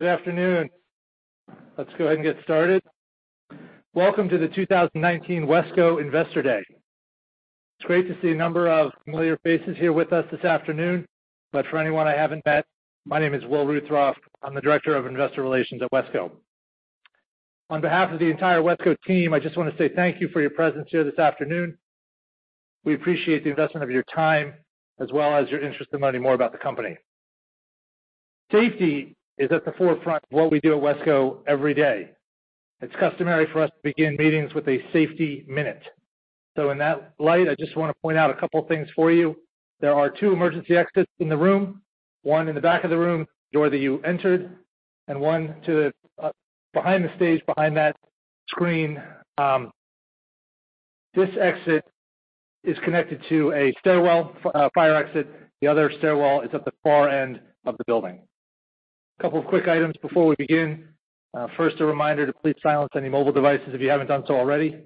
Good afternoon. Let's go ahead and get started. Welcome to the 2019 WESCO Investor Day. It's great to see a number of familiar faces here with us this afternoon, but for anyone I haven't met, my name is Will Ruthrauff. I'm the Director of Investor Relations at WESCO. On behalf of the entire WESCO team, I just want to say thank you for your presence here this afternoon. We appreciate the investment of your time, as well as your interest in learning more about the company. Safety is at the forefront of what we do at WESCO every day. It's customary for us to begin meetings with a safety minute. In that light, I just want to point out a couple of things for you. There are two emergency exits in the room, one in the back of the room, the door that you entered, and one behind the stage, behind that screen. This exit is connected to a stairwell fire exit. The other stairwell is at the far end of the building. A couple of quick items before we begin. First, a reminder to please silence any mobile devices if you haven't done so already.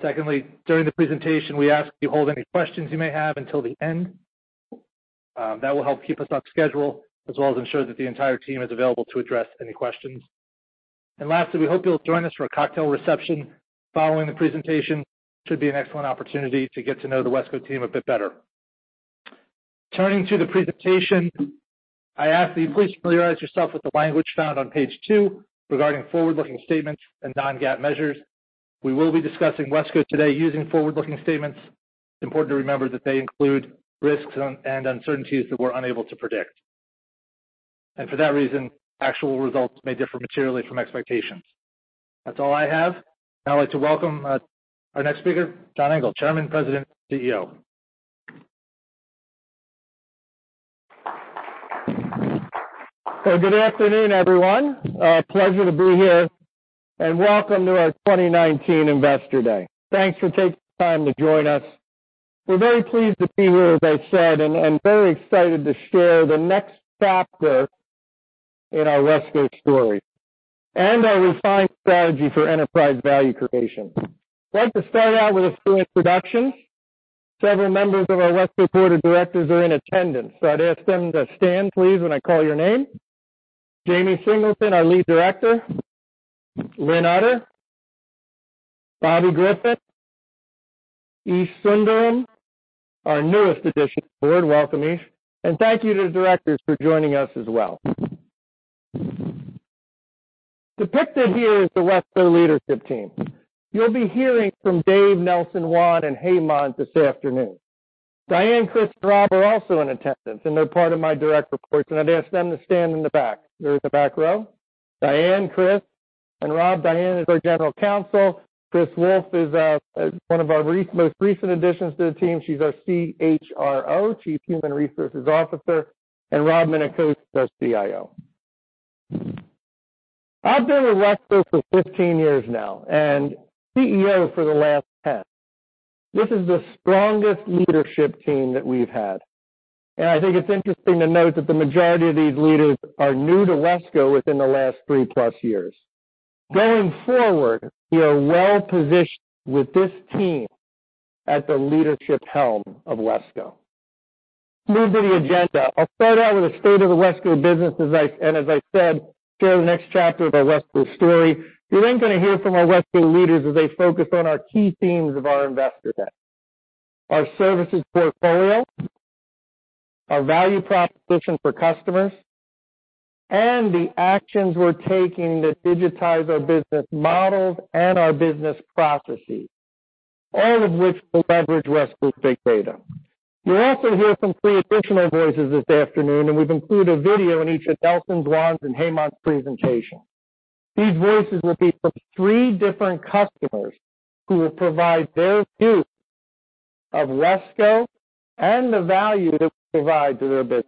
Secondly, during the presentation, we ask that you hold any questions you may have until the end. That will help keep us on schedule, as well as ensure that the entire team is available to address any questions. Lastly, we hope you'll join us for a cocktail reception following the presentation. Should be an excellent opportunity to get to know the WESCO team a bit better. Turning to the presentation, I ask that you please familiarize yourself with the language found on page two regarding forward-looking statements and non-GAAP measures. We will be discussing WESCO today using forward-looking statements. It's important to remember that they include risks and uncertainties that we're unable to predict. For that reason, actual results may differ materially from expectations. That's all I have. Now I'd like to welcome our next speaker, John Engel, Chairman, President, CEO. Good afternoon, everyone. A pleasure to be here, welcome to our 2019 Investor Day. Thanks for taking the time to join us. We're very pleased to be here, as I said, very excited to share the next chapter in our WESCO story and our refined strategy for enterprise value creation. I'd like to start out with a few introductions. Several members of our WESCO Board of Directors are in attendance, I'd ask them to stand, please, when I call your name. Jamie Singleton, our Lead Director, Lynn Utter, Bobby Griffin, Eesh Sundaram, our newest addition to the Board. Welcome, Eesh. Thank you to the Directors for joining us as well. Depicted here is the WESCO leadership team. You'll be hearing from Dave, Nelson, Juan, and Hemant this afternoon. Diane, Chris, and Rob are also in attendance. They're part of my direct reports. I'd ask them to stand in the back. They're in the back row. Diane, Chris, and Rob. Diane is our General Counsel. Christine Wolf is one of our most recent additions to the team. She's our CHRO, Chief Human Resources Officer. Robert Minicucci is our CIO. I've been with WESCO for 15 years now, and CEO for the last 10. This is the strongest leadership team that we've had. I think it's interesting to note that the majority of these leaders are new to WESCO within the last 3+ years. Going forward, we are well-positioned with this team at the leadership helm of WESCO. Moving to the agenda. I'll start out with a state of the WESCO business, and as I said, share the next chapter of our WESCO story. You're going to hear from our WESCO leaders as they focus on our key themes of our Investor Day: our services portfolio, our value proposition for customers, and the actions we're taking to digitize our business models and our business processes, all of which will leverage WESCO's Big Data. You'll also hear from three additional voices this afternoon. We've included a video in each of Nelson, Juan's, and Hemant's presentation. These voices will be from three different customers who will provide their view of WESCO and the value that we provide to their business.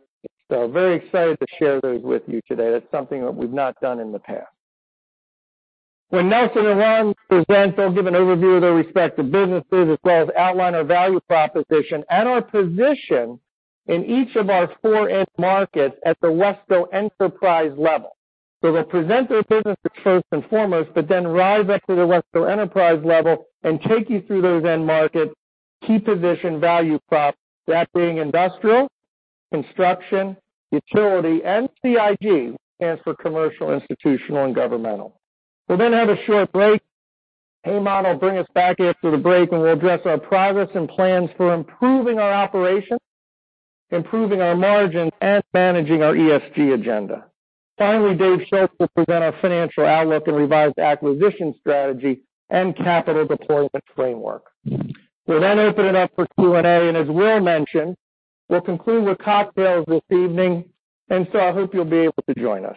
Very excited to share those with you today. That's something that we've not done in the past. When Nelson and Juan present, they'll give an overview of their respective businesses, as well as outline our value proposition and our position in each of our four end markets at the WESCO enterprise level. They'll present their businesses first and foremost, rise up to the WESCO enterprise level and take you through those end markets' key position value props, that being industrial, construction, utility, and CIG, stands for commercial, institutional, and governmental. We'll have a short break. Hemant will bring us back after the break. We'll address our progress and plans for improving our operations, improving our margin, and managing our ESG agenda. Finally, Dave Schulz will present our financial outlook and revised acquisition strategy and capital deployment framework. We'll open it up for Q&A. As Will mentioned, we'll conclude with cocktails this evening. I hope you'll be able to join us.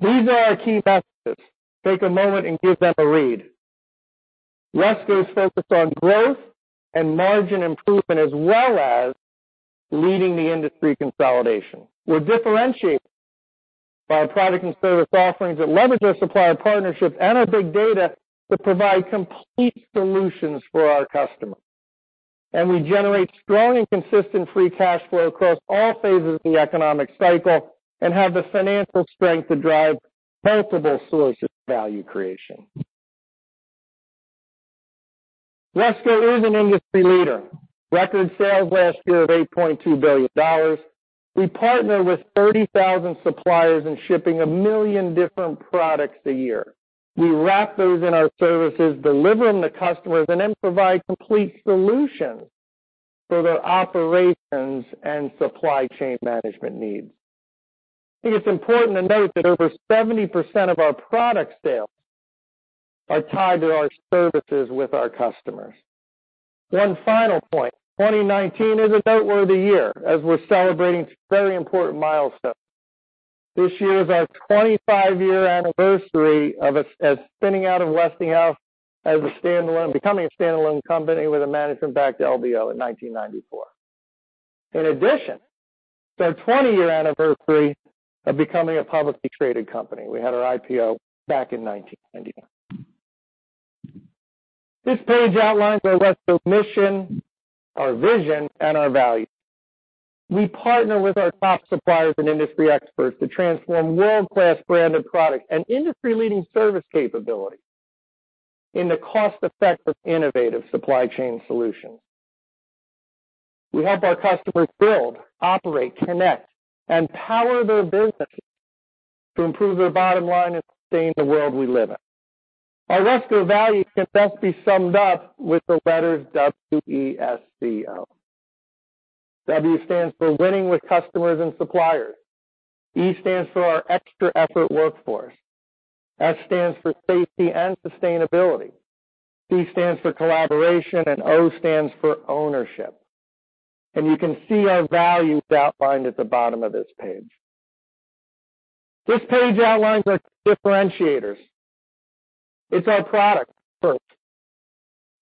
These are our key messages. Take a moment and give them a read. WESCO is focused on growth and margin improvement, as well as leading the industry consolidation. We're differentiated by our product and service offerings that leverage our supplier partnerships and our Big Data to provide complete solutions for our customers. We generate strong and consistent free cash flow across all phases of the economic cycle and have the financial strength to drive multiple sources of value creation. WESCO is an industry leader. Record sales last year of $8.2 billion. We partner with 30,000 suppliers in shipping 1 million different products a year. We wrap those in our services, deliver them to customers, provide complete solutions for their operations and supply chain management needs. I think it's important to note that over 70% of our product sales are tied to our services with our customers. One final point, 2019 is a noteworthy year as we're celebrating some very important milestones. This year is our 25-year anniversary of us as spinning out of Westinghouse as a standalone, becoming a standalone company with a management-backed LBO in 1994. In addition, it's our 20-year anniversary of becoming a publicly traded company. We had our IPO back in 1999. This page outlines our WESCO mission, our vision, and our values. We partner with our top suppliers and industry experts to transform world-class branded products and industry-leading service capabilities into cost-effective, innovative supply chain solutions. We help our customers build, operate, connect, and power their businesses to improve their bottom line and sustain the world we live in. Our WESCO values can best be summed up with the letters W-E-S-C-O. W stands for winning with customers and suppliers. E stands for our extra effort workforce. S stands for safety and sustainability. C stands for collaboration, and O stands for ownership. You can see our values outlined at the bottom of this page. This page outlines our differentiators. It's our product first.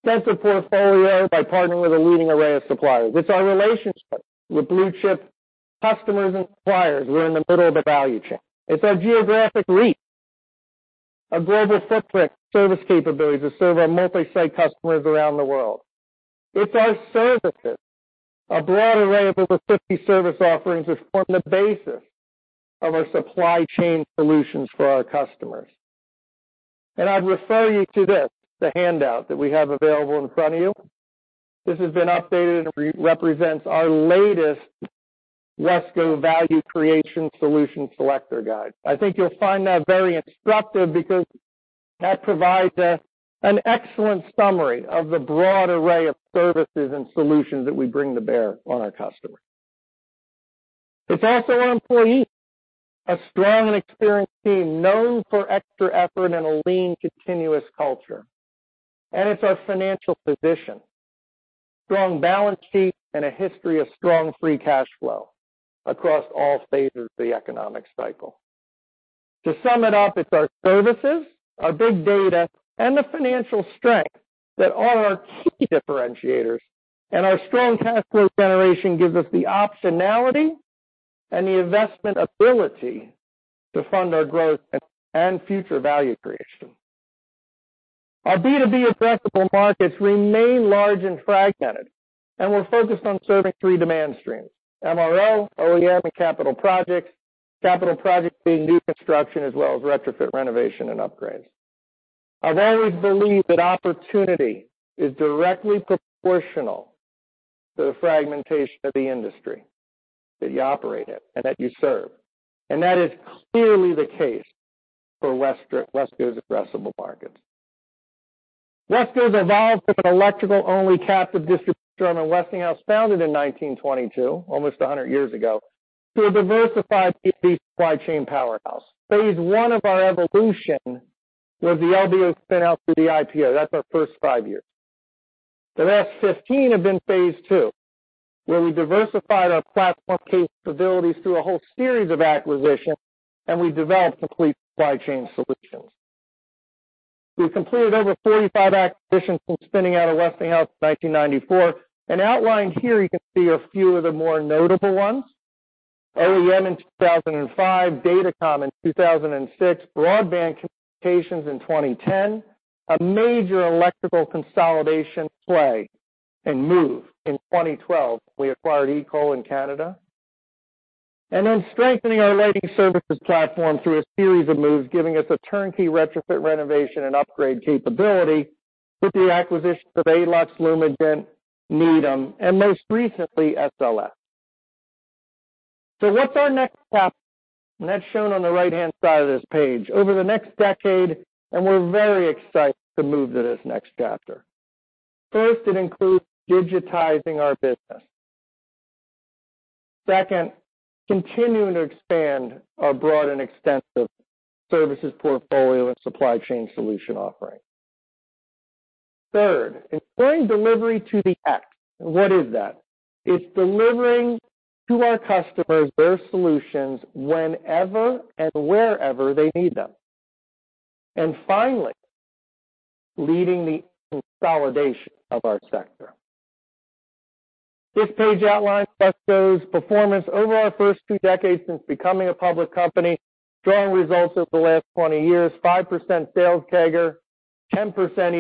Sensor portfolio by partnering with a leading array of suppliers. It's our relationships with blue-chip customers and suppliers who are in the middle of the value chain. It's our geographic reach, our global footprint, service capabilities that serve our multi-site customers around the world. It's our services, a broad array of over 50 service offerings which form the basis of our supply chain solutions for our customers. I'd refer you to this, the handout that we have available in front of you. This has been updated and represents our latest WESCO Value Creation Solution Selector guide. I think you'll find that very instructive because that provides an excellent summary of the broad array of services and solutions that we bring to bear on our customers. It's also our employees, a strong and experienced team known for extra effort and a lean, continuous culture. It's our financial position, strong balance sheet, and a history of strong free cash flow across all phases of the economic cycle. To sum it up, it's our services, our big data, and the financial strength that are our key differentiators, and our strong cash flow generation gives us the optionality and the investment ability to fund our growth and future value creation. Our B2B addressable markets remain large and fragmented, and we're focused on serving three demand streams: MRO, OEM, and capital projects, capital projects being new construction as well as retrofit renovation and upgrades. I've always believed that opportunity is directly proportional to the fragmentation of the industry that you operate in and that you serve. That is clearly the case for WESCO's addressable markets. WESCO's evolved from an electrical-only captive distribution from a Westinghouse founded in 1922, almost 100 years ago, to a diversified B2B supply chain powerhouse. Phase I of our evolution was the LBO spin-out through the IPO. That's our first five years. The last 15 have been phase II, where we diversified our platform capabilities through a whole series of acquisitions, and we developed complete supply chain solutions. We've completed over 45 acquisitions since spinning out of Westinghouse in 1994, and outlined here you can see a few of the more notable ones. OEM in 2005, Communications Supply Corporation in 2006, Broadband Communications in 2010, a major electrical consolidation play and move in 2012, we acquired EECOL Electric in Canada. Then strengthening our lighting services platform through a series of moves, giving us a turnkey retrofit renovation and upgrade capability with the acquisition of Aelux, LumaGen, Needham, and most recently, SLS. What's our next chapter? That's shown on the right-hand side of this page. Over the next decade, we're very excited to move to this next chapter. First, it includes digitizing our business. Second, continuing to expand our broad and extensive services portfolio and supply chain solution offering. Third, ensuring delivery to the X. What is that? It's delivering to our customers their solutions whenever and wherever they need them. Finally, leading the consolidation of our sector. This page outlines WESCO's performance over our first two decades since becoming a public company, strong results over the last 20 years, 5% sales CAGR, 10%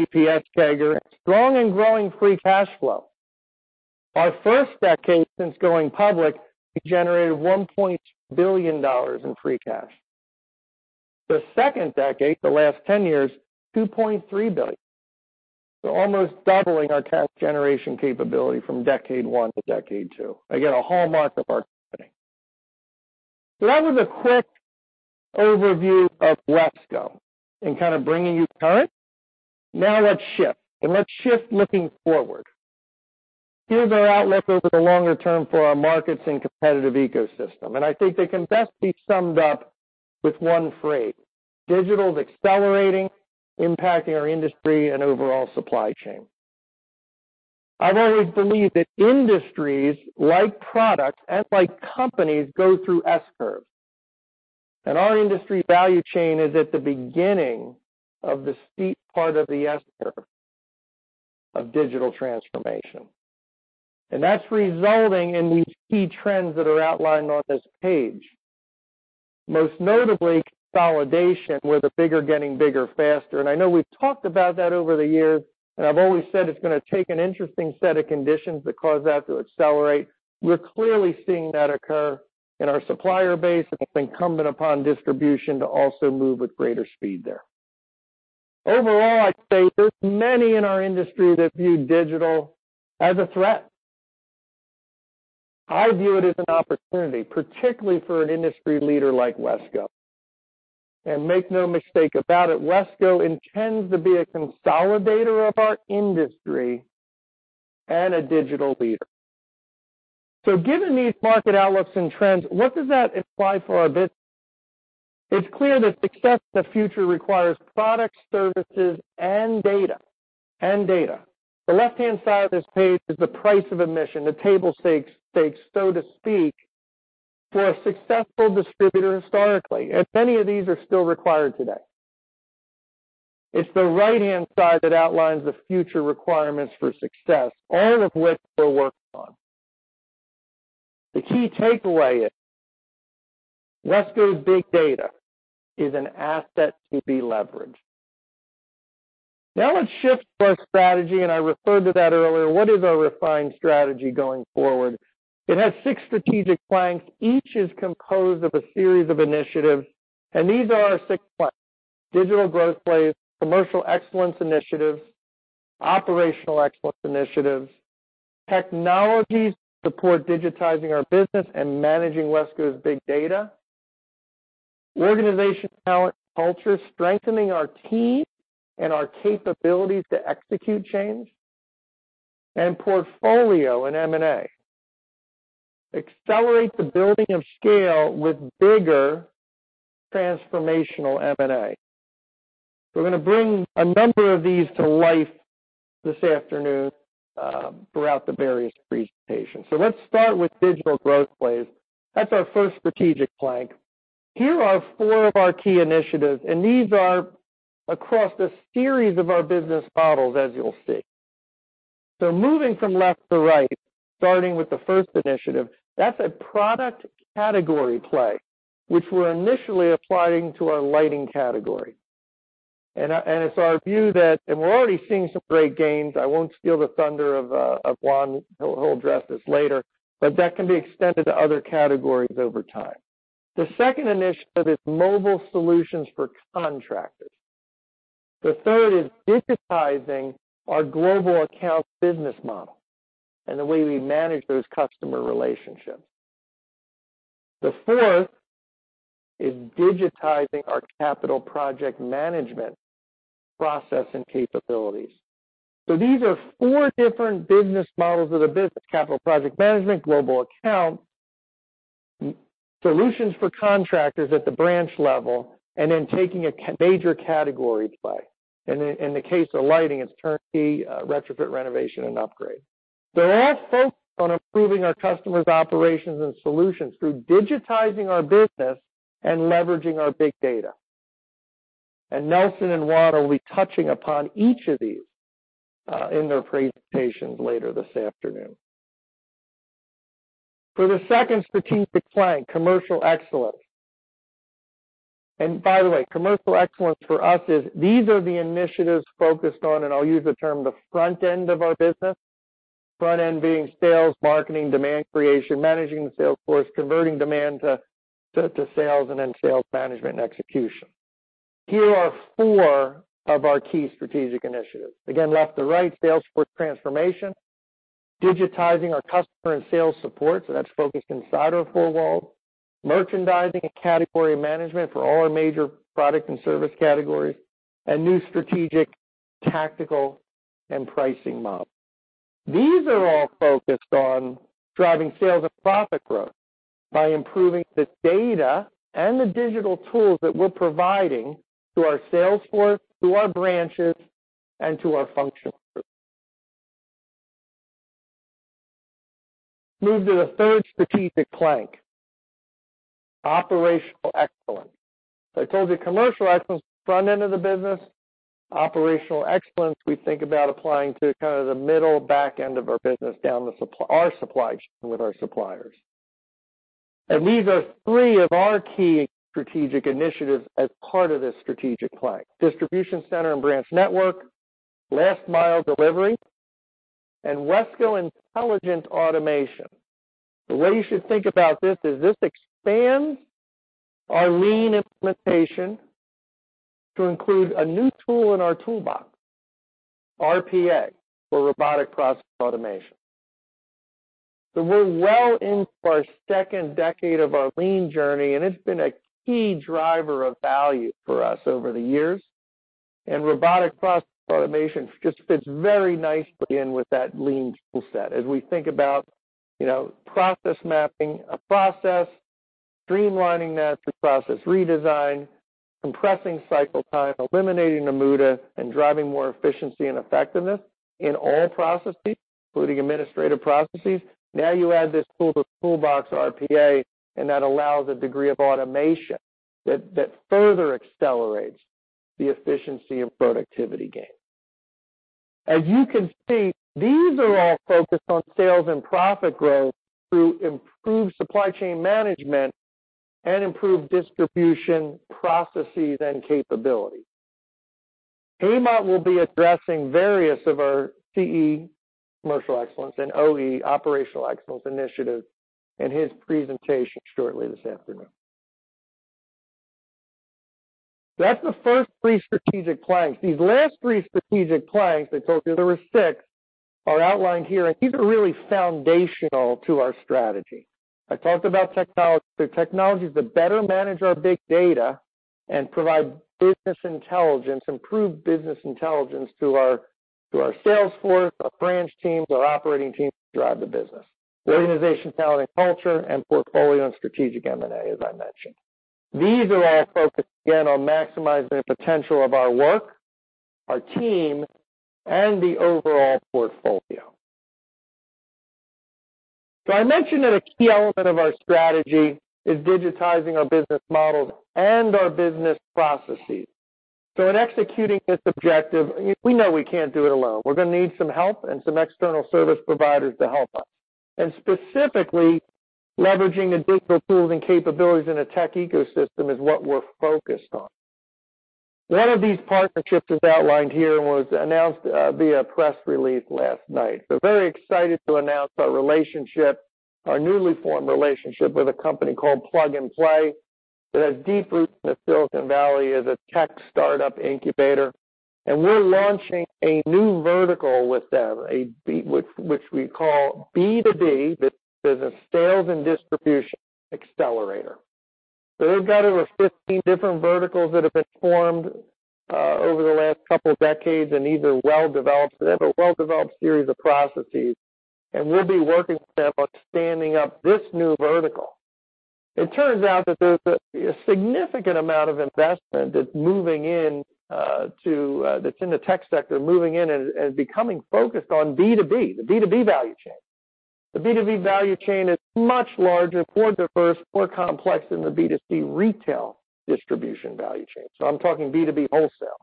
EPS CAGR, strong and growing free cash flow. Our first decade since going public, we generated $1.6 billion in free cash. The second decade, the last 10 years, $2.3 billion. Almost doubling our cash generation capability from decade one to decade two. Again, a hallmark of our company. That was a quick overview of WESCO and kind of bringing you current. Now let's shift, let's shift looking forward. Here's our outlook over the longer term for our markets and competitive ecosystem, I think they can best be summed up with one phrase. Digital is accelerating, impacting our industry and overall supply chain. I've always believed that industries, like products and like companies, go through S-curves, our industry value chain is at the beginning of the steep part of the S-curve of digital transformation. That's resulting in these key trends that are outlined on this page. Most notably, consolidation, where the bigger getting bigger faster. I know we've talked about that over the years, I've always said it's going to take an interesting set of conditions that cause that to accelerate. We're clearly seeing that occur in our supplier base, it's incumbent upon distribution to also move with greater speed there. Overall, I'd say there's many in our industry that view digital as a threat. I view it as an opportunity, particularly for an industry leader like WESCO. Make no mistake about it, WESCO intends to be a consolidator of our industry and a digital leader. Given these market outlooks and trends, what does that imply for our business? It's clear that success in the future requires products, services, and data. The left-hand side of this page is the price of admission, the table stakes, so to speak, for a successful distributor historically. Many of these are still required today. It's the right-hand side that outlines the future requirements for success, all of which we're working on. The key takeaway is WESCO's big data is an asset to be leveraged. Now let's shift to our strategy, I referred to that earlier. What is our refined strategy going forward? It has six strategic planks. Each is composed of a series of initiatives, these are our six planks. Digital growth plays. Commercial excellence initiatives. Operational excellence initiatives. Technologies to support digitizing our business and managing WESCO's big data. Organization talent, culture, strengthening our team and our capabilities to execute change, portfolio and M&A. Accelerate the building of scale with bigger transformational M&A. We're going to bring a number of these to life this afternoon throughout the various presentations. Let's start with digital growth plays. That's our first strategic plank. Here are four of our key initiatives, these are across a series of our business models as you'll see. Moving from left to right, starting with the first initiative, that's a product category play, which we're initially applying to our lighting category. It's our view that, and we're already seeing some great gains. I won't steal the thunder of Juan. He'll address this later. That can be extended to other categories over time. The second initiative is mobile solutions for contractors. The third is digitizing our global accounts business model and the way we manage those customer relationships. The fourth is digitizing our capital project management process and capabilities. These are four different business models of the business: capital project management, global accounts, solutions for contractors at the branch level, and then taking a major category play. In the case of lighting, it's turnkey retrofit, renovation, and upgrade. They're all focused on improving our customers' operations and solutions through digitizing our business and leveraging our big data. Nelson and Juan will be touching upon each of these in their presentations later this afternoon. For the second strategic plank, Commercial Excellence. By the way, Commercial Excellence for us is these are the initiatives focused on, and I'll use the term, the front end of our business. Front end being sales, marketing, demand creation, managing the sales force, converting demand to sales, and then sales management and execution. Here are four of our key strategic initiatives. Again, left to right, sales force transformation, digitizing our customer and sales support, that's focused inside our four walls, merchandising and category management for all our major product and service categories, and new strategic, tactical, and pricing models. These are all focused on driving sales and profit growth by improving the data and the digital tools that we're providing to our sales force, to our branches, and to our function groups. Move to the third strategic plank, Operational Excellence. I told you Commercial Excellence is the front end of the business. Operational Excellence, we think about applying to kind of the middle back end of our business down our supply chain with our suppliers. These are three of our key strategic initiatives as part of this strategic plank: distribution center and branch network, last-mile delivery, and WESCO Intelligent Automation. The way you should think about this is, this expands our lean implementation to include a new tool in our toolbox, RPA, or robotic process automation. We're well into our second decade of our lean journey, and it's been a key driver of value for us over the years. Robotic process automation just fits very nicely in with that lean toolset. As we think about process mapping a process, streamlining that through process redesign, compressing cycle time, eliminating the muda, and driving more efficiency and effectiveness in all processes, including administrative processes. Now you add this tool to the toolbox, RPA, that allows a degree of automation that further accelerates the efficiency and productivity gain. You can see, these are all focused on sales and profit growth through improved supply chain management and improved distribution processes and capabilities. Hemant will be addressing various of our CE, Commercial Excellence, and OE, Operational Excellence initiatives in his presentation shortly this afternoon. That's the first three strategic planks. These last three strategic planks, I told you there were six, are outlined here. These are really foundational to our strategy. I talked about technologies to better manage our big data and provide improved business intelligence to our sales force, our branch teams, our operating teams to drive the business. Organization, talent, and culture and portfolio and strategic M&A, as I mentioned. These are all focused, again, on maximizing the potential of our work, our team, and the overall portfolio. I mentioned that a key element of our strategy is digitizing our business models and our business processes. In executing this objective, we know we can't do it alone. We're going to need some help and some external service providers to help us. Specifically, leveraging the deeper tools and capabilities in a tech ecosystem is what we're focused on. One of these partnerships, as outlined here, was announced via press release last night. Very excited to announce our newly formed relationship with a company called Plug and Play that has deep roots in Silicon Valley as a tech startup incubator. We're launching a new vertical with them, which we call B2B. This is a sales and distribution accelerator. They've got over 15 different verticals that have been formed over the last couple of decades, and these are well-developed. They have a well-developed series of processes, and we'll be working with them on standing up this new vertical. It turns out that there's a significant amount of investment that's in the tech sector, moving in and becoming focused on B2B, the B2B value chain. The B2B value chain is much larger, more diverse, more complex than the B2C retail distribution value chain. I'm talking B2B wholesale.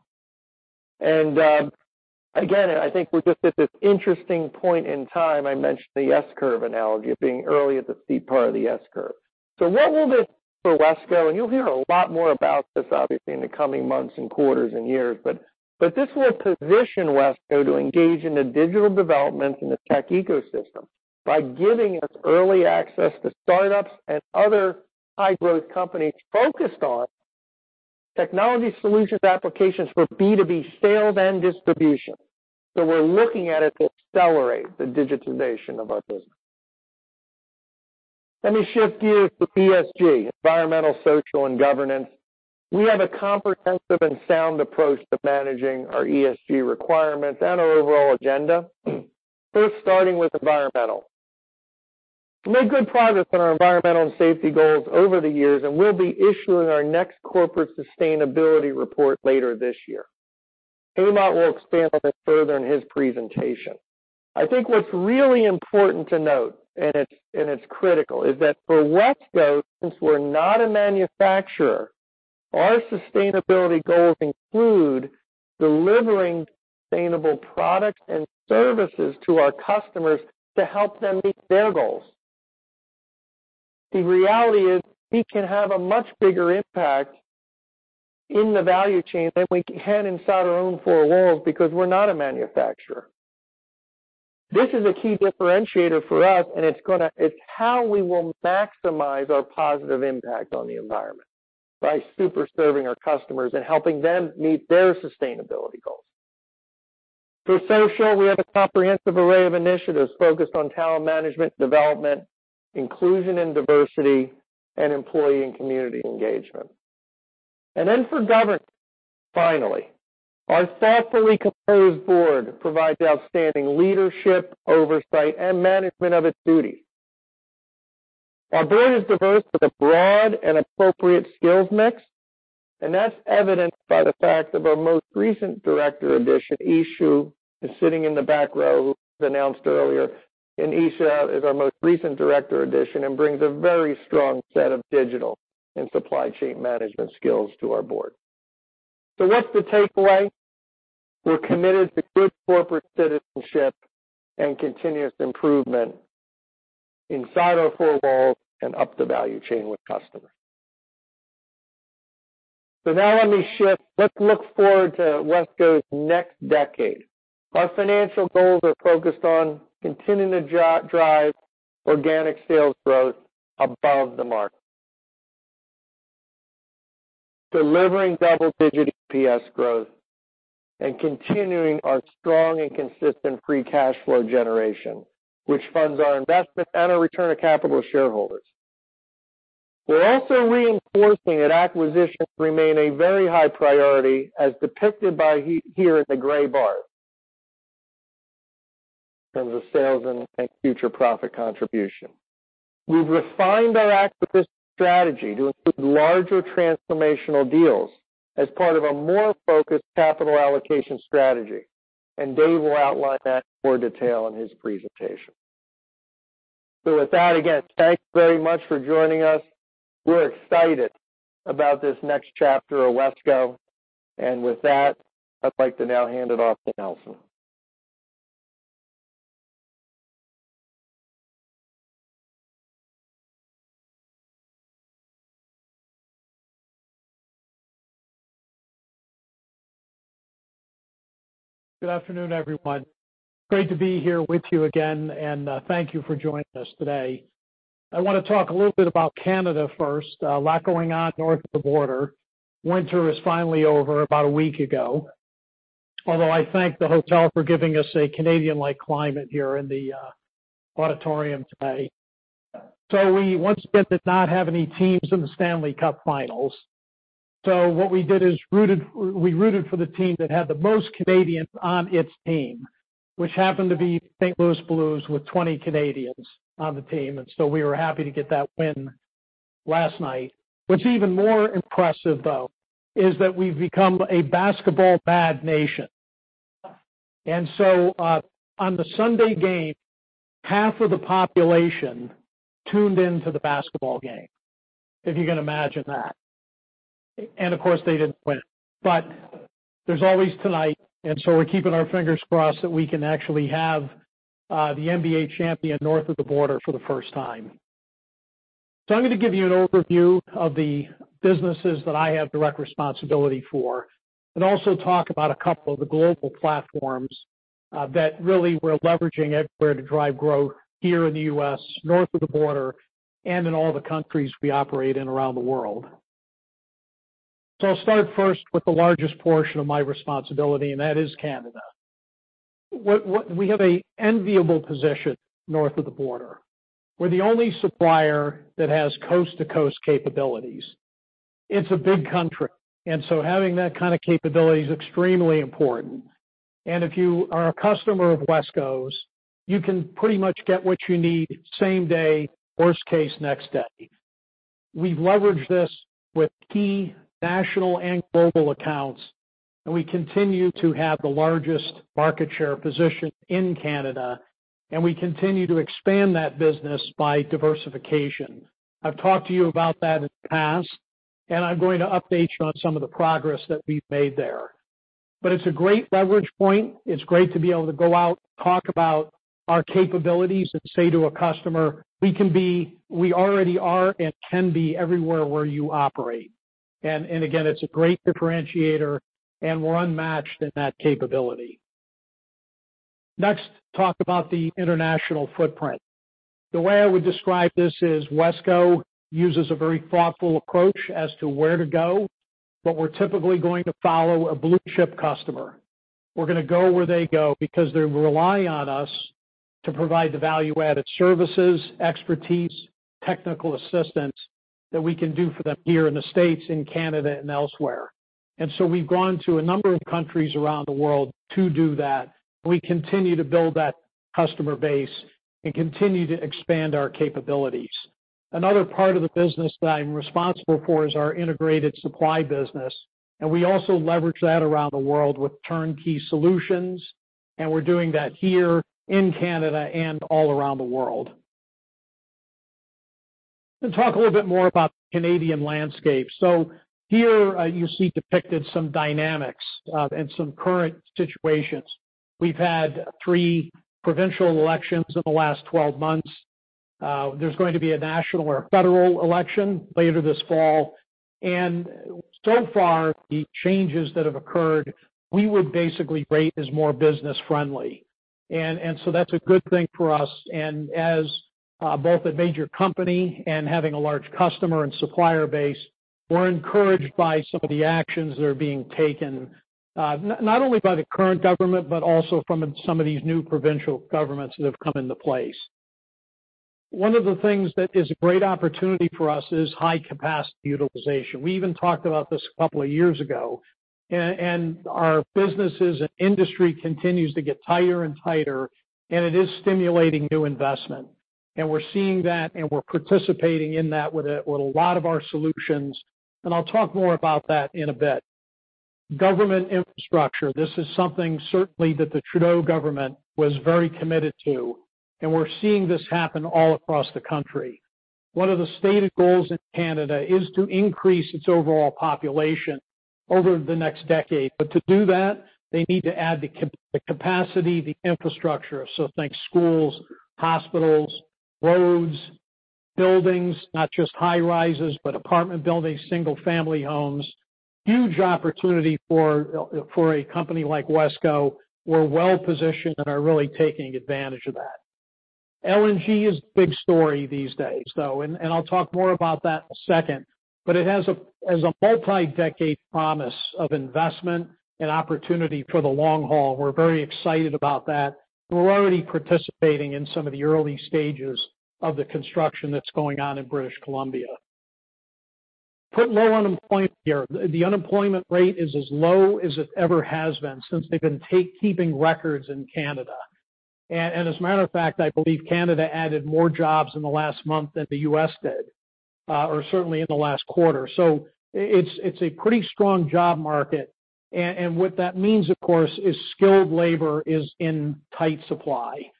Again, I think we're just at this interesting point in time. I mentioned the S-curve analogy of being early at the C part of the S-curve. What will this do for WESCO? You'll hear a lot more about this, obviously, in the coming months and quarters and years, but this will position WESCO to engage in the digital development in the tech ecosystem by giving us early access to startups and other high-growth companies focused on technology solutions applications for B2B sales and distribution. We're looking at it to accelerate the digitization of our business. Let me shift gears to ESG, environmental, social, and governance. We have a comprehensive and sound approach to managing our ESG requirements and our overall agenda. First, starting with environmental. We've made good progress on our environmental and safety goals over the years, and we'll be issuing our next corporate sustainability report later this year. Hemant will expand on this further in his presentation. I think what's really important to note, and it's critical, is that for WESCO, since we're not a manufacturer, our sustainability goals include delivering sustainable products and services to our customers to help them meet their goals. The reality is we can have a much bigger impact in the value chain than we can inside our own four walls because we're not a manufacturer. This is a key differentiator for us, and it's how we will maximize our positive impact on the environment, by super serving our customers and helping them meet their sustainability goals. For social, we have a comprehensive array of initiatives focused on talent management, development, inclusion and diversity, and employee and community engagement. For governance, finally, our thoughtfully composed board provides outstanding leadership, oversight, and management of its duties. Our board is diverse with a broad and appropriate skills mix, that's evidenced by the fact of our most recent director addition. Yi Xu is sitting in the back row, who was announced earlier. Yi Xu is our most recent director addition and brings a very strong set of digital and supply chain management skills to our board. What's the takeaway? We're committed to good corporate citizenship and continuous improvement inside our four walls and up the value chain with customers. Now let me shift. Let's look forward to WESCO's next decade. Our financial goals are focused on continuing to drive organic sales growth above the market, delivering double-digit EPS growth, and continuing our strong and consistent free cash flow generation, which funds our investment and our return of capital to shareholders. We're also reinforcing that acquisitions remain a very high priority, as depicted by here in the gray bar, in terms of sales and future profit contribution. We've refined our acquisition strategy to include larger transformational deals as part of a more focused capital allocation strategy. Dave will outline that in more detail in his presentation. With that, again, thanks very much for joining us. We're excited about this next chapter of WESCO. With that, I'd like to now hand it off to Nelson. Good afternoon, everyone. Great to be here with you again, and thank you for joining us today. I want to talk a little bit about Canada first. A lot going on north of the border. Winter is finally over about a week ago, although I thank the hotel for giving us a Canadian-like climate here in the auditorium today. We once again did not have any teams in the Stanley Cup finals. What we did is we rooted for the team that had the most Canadians on its team, which happened to be St. Louis Blues with 20 Canadians on the team. We were happy to get that win last night. What's even more impressive, though, is that we've become a basketball-mad nation. On the Sunday game, half of the population tuned in to the basketball game, if you can imagine that. Of course, they didn't win, there's always tonight. We're keeping our fingers crossed that we can actually have the NBA champion north of the border for the first time. I'm going to give you an overview of the businesses that I have direct responsibility for, also talk about a couple of the global platforms that really we're leveraging everywhere to drive growth here in the U.S., north of the border, and in all the countries we operate in around the world. I'll start first with the largest portion of my responsibility, that is Canada. We have an enviable position north of the border. We're the only supplier that has coast-to-coast capabilities. It's a big country. Having that kind of capability is extremely important. If you are a customer of WESCO's, you can pretty much get what you need same day, worst case, next day. We leverage this with key national and global accounts, we continue to have the largest market share position in Canada, and we continue to expand that business by diversification. I've talked to you about that in the past, and I'm going to update you on some of the progress that we've made there. It's a great leverage point. It's great to be able to go out, talk about our capabilities and say to a customer, "We already are and can be everywhere where you operate." Again, it's a great differentiator, and we're unmatched in that capability. Next, talk about the international footprint. The way I would describe this is WESCO uses a very thoughtful approach as to where to go, but we're typically going to follow a blue-chip customer. We're going to go where they go because they rely on us to provide the value-added services, expertise, technical assistance that we can do for them here in the U.S., in Canada, and elsewhere. We've gone to a number of countries around the world to do that. We continue to build that customer base and continue to expand our capabilities. Another part of the business that I'm responsible for is our integrated supply business, and we also leverage that around the world with turnkey solutions, and we're doing that here in Canada and all around the world. Let's talk a little bit more about the Canadian landscape. Here you see depicted some dynamics and some current situations. We've had three provincial elections in the last 12 months. There's going to be a national or a federal election later this fall. So far, the changes that have occurred, we would basically rate as more business-friendly. That's a good thing for us. As both a major company and having a large customer and supplier base, we're encouraged by some of the actions that are being taken, not only by the current government, but also from some of these new provincial governments that have come into place. One of the things that is a great opportunity for us is high capacity utilization. We even talked about this a couple of years ago. Our businesses and industry continues to get tighter and tighter, and it is stimulating new investment. We're seeing that, and we're participating in that with a lot of our solutions. I'll talk more about that in a bit. Government infrastructure, this is something certainly that the Trudeau government was very committed to, we're seeing this happen all across the country. One of the stated goals in Canada is to increase its overall population over the next decade. To do that, they need to add the capacity, the infrastructure. Think schools, hospitals, roads, buildings, not just high rises, but apartment buildings, single-family homes. Huge opportunity for a company like WESCO. We're well-positioned and are really taking advantage of that. LNG is a big story these days, though, I'll talk more about that in a second. It has a multi-decade promise of investment and opportunity for the long haul. We're very excited about that. We're already participating in some of the early stages of the construction that's going on in British Columbia. Put low unemployment here. The unemployment rate is as low as it ever has been since they've been keeping records in Canada. As a matter of fact, I believe Canada added more jobs in the last month than the U.S. did, or certainly in the last quarter. It's a pretty strong job market. What that means, of course, is skilled labor is in tight supply.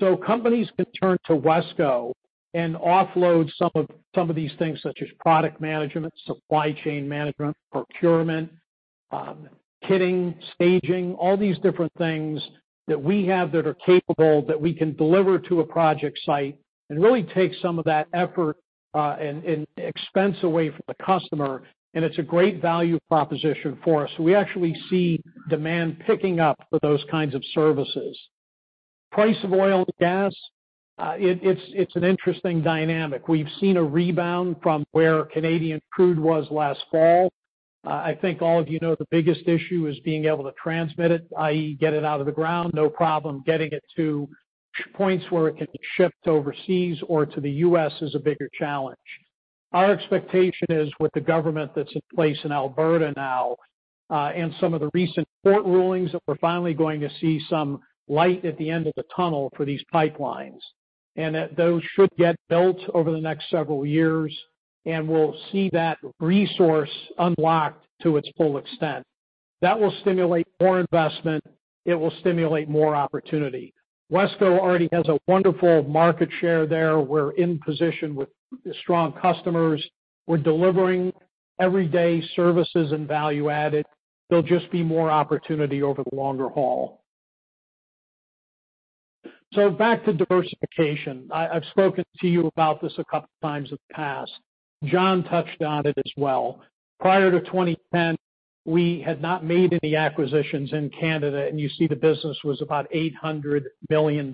Companies can turn to WESCO and offload some of these things such as product management, supply chain management, procurement, kitting, staging, all these different things that we have that are capable, that we can deliver to a project site, and really take some of that effort and expense away from the customer. It's a great value proposition for us. We actually see demand picking up for those kinds of services. Price of oil and gas, it's an interesting dynamic. We've seen a rebound from where Canadian crude was last fall. I think all of you know the biggest issue is being able to transmit it, i.e. get it out of the ground, no problem. Getting it to points where it can be shipped overseas or to the U.S. is a bigger challenge. Our expectation is with the government that's in place in Alberta now, and some of the recent court rulings, that we're finally going to see some light at the end of the tunnel for these pipelines. That those should get built over the next several years, and we'll see that resource unlocked to its full extent. That will stimulate more investment. It will stimulate more opportunity. WESCO already has a wonderful market share there. We're in position with strong customers. We're delivering everyday services and value-added. There'll just be more opportunity over the longer haul. Back to diversification. I've spoken to you about this a couple times in the past. John touched on it as well. Prior to 2010, we had not made any acquisitions in Canada, and you see the business was about $800 million.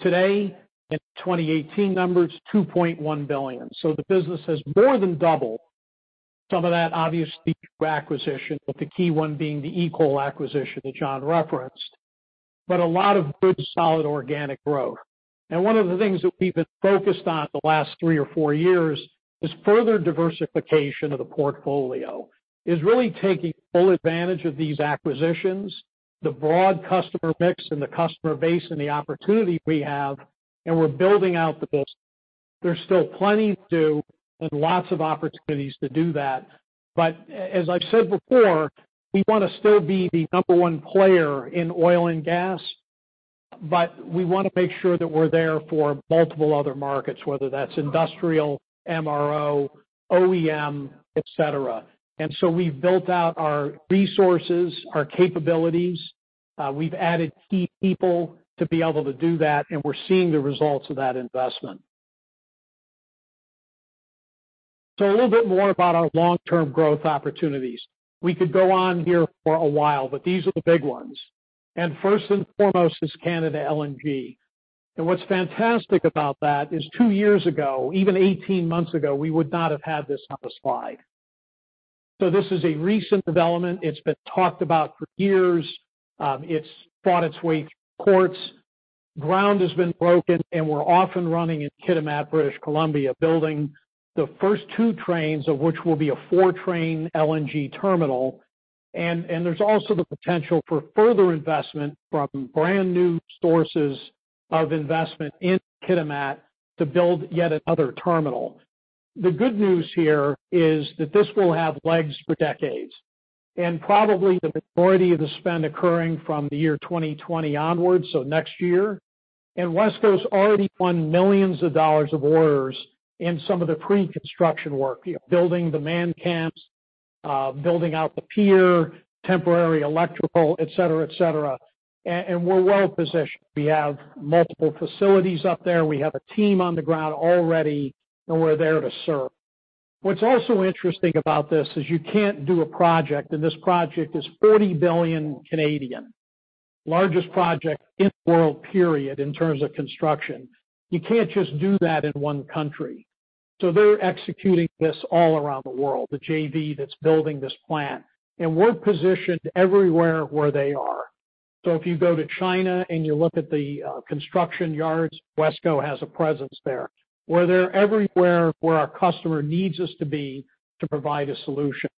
Today, in 2018 numbers, $2.1 billion. The business has more than doubled. Some of that obviously through acquisition, with the key one being the EECOL acquisition that John referenced. A lot of good, solid organic growth. One of the things that we've been focused on the last three or four years is further diversification of the portfolio, is really taking full advantage of these acquisitions, the broad customer mix and the customer base and the opportunity we have, and we're building out the business. There's still plenty to do and lots of opportunities to do that. As I've said before, we want to still be the number one player in oil and gas, but we want to make sure that we're there for multiple other markets, whether that's industrial, MRO, OEM, et cetera. We've built out our resources, our capabilities. We've added key people to be able to do that, and we're seeing the results of that investment. A little bit more about our long-term growth opportunities. We could go on here for a while, but these are the big ones. First and foremost is Canada LNG. What's fantastic about that is two years ago, even 18 months ago, we would not have had this on the slide. This is a recent development. It's been talked about for years. It's fought its way through courts. Ground has been broken, we're off and running in Kitimat, British Columbia, building the first two trains, of which will be a four-train LNG terminal. There's also the potential for further investment from brand-new sources of investment in Kitimat to build yet another terminal. The good news here is that this will have legs for decades, and probably the majority of the spend occurring from the year 2020 onwards, so next year. WESCO's already won millions of dollars orders in some of the pre-construction work, building the man camps, building out the pier, temporary electrical, et cetera. We're well-positioned. We have multiple facilities up there. We have a team on the ground already, and we're there to serve. What's also interesting about this is you can't do a project, and this project is 40 billion. Largest project in the world, period, in terms of construction. You can't just do that in one country. They're executing this all around the world, the JV that's building this plant. We're positioned everywhere where they are. If you go to China and you look at the construction yards, WESCO has a presence there. We're there everywhere where our customer needs us to be to provide a solution.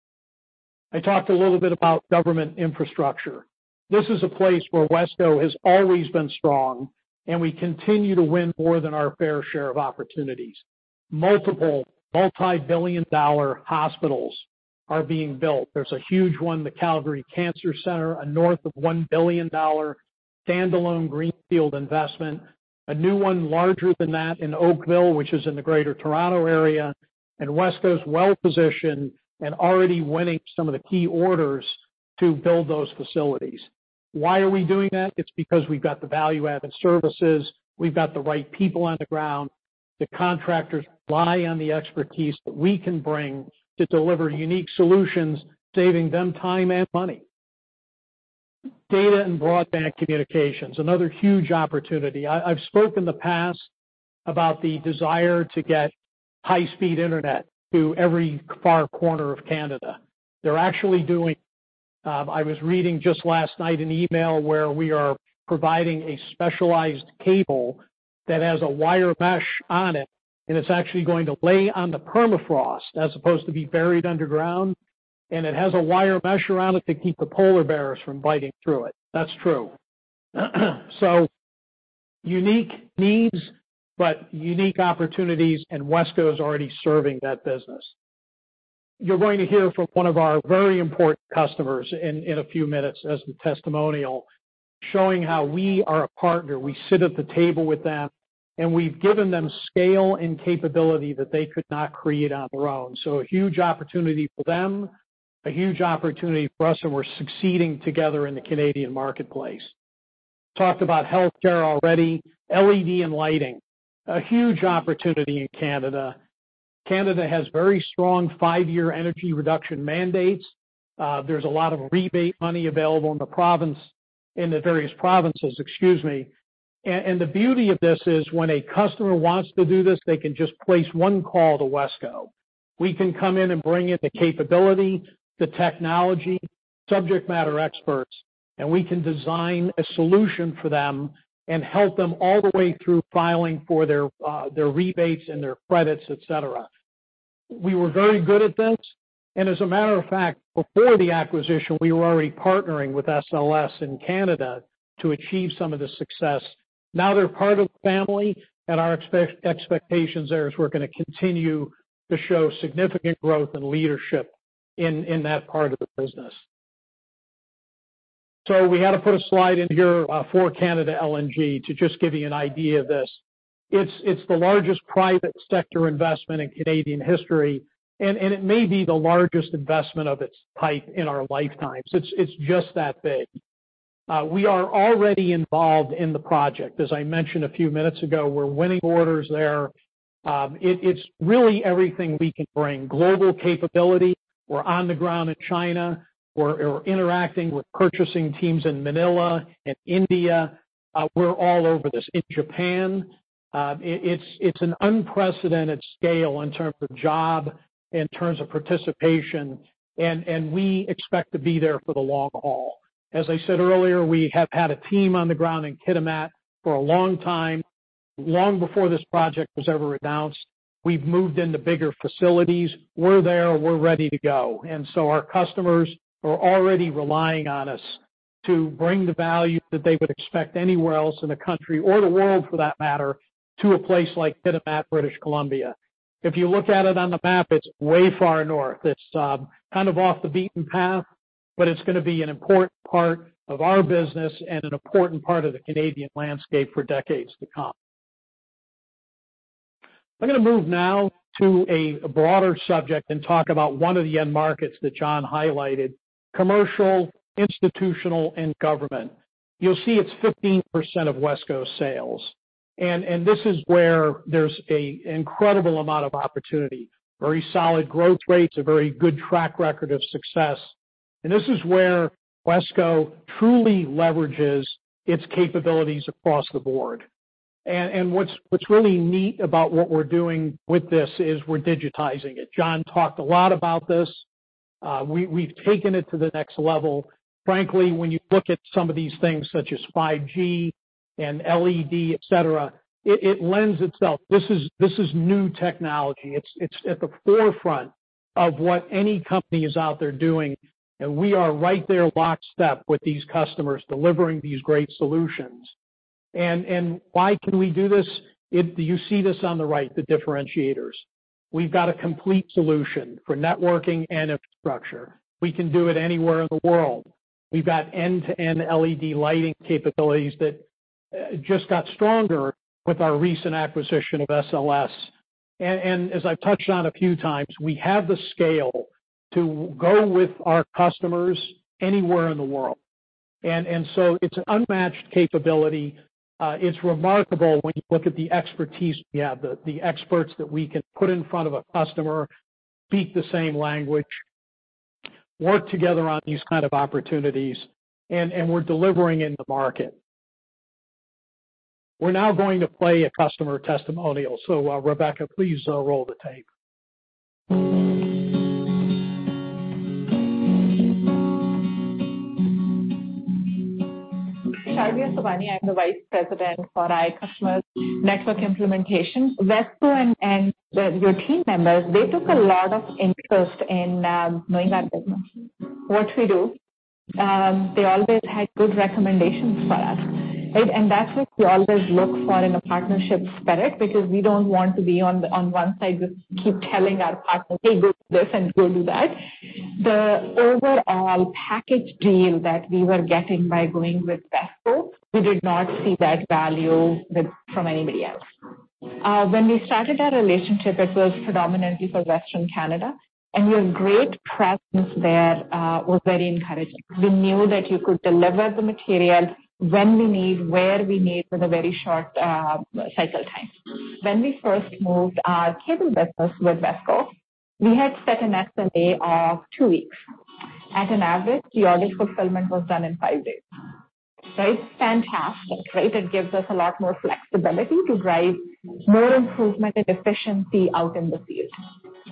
I talked a little bit about government infrastructure. This is a place where WESCO has always been strong, and we continue to win more than our fair share of opportunities. Multiple multi-billion-dollar hospitals are being built. There's a huge one, the Calgary Cancer Center, a north of $1 billion standalone greenfield investment. A new one larger than that in Oakville, which is in the greater Toronto area. WESCO's well-positioned and already winning some of the key orders to build those facilities. Why are we doing that? It's because we've got the value-added services, we've got the right people on the ground. The contractors rely on the expertise that we can bring to deliver unique solutions, saving them time and money. Data and broadband communications, another huge opportunity. I've spoke in the past about the desire to get high-speed internet to every far corner of Canada. I was reading just last night an email where we are providing a specialized cable that has a wire mesh on it, and it's actually going to lay on the permafrost as opposed to be buried underground, and it has a wire mesh around it to keep the polar bears from biting through it. That's true. Unique needs, but unique opportunities, and WESCO is already serving that business. You're going to hear from one of our very important customers in a few minutes as the testimonial, showing how we are a partner. We sit at the table with them, and we've given them scale and capability that they could not create on their own. A huge opportunity for them, a huge opportunity for us, and we're succeeding together in the Canadian marketplace. Talked about healthcare already. LED and lighting, a huge opportunity in Canada. Canada has very strong five-year energy reduction mandates. There's a lot of rebate money available in the various provinces. Excuse me. The beauty of this is when a customer wants to do this, they can just place one call to WESCO. We can come in and bring in the capability, the technology, subject matter experts, and we can design a solution for them and help them all the way through filing for their rebates and their credits, et cetera. We were very good at this. As a matter of fact, before the acquisition, we were already partnering with SLS in Canada to achieve some of the success. Now they're part of the family, and our expectations there is we're going to continue to show significant growth and leadership in that part of the business. We had to put a slide in here for Canada LNG to just give you an idea of this. It's the largest private sector investment in Canadian history, and it may be the largest investment of its type in our lifetimes. It's just that big. We are already involved in the project. As I mentioned a few minutes ago, we're winning orders there. It's really everything we can bring. Global capability. We're on the ground in China. We're interacting with purchasing teams in Manila and India. We're all over this. In Japan. It's an unprecedented scale in terms of job, in terms of participation, and we expect to be there for the long haul. As I said earlier, we have had a team on the ground in Kitimat for a long time, long before this project was ever announced. We've moved into bigger facilities. We're there, we're ready to go. Our customers are already relying on us to bring the value that they would expect anywhere else in the country or the world for that matter, to a place like Kitimat, British Columbia. If you look at it on the map, it's way far north. It's kind of off the beaten path, but it's going to be an important part of our business and an important part of the Canadian landscape for decades to come. I'm going to move now to a broader subject and talk about one of the end markets that John highlighted, Commercial, Institutional, and Government. You'll see it's 15% of WESCO's sales. This is where there's an incredible amount of opportunity, very solid growth rates, a very good track record of success. This is where WESCO truly leverages its capabilities across the board. What's really neat about what we're doing with this is we're digitizing it. John talked a lot about this. We've taken it to the next level. Frankly, when you look at some of these things such as 5G and LED, et cetera, it lends itself. This is new technology. It's at the forefront of what any company is out there doing, and we are right there lockstep with these customers, delivering these great solutions. Why can we do this? You see this on the right, the differentiators. We've got a complete solution for networking and infrastructure. We can do it anywhere in the world. We've got end-to-end LED lighting capabilities that just got stronger with our recent acquisition of SLS. As I've touched on a few times, we have the scale to go with our customers anywhere in the world. It's unmatched capability. It's remarkable when you look at the expertise we have, the experts that we can put in front of a customer, speak the same language, work together on these kind of opportunities, and we're delivering in the market. We're now going to play a customer testimonial. Rebecca, please roll the tape. Shazia Sobani, I'm the vice president for iCustomer network implementation. WESCO and your team members, they took a lot of interest in knowing our business, what we do. They always had good recommendations for us. That's what we always look for in a partnership spirit, because we don't want to be on one side, just keep telling our partners, "Hey, go do this, and go do that." The overall package deal that we were getting by going with WESCO, we did not see that value from anybody else. When we started our relationship, it was predominantly for Western Canada, and your great presence there was very encouraging. We knew that you could deliver the material when we need, where we need, with a very short cycle time. When we first moved our cable business with WESCO, we had set an SLA of two weeks. At an average, your order fulfillment was done in five days. It's fantastic, right? It gives us a lot more flexibility to drive more improvement and efficiency out in the field.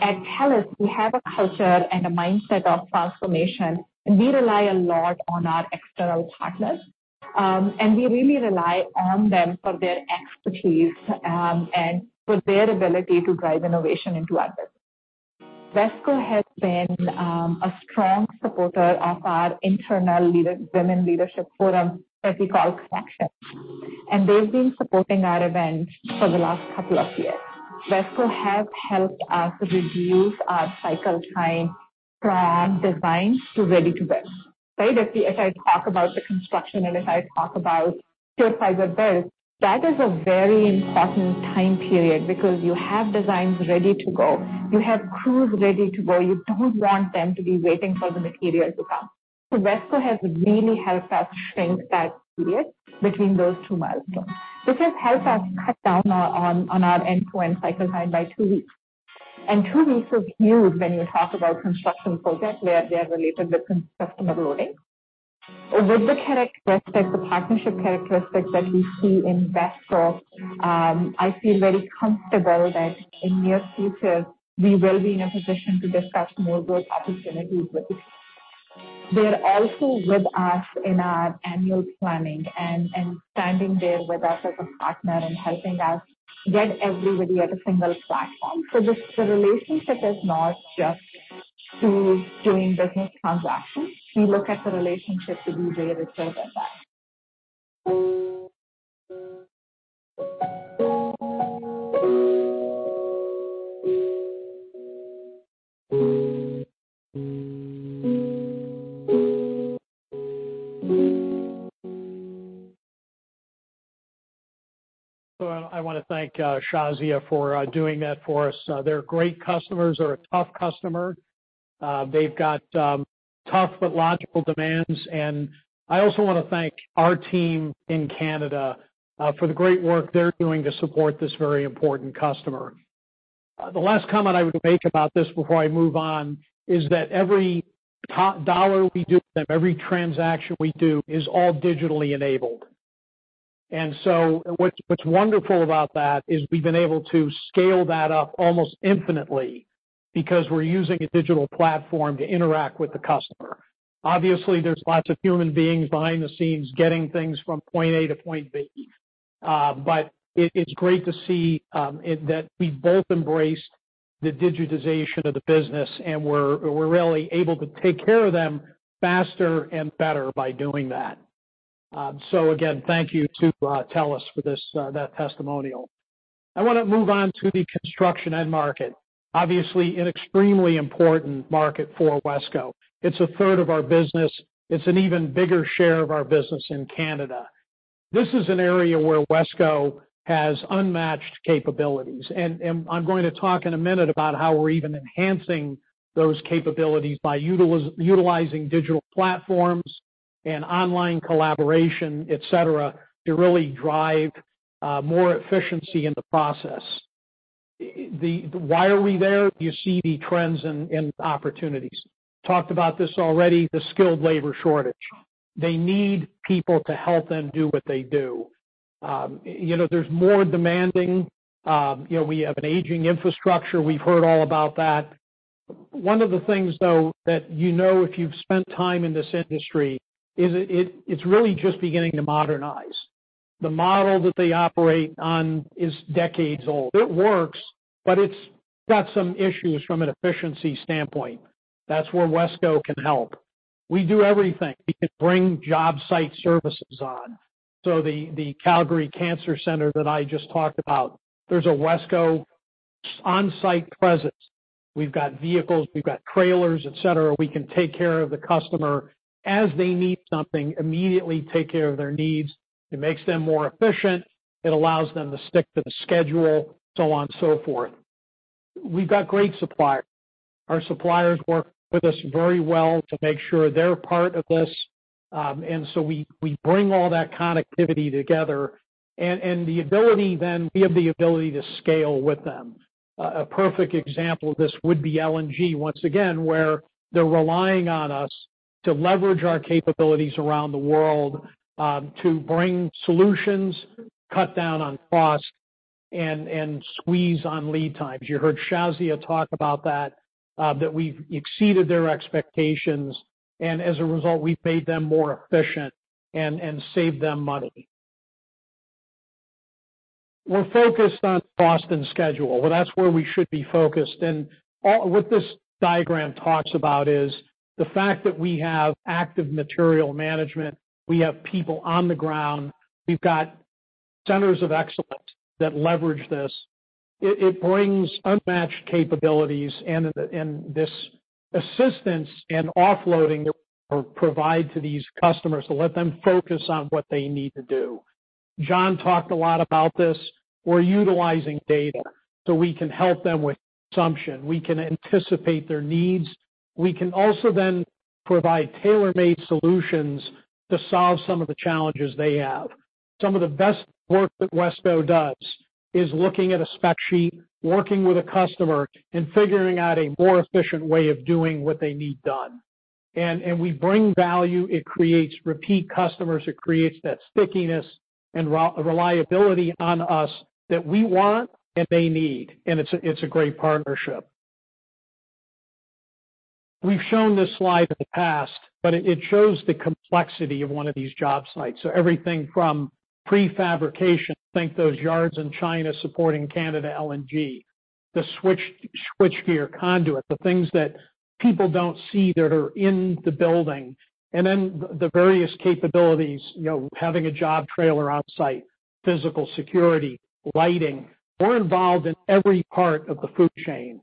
At TELUS we have a culture and a mindset of transformation, and we rely a lot on our external partners. We really rely on them for their expertise, and for their ability to drive innovation into others. WESCO has been a strong supporter of our internal women leadership forum, that we call Connection. They've been supporting our event for the last couple of years. WESCO have helped us reduce our cycle time from design to ready to build. If I talk about the construction and if I talk about pure fiber build, that is a very important time period because you have designs ready to go. You have crews ready to go. You don't want them to be waiting for the material to come. WESCO has really helped us shrink that period between those two milestones, which has helped us cut down on our end-to-end cycle time by two weeks. Two weeks is huge when you talk about construction projects where they're related with customer loading. With the characteristics, the partnership characteristics that we see in WESCO, I feel very comfortable that in near future we will be in a position to discuss more growth opportunities with you. They're also with us in our annual planning and standing there with us as a partner and helping us get everybody at a single platform. The relationship is not just to doing business transactions. We look at the relationship to be way richer than that. I want to thank Shazia for doing that for us. They're great customers, they're a tough customer. They've got tough but logical demands. I also want to thank our team in Canada for the great work they're doing to support this very important customer. The last comment I would make about this before I move on is that every $1 we do with them, every transaction we do is all digitally enabled. What's wonderful about that is we've been able to scale that up almost infinitely because we're using a digital platform to interact with the customer. Obviously, there's lots of human beings behind the scenes getting things from point A to point B. It's great to see that we both embraced the digitization of the business, and we're really able to take care of them faster and better by doing that. Again, thank you to TELUS for that testimonial. I want to move on to the construction end market. Obviously, an extremely important market for WESCO. It's a third of our business. It's an even bigger share of our business in Canada. This is an area where WESCO has unmatched capabilities. I'm going to talk in a minute about how we're even enhancing those capabilities by utilizing digital platforms and online collaboration, et cetera, to really drive more efficiency in the process. Why are we there? You see the trends and opportunities. We talked about this already, the skilled labor shortage. They need people to help them do what they do. There's more demanding. We have an aging infrastructure. We've heard all about that. One of the things, though, that you know if you've spent time in this industry is it's really just beginning to modernize. The model that they operate on is decades old. It works, it's got some issues from an efficiency standpoint. That's where WESCO can help. We do everything. We can bring job site services on. The Calgary Cancer Center that I just talked about, there's a WESCO on-site presence. We've got vehicles, we've got trailers, et cetera. We can take care of the customer as they need something, immediately take care of their needs. It makes them more efficient. It allows them to stick to the schedule, so on and so forth. We've got great suppliers. Our suppliers work with us very well to make sure they're part of this. We bring all that connectivity together and we have the ability to scale with them. A perfect example of this would be LNG, once again, where they're relying on us to leverage our capabilities around the world to bring solutions, cut down on cost, and squeeze on lead times. You heard Shazia talk about that we've exceeded their expectations, as a result, we've made them more efficient and saved them money. We're focused on cost and schedule. That's where we should be focused, what this diagram talks about is the fact that we have active material management. We have people on the ground. We've got centers of excellence that leverage this. It brings unmatched capabilities and this assistance and offloading that we provide to these customers to let them focus on what they need to do. John talked a lot about this. We're utilizing data so we can help them with consumption. We can anticipate their needs. We can also then provide tailor-made solutions to solve some of the challenges they have. Some of the best work that WESCO does is looking at a spec sheet, working with a customer, and figuring out a more efficient way of doing what they need done. We bring value. It creates repeat customers. It creates that stickiness and reliability on us that we want and they need. It's a great partnership. We've shown this slide in the past, but it shows the complexity of one of these job sites. Everything from pre-fabrication, think those yards in China supporting Canada LNG, the switchgear conduit, the things that people don't see that are in the building, then the various capabilities, having a job trailer on site, physical security, lighting. We're involved in every part of the food chain.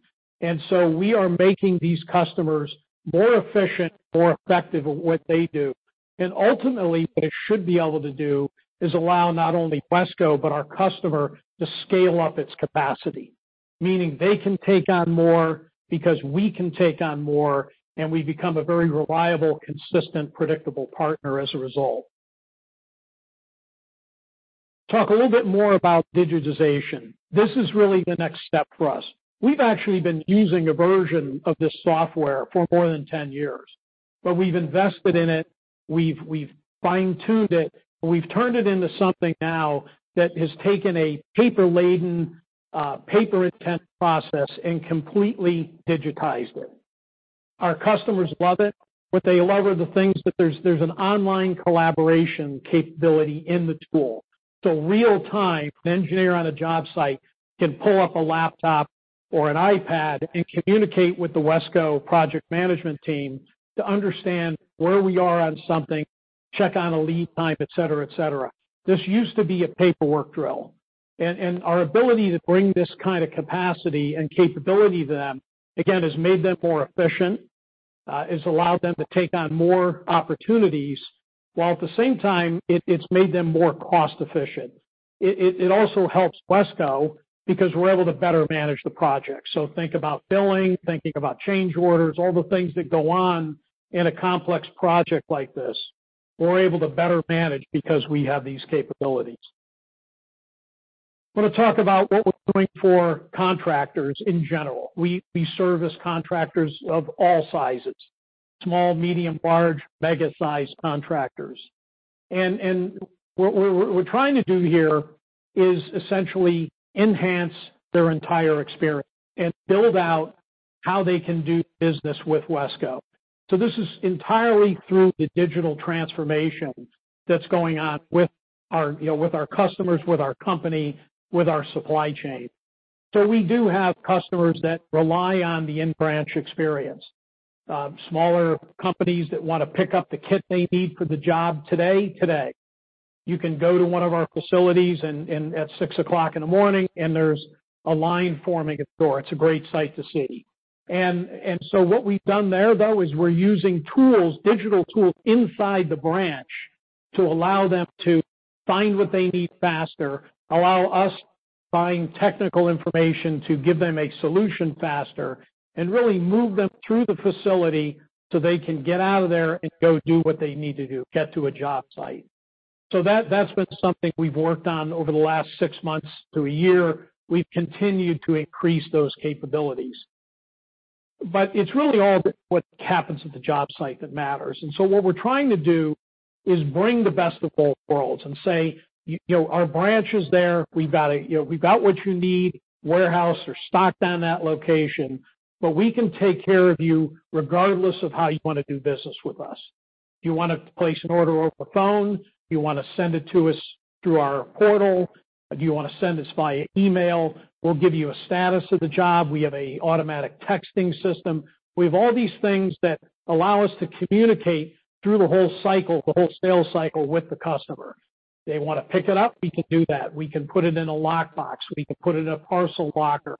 We are making these customers more efficient, more effective at what they do. Ultimately, what it should be able to do is allow not only WESCO but our customer to scale up its capacity, meaning they can take on more because we can take on more, and we become a very reliable, consistent, predictable partner as a result. Talk a little bit more about digitization. This is really the next step for us. We've actually been using a version of this software for more than 10 years. We've invested in it. We've fine-tuned it. We've turned it into something now that has taken a paper-laden, paper-intensive process and completely digitized it. Our customers love it. What they love are the things that there's an online collaboration capability in the tool. Real time, an engineer on a job site can pull up a laptop or an iPad and communicate with the WESCO project management team to understand where we are on something, check on a lead time, et cetera. This used to be a paperwork drill. Our ability to bring this kind of capacity and capability to them, again, has made them more efficient, has allowed them to take on more opportunities, while at the same time, it's made them more cost-efficient. It also helps WESCO because we're able to better manage the project. Think about billing, thinking about change orders, all the things that go on in a complex project like this. We're able to better manage because we have these capabilities. Want to talk about what we're doing for contractors in general. We service contractors of all sizes, small, medium, large, mega-sized contractors. What we're trying to do here is essentially enhance their entire experience and build out how they can do business with WESCO. This is entirely through the digital transformation that's going on with our customers, with our company, with our supply chain. We do have customers that rely on the in-branch experience. Smaller companies that want to pick up the kit they need for the job today. You can go to one of our facilities at 6:00 A.M., and there's a line forming at the door. It's a great sight to see. What we've done there, though, is we're using tools, digital tools inside the branch to allow them to find what they need faster, allow us, find technical information to give them a solution faster, and really move them through the facility so they can get out of there and go do what they need to do, get to a job site. That's been something we've worked on over the last six months to a year. We've continued to increase those capabilities. It's really all what happens at the job site that matters. What we're trying to do is bring the best of both worlds and say, our branch is there. We've got what you need, warehouse or stocked on that location, but we can take care of you regardless of how you want to do business with us. Do you want to place an order over phone? Do you want to send it to us through our portal? Do you want to send us via email? We'll give you a status of the job. We have a automatic texting system. We have all these things that allow us to communicate through the whole cycle, the whole sales cycle with the customer. They want to pick it up, we can do that. We can put it in a lock box. We can put it in a parcel locker.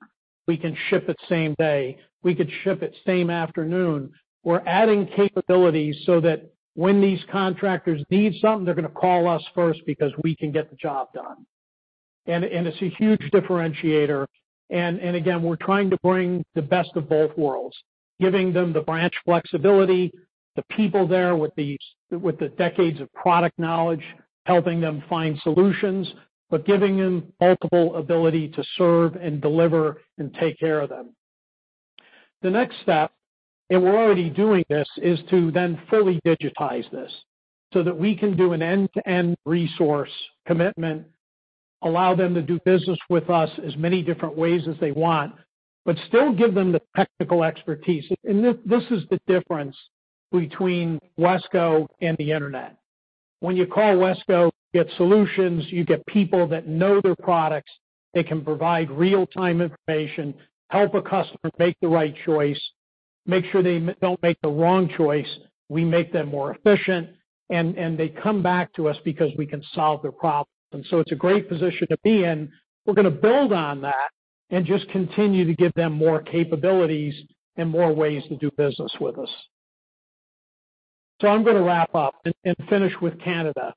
We can ship it same day. We could ship it same afternoon. We're adding capabilities so that when these contractors need something, they're going to call us first because we can get the job done. It's a huge differentiator. Again, we're trying to bring the best of both worlds, giving them the branch flexibility, the people there with the decades of product knowledge, helping them find solutions, but giving them multiple ability to serve and deliver and take care of them. The next step, we're already doing this, is to then fully digitize this so that we can do an end-to-end resource commitment, allow them to do business with us as many different ways as they want, but still give them the technical expertise. This is the difference between WESCO and the internet. When you call WESCO, you get solutions, you get people that know their products, they can provide real-time information, help a customer make the right choice. Make sure they don't make the wrong choice. We make them more efficient, and they come back to us because we can solve their problems. It's a great position to be in. We're going to build on that and just continue to give them more capabilities and more ways to do business with us. I'm going to wrap up and finish with Canada.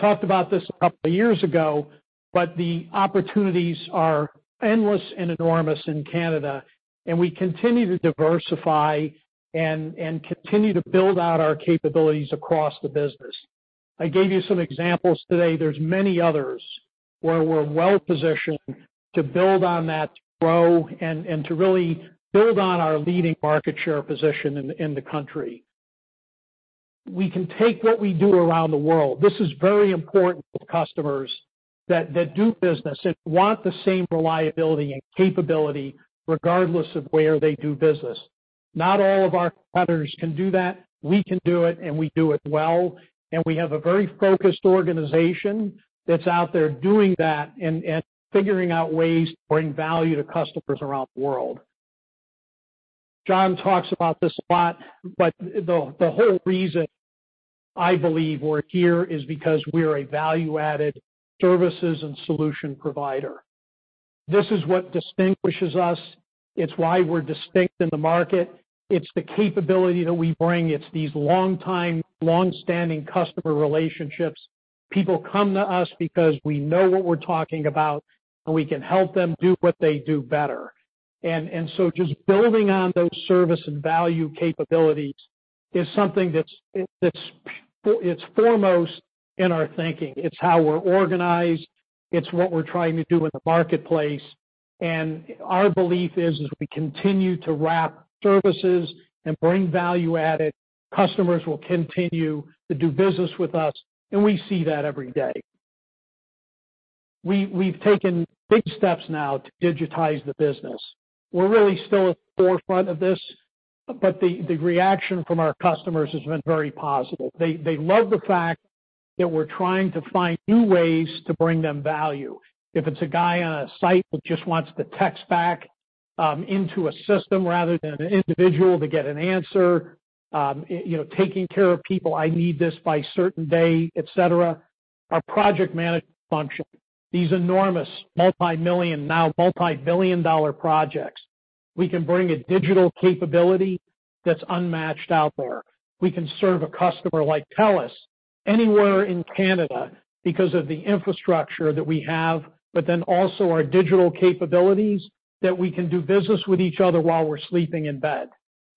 Talked about this a couple of years ago, the opportunities are endless and enormous in Canada, and we continue to diversify and continue to build out our capabilities across the business. I gave you some examples today. There's many others where we're well-positioned to build on that, to grow, and to really build on our leading market share position in the country. We can take what we do around the world. This is very important for customers that do business and want the same reliability and capability regardless of where they do business. Not all of our competitors can do that. We can do it. We do it well. We have a very focused organization that's out there doing that and figuring out ways to bring value to customers around the world. John talks about this a lot. The whole reason I believe we're here is because we're a value-added services and solution provider. This is what distinguishes us. It's why we're distinct in the market. It's the capability that we bring. It's these long-time, long-standing customer relationships. People come to us because we know what we're talking about, and we can help them do what they do better. Just building on those service and value capabilities is something that's foremost in our thinking. It's how we're organized. It's what we're trying to do in the marketplace. Our belief is, as we continue to wrap services and bring value add it, customers will continue to do business with us. We see that every day. We've taken big steps now to digitize the business. We're really still at the forefront of this. The reaction from our customers has been very positive. They love the fact that we're trying to find new ways to bring them value. If it's a guy on a site that just wants to text back into a system rather than an individual to get an answer, taking care of people, I need this by a certain day, et cetera. Our project management function, these enormous multi-million, now multi-billion dollar projects, we can bring a digital capability that's unmatched out there. We can serve a customer like TELUS anywhere in Canada because of the infrastructure that we have. Also our digital capabilities that we can do business with each other while we're sleeping in bed.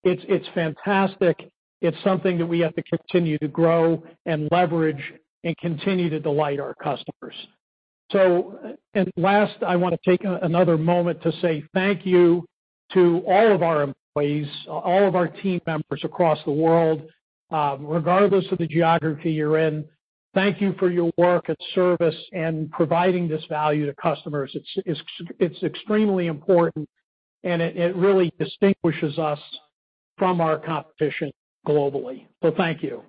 It's fantastic. It's something that we have to continue to grow and leverage and continue to delight our customers. Last, I want to take another moment to say thank you to all of our employees, all of our team members across the world. Regardless of the geography you're in, thank you for your work and service and providing this value to customers. It's extremely important. It really distinguishes us from our competition globally. Thank you.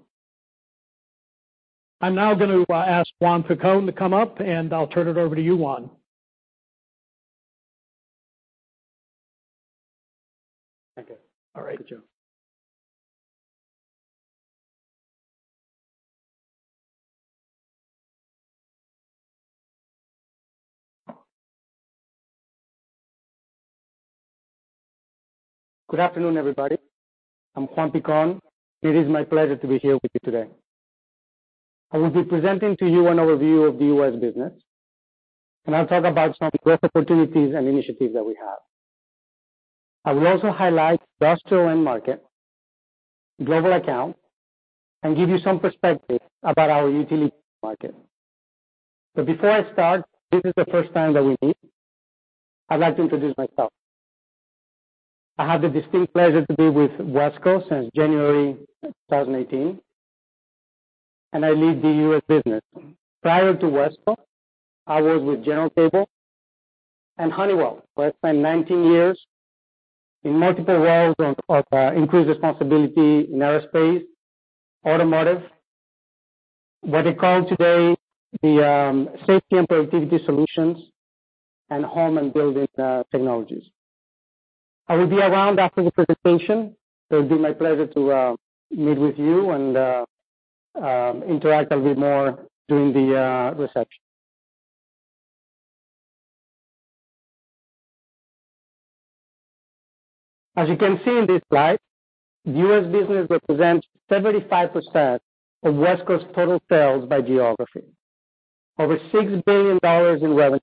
I'm now going to ask Juan Picón to come up, and I'll turn it over to you, Juan. Thank you. All right. Good job. Good afternoon, everybody. I'm Juan Picón. It is my pleasure to be here with you today. I will be presenting to you an overview of the U.S. business, and I'll talk about some growth opportunities and initiatives that we have. I will also highlight the industrial end market, global accounts, and give you some perspective about our utility market. Before I start, this is the first time that we meet, I'd like to introduce myself. I have the distinct pleasure to be with WESCO since January 2018, and I lead the U.S. business. Prior to WESCO, I was with General Cable and Honeywell, where I spent 19 years in multiple roles of increased responsibility in aerospace, automotive, what they call today the safety and productivity solutions, and home and building technologies. I will be around after the presentation. It'll be my pleasure to meet with you and interact a bit more during the reception. As you can see in this slide, U.S. business represents 75% of WESCO's total sales by geography. Over $6 billion in revenue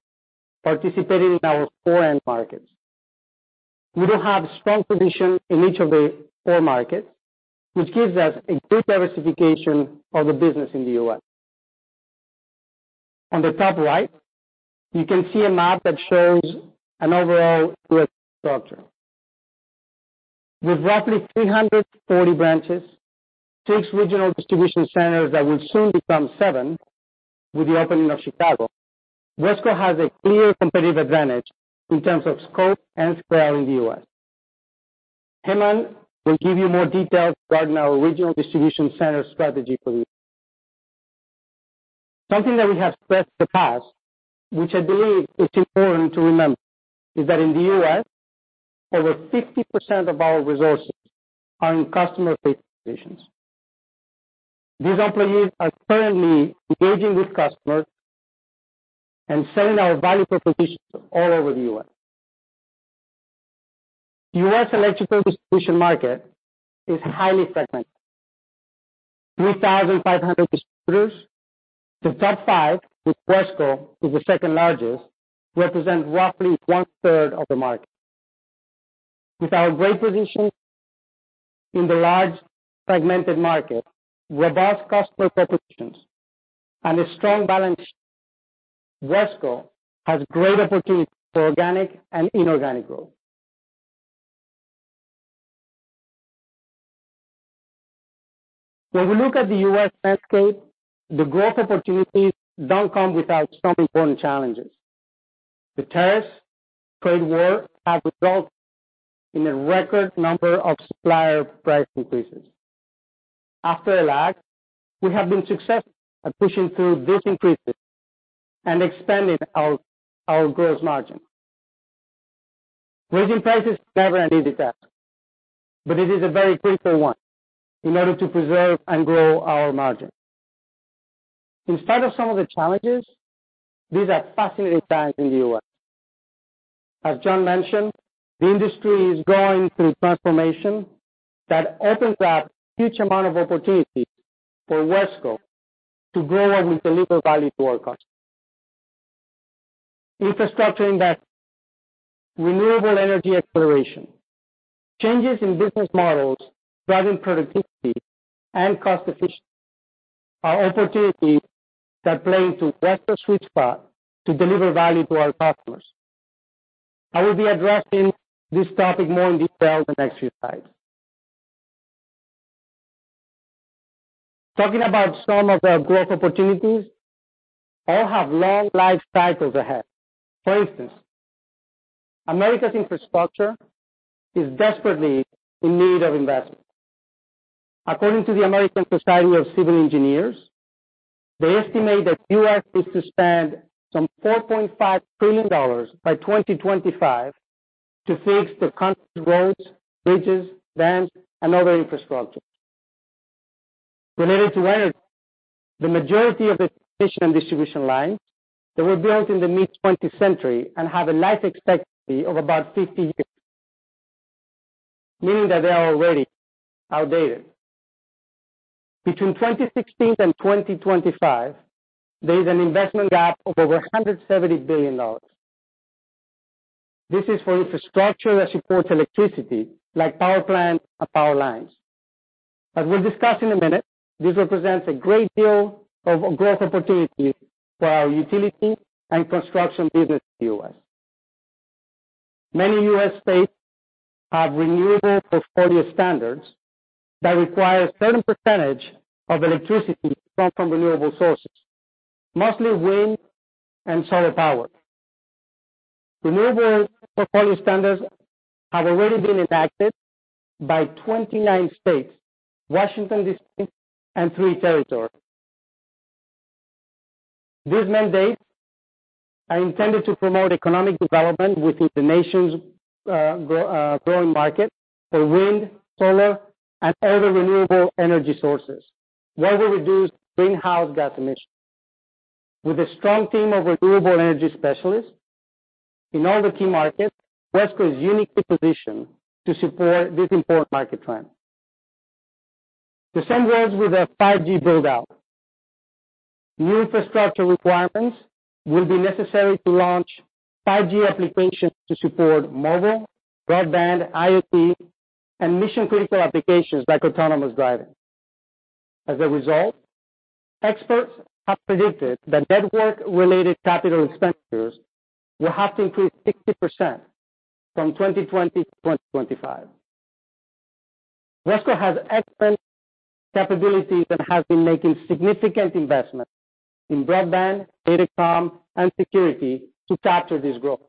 participating in our four end markets. We do have a strong position in each of the four markets, which gives us a good diversification of the business in the U.S. On the top right, you can see a map that shows an overall U.S. structure. With roughly 340 branches, six regional distribution centers that will soon become seven with the opening of Chicago, WESCO has a clear competitive advantage in terms of scope and scale in the U.S. Hemant will give you more details regarding our regional distribution center strategy for the U.S. Something that we have stressed in the past, which I believe is important to remember, is that in the U.S., over 50% of our resources are in customer-facing positions. These employees are currently engaging with customers and selling our value propositions all over the U.S. U.S. electrical distribution market is highly fragmented. 3,500 distributors. The top five, with WESCO as the second-largest, represent roughly one-third of the market. With our great position in the large fragmented market, robust customer propositions, and a strong balance sheet, WESCO has great opportunities for organic and inorganic growth. When we look at the U.S. landscape, the growth opportunities don't come without some important challenges. The tariffs, trade war, have resulted in a record number of supplier price increases. After a lag, we have been successful at pushing through these increases and expanding our gross margin. Raising prices is never an easy task, but it is a very critical one in order to preserve and grow our margin. In spite of some of the challenges, these are fascinating times in the U.S. As John mentioned, the industry is going through transformation that opens up huge amount of opportunities for WESCO to grow and deliver value to our customers. Infrastructure investment, renewable energy exploration, changes in business models, driving productivity, and cost efficiency are opportunities that play to WESCO's sweet spot to deliver value to our customers. I will be addressing this topic more in detail in the next few slides. Talking about some of our growth opportunities, all have long life cycles ahead. For instance, America's infrastructure is desperately in need of investment. According to the American Society of Civil Engineers, they estimate that the U.S. needs to spend some $4.5 trillion by 2025 to fix the country's roads, bridges, dams, and other infrastructure. Related to energy, the majority of the transmission and distribution lines that were built in the mid-20th century and have a life expectancy of about 50 years, meaning that they are already outdated. Between 2016 and 2025, there is an investment gap of over $170 billion. This is for infrastructure that supports electricity, like power plants and power lines. As we'll discuss in a minute, this represents a great deal of growth opportunities for our utility and construction business in the U.S. Many U.S. states have Renewable Portfolio Standards that require a certain percentage of electricity from renewable sources, mostly wind and solar power. Renewable Portfolio Standards have already been enacted by 29 states, Washington, D.C., and three territories. These mandates are intended to promote economic development within the nation's growing market for wind, solar, and other renewable energy sources while we reduce greenhouse gas emissions. With a strong team of renewable energy specialists in all the key markets, WESCO is uniquely positioned to support this important market trend. The same goes with our 5G build-out. New infrastructure requirements will be necessary to launch 5G applications to support mobile, broadband, IoT, and mission-critical applications like autonomous driving. As a result, experts have predicted that network-related capital expenditures will have to increase 60% from 2020 to 2025. WESCO has excellent capabilities and has been making significant investments in broadband, datacom, and security to capture this growth.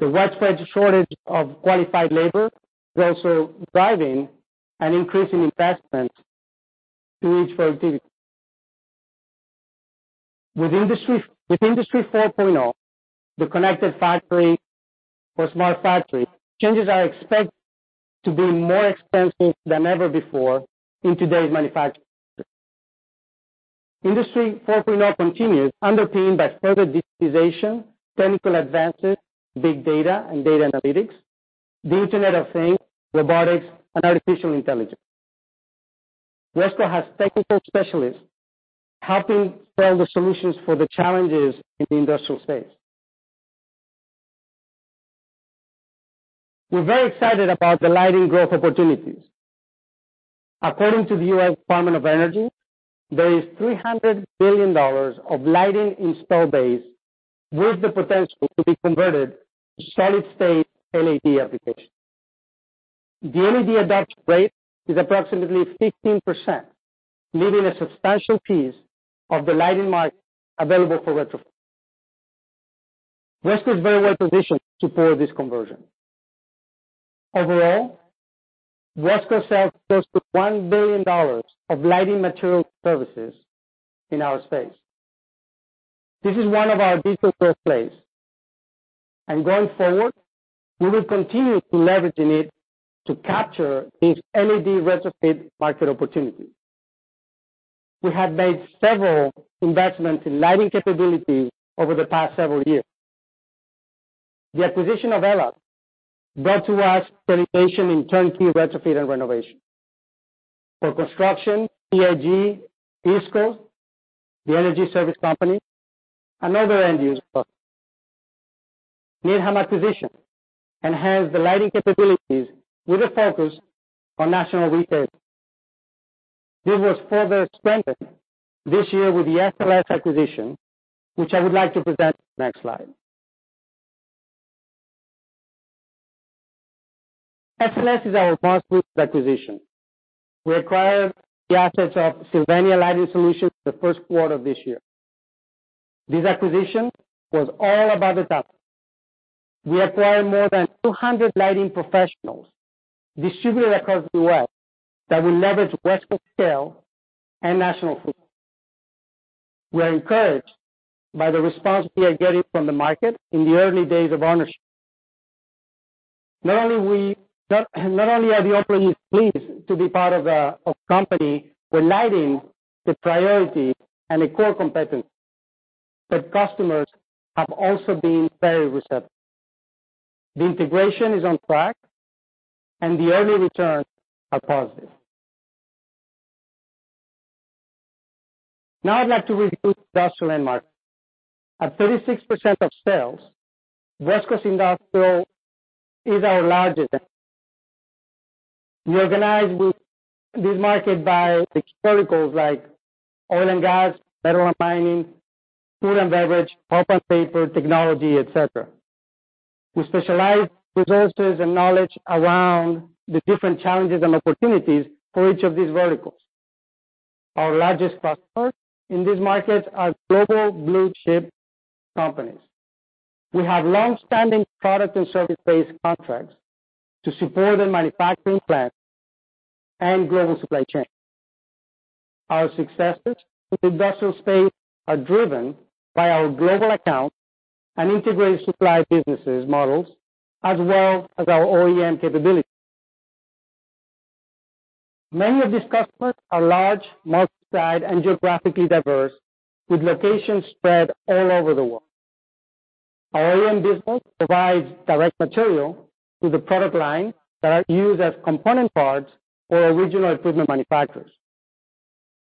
The widespread shortage of qualified labor is also driving an increase in investment in each vertical. With Industry 4.0, the connected factory or smart factory, changes are expected to be more expensive than ever before in today's manufacturing. Industry 4.0 continues, underpinned by further digitization, technical advances, big data and data analytics, the Internet of Things, robotics, and artificial intelligence. WESCO has technical specialists helping find the solutions for the challenges in the industrial space. We're very excited about the lighting growth opportunities. According to the U.S. Department of Energy, there is $300 billion of lighting install base with the potential to be converted to solid-state LED applications. The LED adoption rate is approximately 15%, leaving a substantial piece of the lighting market available for retrofit. WESCO is very well positioned to support this conversion. Overall, WESCO sells close to $1 billion of lighting material services in our space. This is one of our digital growth plays, and going forward, we will continue to leveraging it to capture these LED retrofit market opportunities. We have made several investments in lighting capability over the past several years. The acquisition of Aelux brought to us penetration in turnkey retrofit and renovation for construction, CIG, ESCO, the energy service company, and other end user customers. Needham Electric Supply acquisition enhanced the lighting capabilities with a focus on national retailers. This was further expanded this year with the SLS acquisition, which I would like to present next slide. SLS is our most recent acquisition. We acquired the assets of Sylvania Lighting Solutions the first quarter of this year. This acquisition was all about the talent. We acquired more than 200 lighting professionals distributed across the U.S. that will leverage WESCO scale and national footprint. We are encouraged by the response we are getting from the market in the early days of ownership. Not only are the operators pleased to be part of a company where lighting is a priority and a core competency, but customers have also been very receptive. The integration is on track, and the early returns are positive. Now I'd like to review industrial end market. At 36% of sales, WESCO's industrial is our largest. We organize this market by verticals like oil and gas, metal and mining, food and beverage, pulp and paper, technology, et cetera. We specialize resources and knowledge around the different challenges and opportunities for each of these verticals. Our largest customers in this market are global Blue Chip companies. We have long-standing product and service-based contracts to support their manufacturing plants and global supply chain. Our successes in the industrial space are driven by our global accounts and integrated supply businesses models, as well as our OEM capability. Many of these customers are large, multi-site, and geographically diverse, with locations spread all over the world. Our OEM business provides direct material to the product line that are used as component parts for original equipment manufacturers.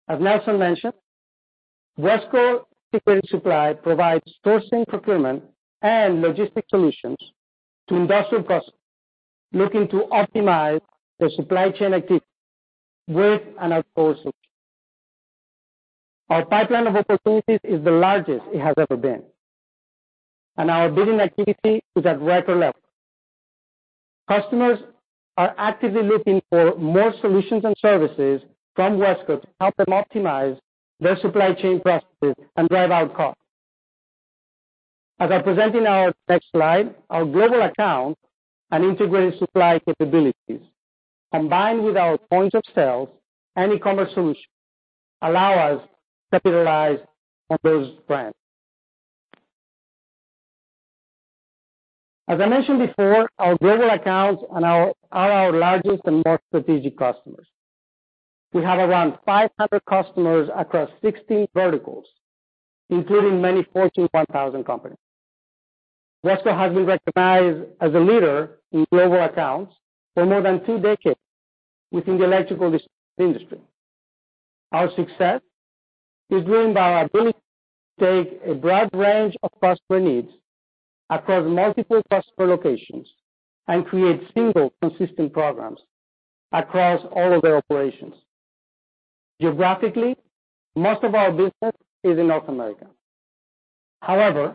As Nelson mentioned, WESCO integrated supply provides sourcing, procurement, and logistic solutions to industrial customers looking to optimize their supply chain activities with an outsourced solution. Our pipeline of opportunities is the largest it has ever been, and our bidding activity is at record levels. Customers are actively looking for more solutions and services from WESCO to help them optimize their supply chain processes and drive out cost. As I present in our next slide, our global accounts and integrated supply capabilities, combined with our point of sales and e-commerce solutions, allow us to capitalize on those trends. As I mentioned before, our global accounts are our largest and most strategic customers. We have around 500 customers across 60 verticals, including many Fortune 1000 companies. WESCO has been recognized as a leader in global accounts for more than two decades within the electrical distribution industry. Our success is driven by our ability to take a broad range of customer needs across multiple customer locations and create single consistent programs across all of their operations. Geographically, most of our business is in North America. However,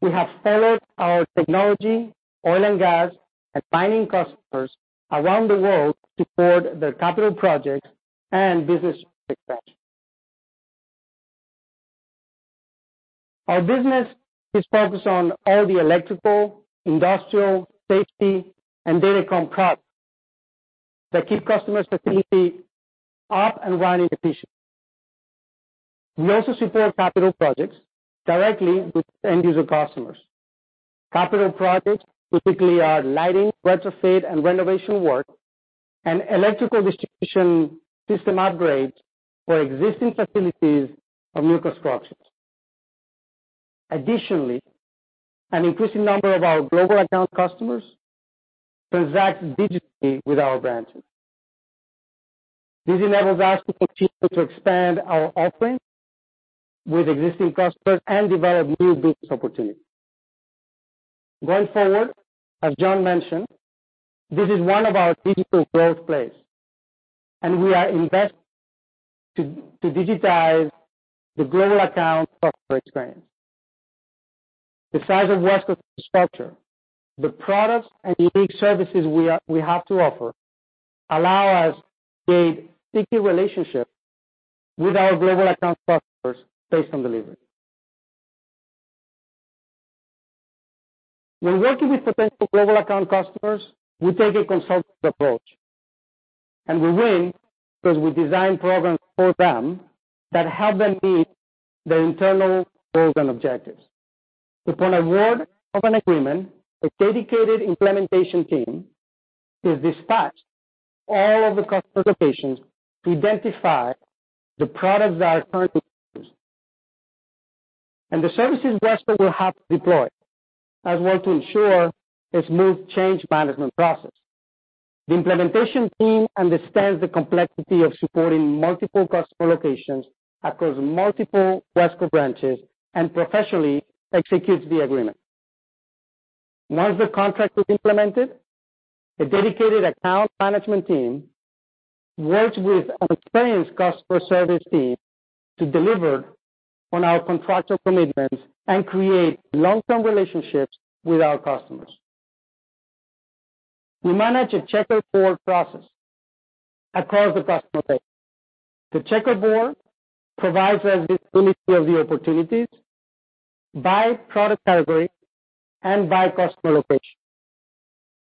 we have followed our technology, oil and gas, and mining customers around the world to support their capital projects and business expansion. Our business is focused on all the electrical, industrial, safety, and datacom products that keep customer's facility up and running efficiently. We also support capital projects directly with end user customers. Capital projects typically are lighting, retrofit, and renovation work and electrical distribution system upgrades for existing facilities or new constructions. Additionally, an increasing number of our global account customers transact digitally with our branches. This enables us to continue to expand our offerings with existing customers and develop new business opportunities. Going forward, as John mentioned, this is one of our digital growth plays, and we are investing to digitize the global account customer experience. The size of WESCO's infrastructure, the products and unique services we have to offer allow us to build sticky relationships with our global account customers based on delivery. When working with potential global account customers, we take a consultative approach. We win because we design programs for them that help them meet their internal goals and objectives. Upon award of an agreement, a dedicated implementation team is dispatched to all of the customer locations to identify the products that are currently used and the services WESCO will have to deploy, as well to ensure a smooth change management process. The implementation team understands the complexity of supporting multiple customer locations across multiple WESCO branches and professionally executes the agreement. Once the contract is implemented, a dedicated account management team works with an experienced customer service team to deliver on our contractual commitments and create long-term relationships with our customers. We manage a checkerboard process across the customer base. The checkerboard provides us visibility of the opportunities by product category and by customer location.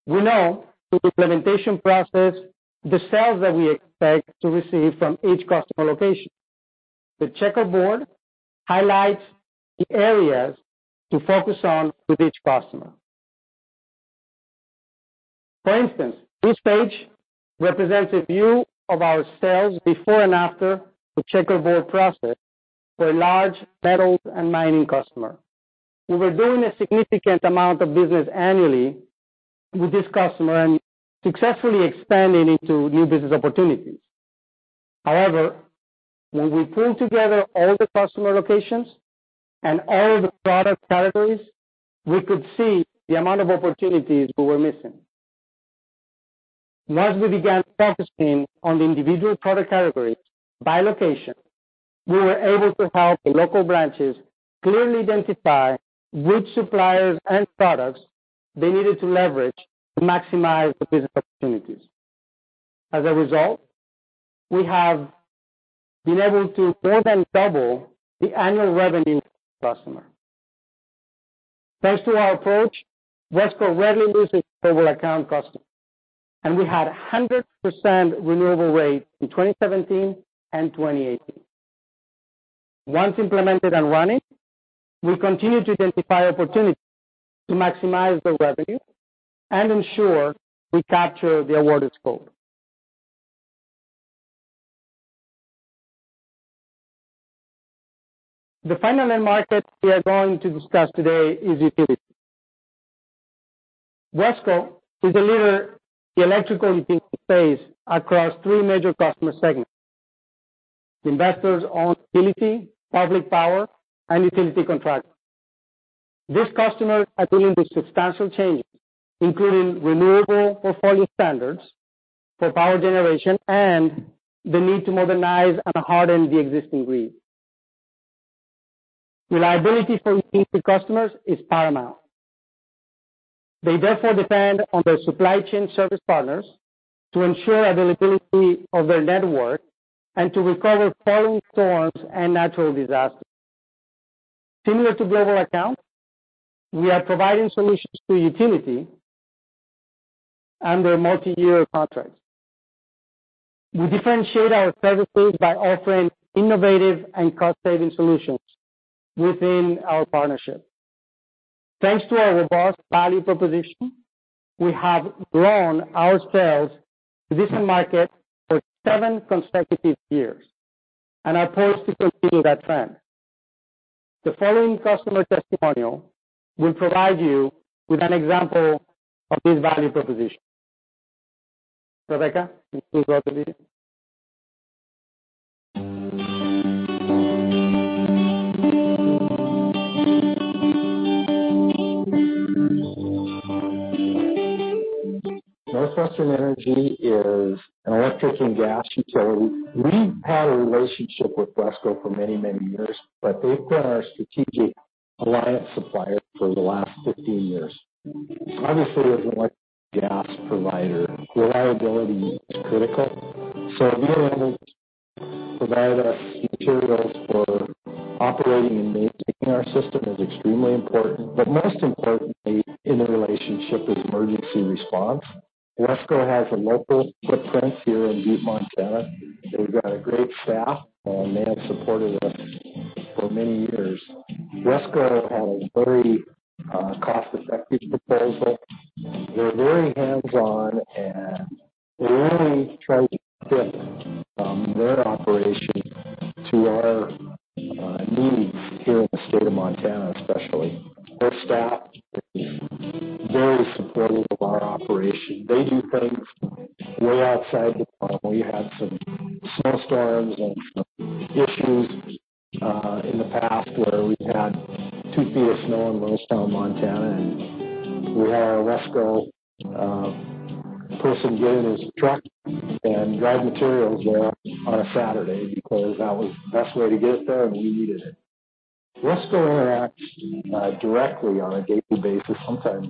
We know through the implementation process the sales that we expect to receive from each customer location. The checkerboard highlights the areas to focus on with each customer. For instance, this page represents a view of our sales before and after the checkerboard process for a large metals and mining customer. We were doing a significant amount of business annually with this customer and successfully expanding into new business opportunities. However, when we pulled together all the customer locations and all the product categories, we could see the amount of opportunities we were missing. Once we began focusing on the individual product categories by location, we were able to help the local branches clearly identify which suppliers and products they needed to leverage to maximize the business opportunities. As a result, we have been able to more than double the annual revenue customer. Thanks to our approach, WESCO rarely loses a global account customer. We had 100% renewable rate in 2017 and 2018. Once implemented and running, we continue to identify opportunities to maximize the revenue and ensure we capture the awarded scope. The final end market we are going to discuss today is utility. WESCO is a leader in the electrical and space across three major customer segments, investor-owned utility, public power, and utility contractors. These customers are dealing with substantial changes, including Renewable Portfolio Standards for power generation and the need to modernize and harden the existing grid. Reliability for utility customers is paramount. They therefore depend on their supply chain service partners to ensure availability of their network and to recover from storms and natural disasters. Similar to global accounts, we are providing solutions to utility under multi-year contracts. We differentiate our services by offering innovative and cost-saving solutions within our partnership. Thanks to our robust value proposition, we have grown our sales to this market for seven consecutive years and are poised to continue that trend. The following customer testimonial will provide you with an example of this value proposition. Rebecca, can you go to the video? NorthWestern Energy is an electric and gas utility. We've had a relationship with WESCO for many, many years, but they've been our strategic alliance supplier for the last 15 years. Obviously, as an electric gas provider, reliability is critical. Being able to provide us materials for operating and maintaining our system is extremely important. Most importantly in the relationship is emergency response. WESCO has a local footprint here in Butte, Montana. They've got a great staff, and they have supported us for many years. WESCO had a very cost-effective proposal. They're very hands-on, and they really try to fit their operation to our needs here in the state of Montana, especially. Their staff is very supportive of our operation. They do things way outside the norm. We had some snowstorms and some issues, in the past where we've had two feet of snow in Rosebud, Montana, and we had our WESCO person get in his truck and drive materials there on a Saturday because that was the best way to get there, and we needed it. WESCO interacts directly on a daily basis, sometimes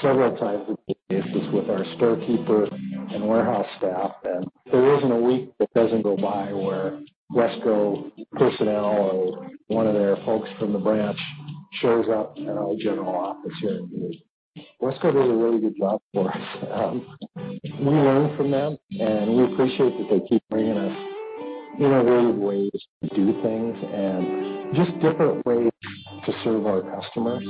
several times a day, with our storekeepers and warehouse staff. There isn't a week that doesn't go by where WESCO personnel or one of their folks from the branch shows up at our general office here in Duluth. WESCO does a really good job for us. We learn from them, and we appreciate that they keep bringing us innovative ways to do things and just different ways to serve our customers.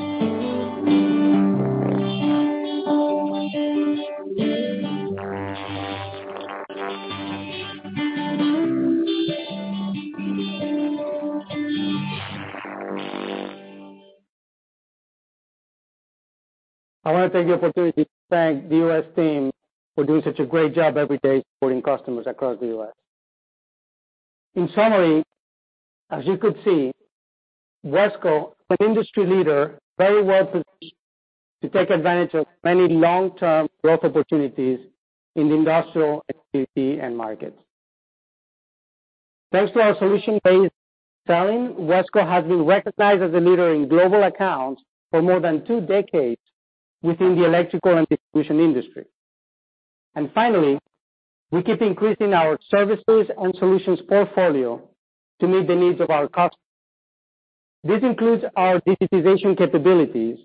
I want to take the opportunity to thank the U.S. team for doing such a great job every day supporting customers across the U.S. In summary, as you could see, WESCO is an industry leader, very well-positioned to take advantage of many long-term growth opportunities in the industrial, energy, and utility end markets. Thanks to our solution-based selling, WESCO has been recognized as a leader in global accounts for more than two decades within the electrical and distribution industry. Finally, we keep increasing our services and solutions portfolio to meet the needs of our customers. This includes our digitization capabilities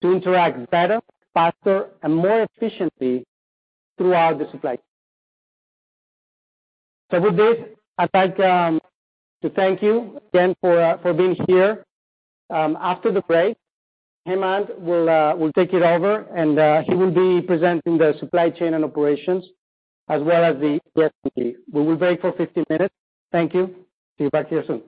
to interact better, faster, and more efficiently throughout the supply chain. With this, I'd like to thank you again for being here. After the break, Hemant will take it over, and he will be presenting the supply chain and operations, as well as the Q&A. We will break for 15 minutes. Thank you. See you back here soon.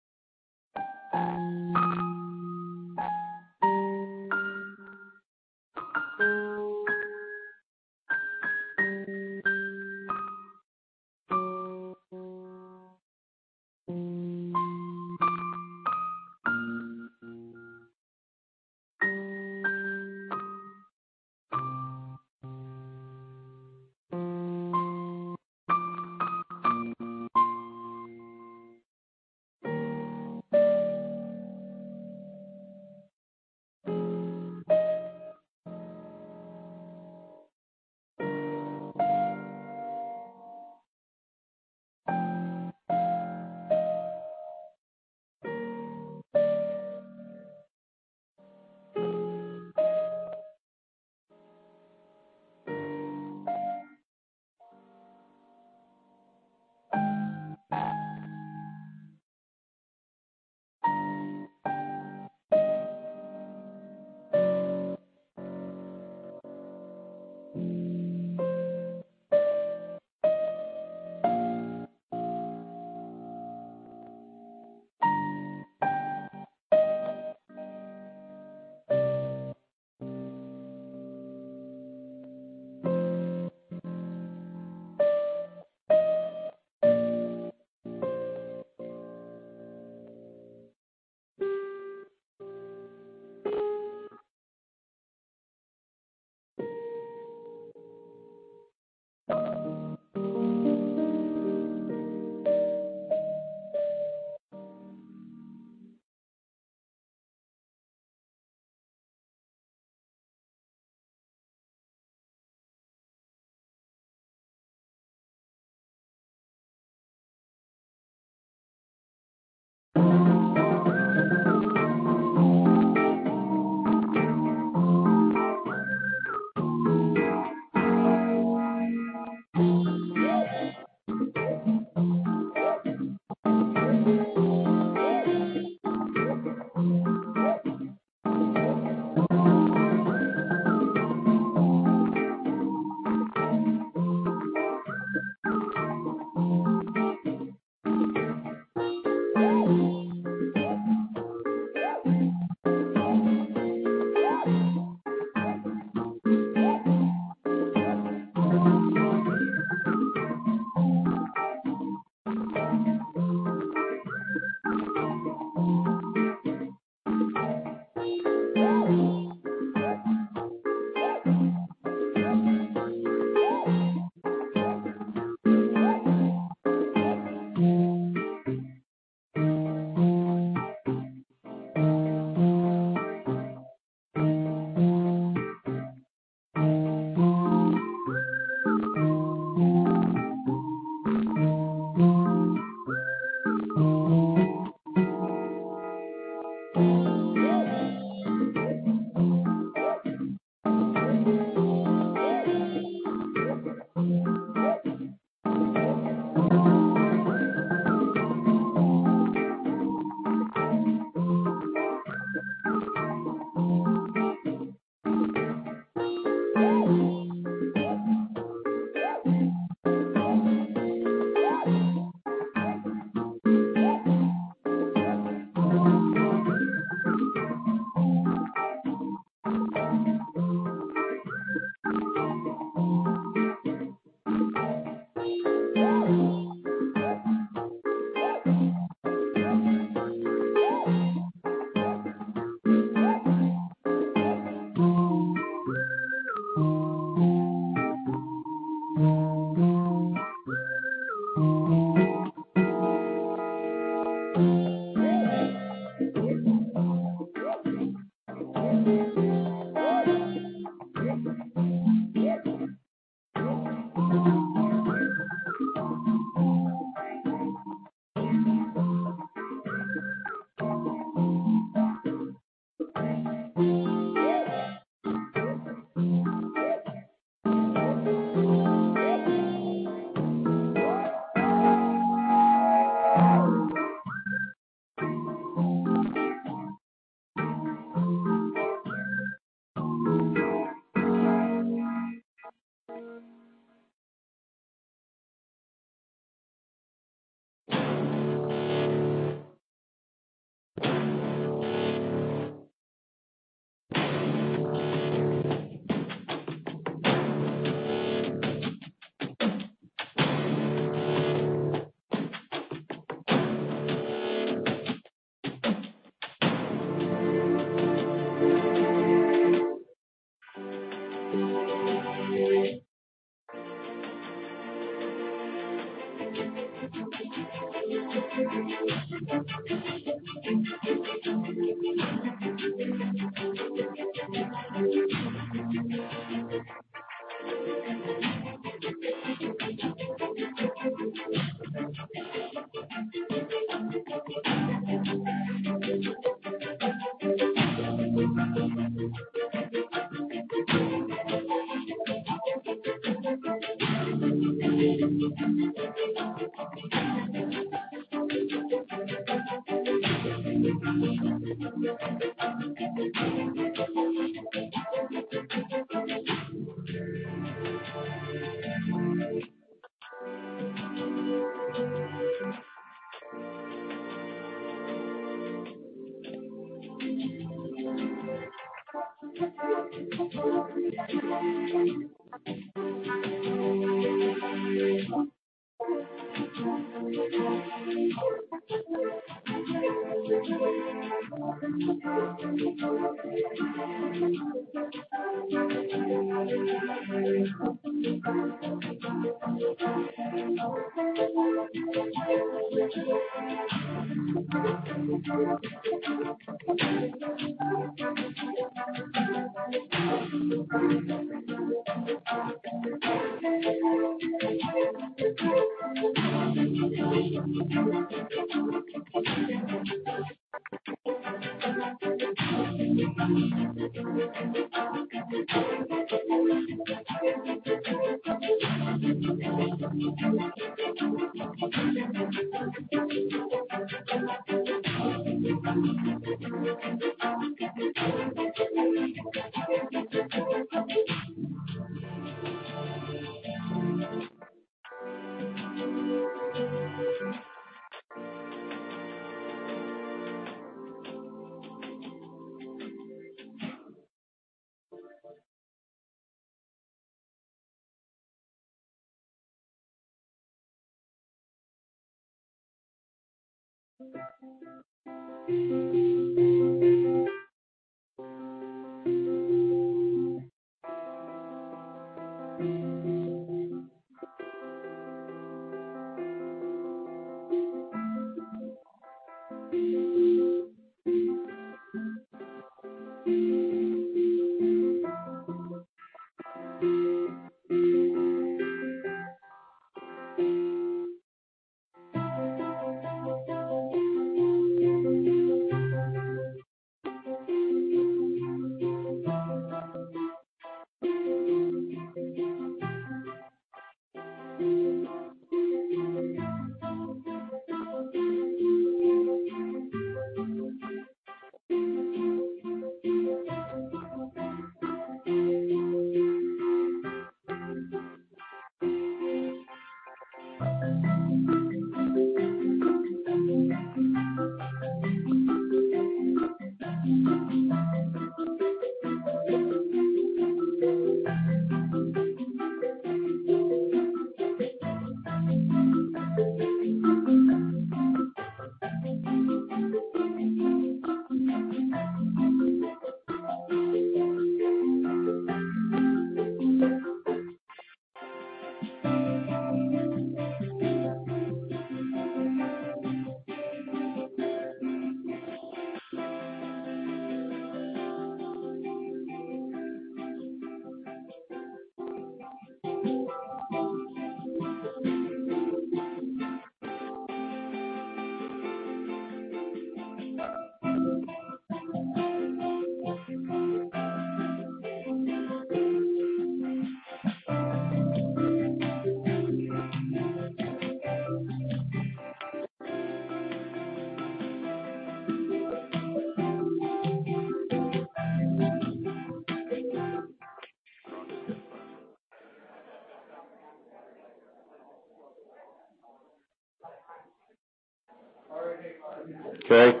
{Break] Okay.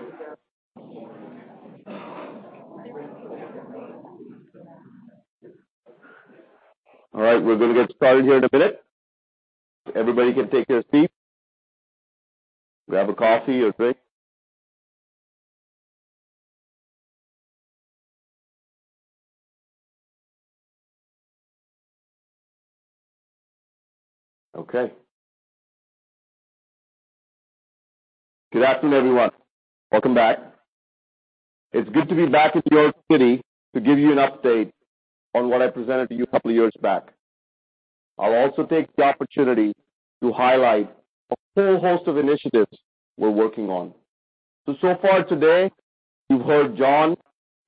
All right, we're going to get started here in a minute. Everybody can take their seat, grab a coffee or drink. Okay. Good afternoon, everyone. Welcome back. It's good to be back at the Old City to give you an update on what I presented to you a couple of years back. I'll also take the opportunity to highlight a whole host of initiatives we're working on. So far today, you've heard John,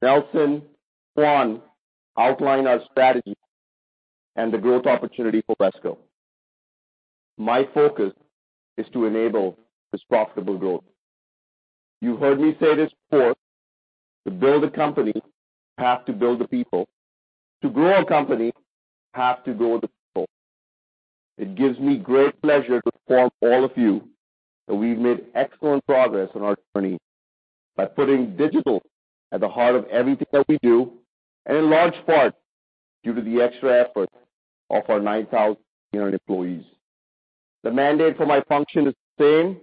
Nelson, Juan outline our strategy and the growth opportunity for WESCO. My focus is to enable this profitable growth. You heard me say this before, to build a company, you have to build the people. To grow a company, you have to grow the people. It gives me great pleasure to inform all of you that we've made excellent progress on our journey by putting digital at the heart of everything that we do, and in large part due to the Extra Effort of our 9,000 employees. The mandate for my function is the same,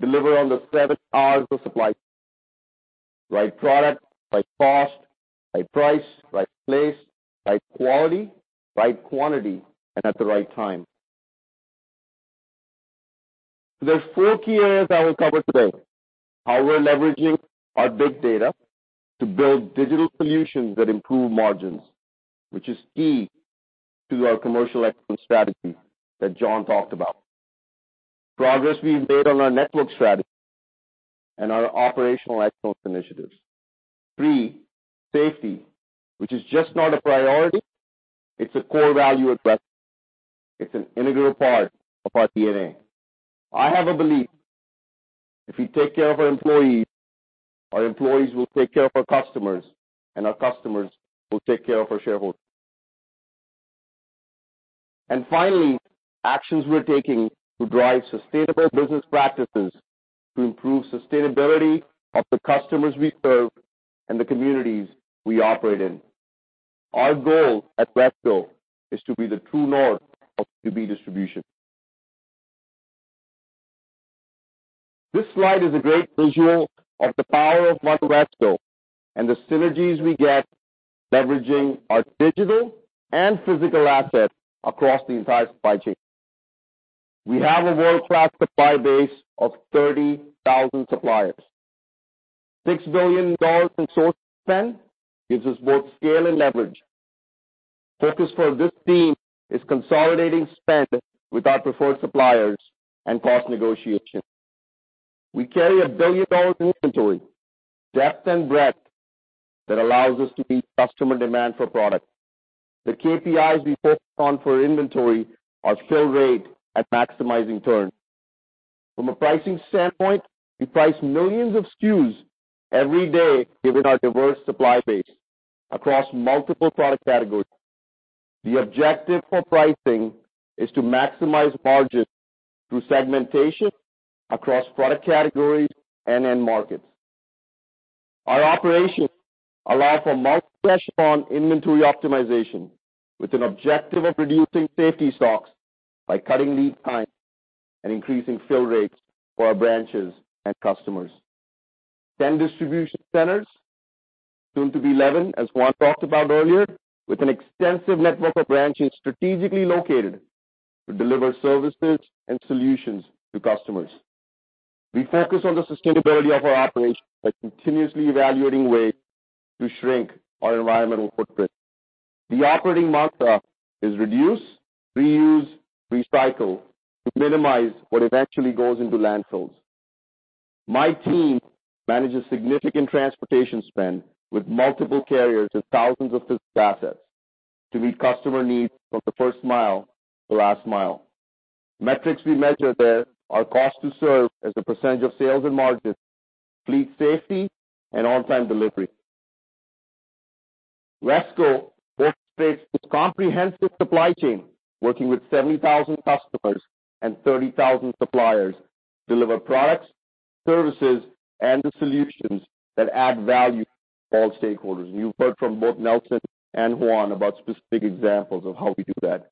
deliver on the seven Rs of supply chain. Right product, right cost, right price, right place, right quality, right quantity, and at the right time. There are four key areas I will cover today. How we're leveraging our big data to build digital solutions that improve margins, which is key to our commercial excellence strategy that John talked about. Progress we've made on our network strategy and our operational excellence initiatives. 3, safety, which is just not a priority, it's a core value at WESCO. It's an integral part of our DNA. I have a belief, if we take care of our employees, our employees will take care of our customers, and our customers will take care of our shareholders. Finally, actions we're taking to drive sustainable business practices to improve sustainability of the customers we serve and the communities we operate in. Our goal at WESCO is to be the true north of B2B distribution. This slide is a great visual of the power of One WESCO and the synergies we get leveraging our digital and physical assets across the entire supply chain. We have a world-class supply base of 30,000 suppliers. $6 billion in source spend gives us both scale and leverage. Focus for this team is consolidating spend with our preferred suppliers and cost negotiation. We carry a billion-dollar inventory, depth and breadth that allows us to meet customer demand for product. The KPIs we focus on for inventory are fill rate and maximizing turn. From a pricing standpoint, we price millions of SKUs every day given our diverse supply base across multiple product categories. The objective for pricing is to maximize margins through segmentation across product categories and end markets. Our operations allow for multi-echelon inventory optimization with an objective of reducing safety stocks by cutting lead times and increasing fill rates for our branches and customers. 10 distribution centers, soon to be 11, as Juan talked about earlier, with an extensive network of branches strategically located to deliver services and solutions to customers. We focus on the sustainability of our operations by continuously evaluating ways to shrink our environmental footprint. The operating mantra is reduce, reuse, recycle, to minimize what eventually goes into landfills. My team manages significant transportation spend with multiple carriers and thousands of physical assets to meet customer needs from the first mile to the last mile. Metrics we measure there are cost to serve as a percentage of sales and margins, fleet safety, and on-time delivery. WESCO orchestrates this comprehensive supply chain, working with 70,000 customers and 30,000 suppliers, to deliver products, services, and the solutions that add value to all stakeholders. You've heard from both Nelson and Juan about specific examples of how we do that.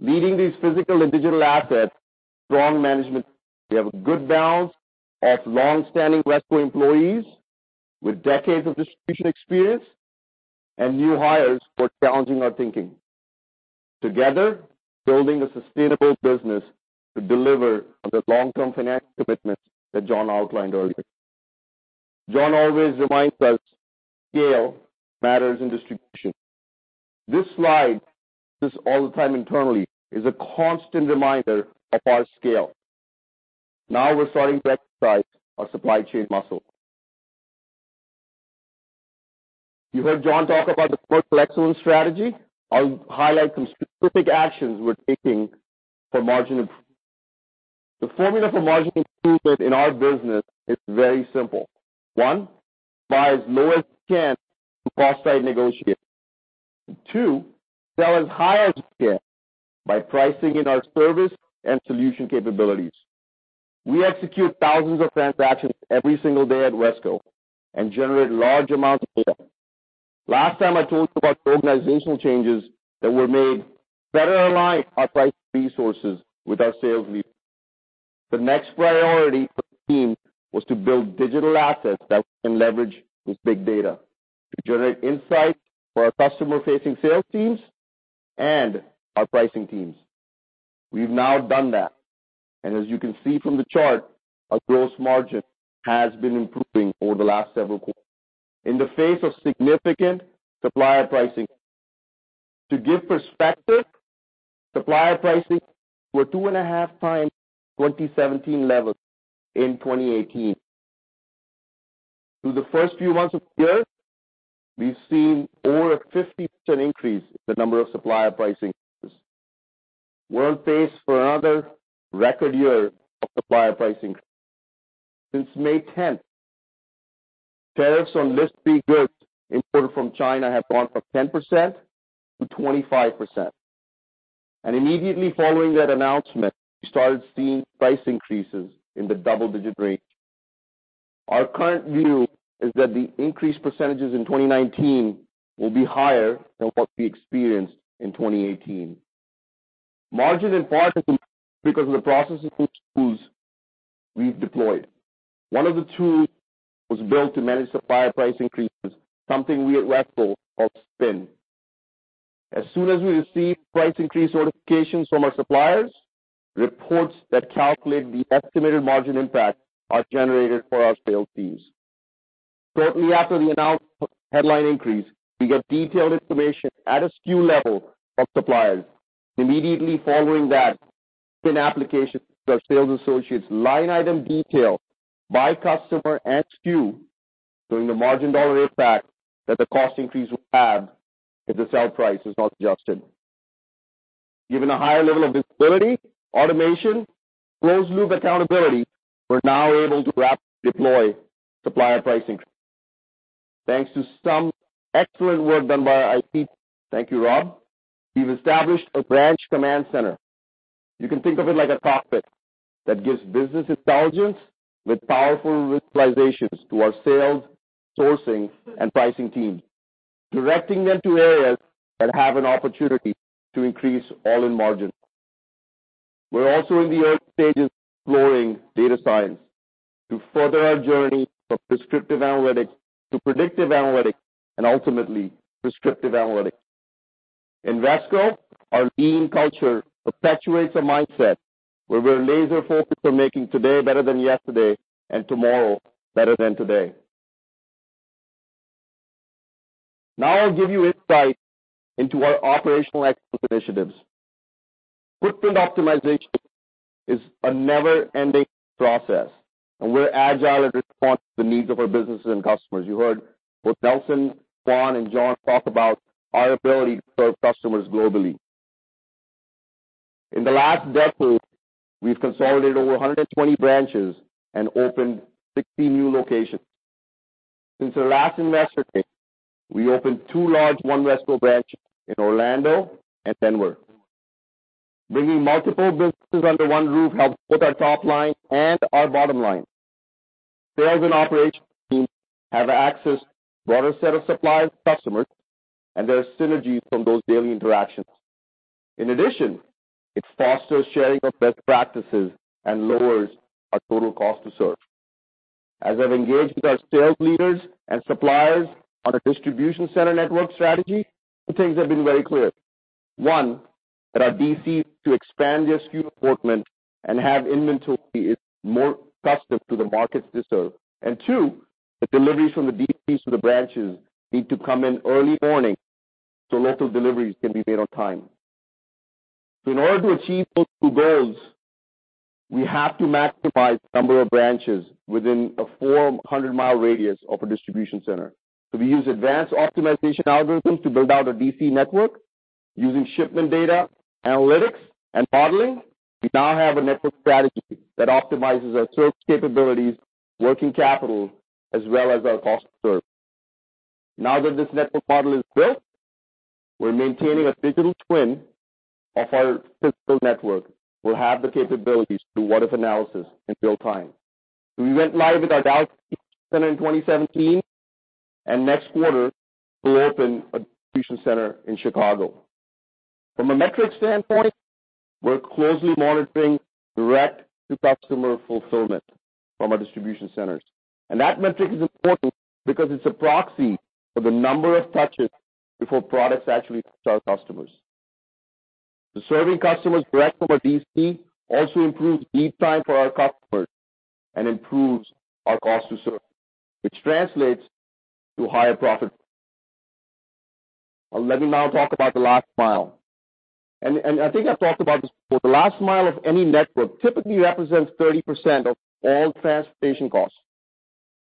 Leading these physical and digital assets, strong management. We have a good balance of longstanding WESCO employees with decades of distribution experience and new hires for challenging our thinking. Together, building a sustainable business to deliver on the long-term financial commitments that John outlined earlier. John always reminds us scale matters in distribution. This slide, we use all the time internally, is a constant reminder of our scale. Now we're starting to exercise our supply chain muscle. You heard John talk about the Path to Excellence strategy. I'll highlight some specific actions we're taking for margin improvement. The formula for margin improvement in our business is very simple. 1. Buy as low as we can through cost site negotiation. 2. Sell as high as we can by pricing in our service and solution capabilities. We execute thousands of transactions every single day at WESCO and generate large amounts of data. Last time, I told you about organizational changes that were made to better align our pricing resources with our sales leaders. The next priority for the team was to build digital assets that we can leverage with big data to generate insights for our customer-facing sales teams and our pricing teams. We've now done that, and as you can see from the chart, our gross margin has been improving over the last several quarters in the face of significant supplier pricing increases. To give perspective, supplier pricing increases were 2.5x 2017 levels in 2018. Through the first few months of this year, we've seen over a 15% increase in the number of supplier pricing increases. We're on pace for another record year of supplier pricing increases. Since May 10th, tariffs on List B goods imported from China have gone from 10%-25%. Immediately following that announcement, we started seeing price increases in the double-digit range. Our current view is that the increase percentages in 2019 will be higher than what we experienced in 2018. Margin improvement, because of the processes and tools we've deployed. One of the tools was built to manage supplier price increases, something we at WESCO call SPIN. As soon as we receive price increase notifications from our suppliers, reports that calculate the estimated margin impact are generated for our sales teams. Shortly after the announced headline increase, we get detailed information at a SKU level of suppliers. Immediately following that, SPIN applications give our sales associates line-item detail by customer and SKU, showing the margin dollar impact that the cost increase will have if the sell price is not adjusted. Given a higher level of visibility, automation, closed-loop accountability, we're now able to rapidly deploy supplier pricing increases. Thanks to some excellent work done by our IT team, thank you, Rob, we've established a branch command center. You can think of it like a cockpit that gives business intelligence with powerful visualizations to our sales, sourcing, and pricing teams, directing them to areas that have an opportunity to increase all-in margin. We're also in the early stages of exploring data science to further our journey from descriptive analytics to predictive analytics and, ultimately, prescriptive analytics. In WESCO, our lean culture perpetuates a mindset where we're laser-focused on making today better than yesterday and tomorrow better than today. I'll give you insight into our operational excellence initiatives. Footprint optimization is a never-ending process, we're agile at responding to the needs of our businesses and customers. You heard both Nelson, Juan, and John talk about our ability to serve customers globally. In the last decade, we've consolidated over 120 branches and opened 60 new locations. Since our last Investor Day, we opened two large One WESCO branches in Orlando and Denver. Bringing multiple businesses under one roof helps both our top line and our bottom line. Sales and operations teams have access to a broader set of suppliers and customers, there are synergies from those daily interactions. In addition, it fosters sharing of best practices and lowers our total cost to serve. As I've engaged with our sales leaders and suppliers on a distribution center network strategy, two things have been very clear. One, that our DCs to expand their SKU assortment and have inventory is more custom to the markets they serve. Two, the deliveries from the DCs to the branches need to come in early morning so local deliveries can be made on time. In order to achieve those two goals, we have to maximize the number of branches within a 400-mile radius of a distribution center. We use advanced optimization algorithms to build out a DC network. Using shipment data, analytics, and modeling, we now have a network strategy that optimizes our service capabilities, working capital, as well as our cost to serve. Now that this network model is built, we're maintaining a digital twin of our physical network. We'll have the capabilities to do what-if analysis in real time. We went live with our Dallas distribution center in 2017, and next quarter we'll open a distribution center in Chicago. From a metrics standpoint, we're closely monitoring direct-to-customer fulfillment from our distribution centers. That metric is important because it's a proxy for the number of touches before products actually reach our customers. Serving customers direct from a DC also improves lead time for our customers and improves our cost to serve, which translates to higher profitability. Let me now talk about the last mile. I think I've talked about this before. The last mile of any network typically represents 30% of all transportation costs.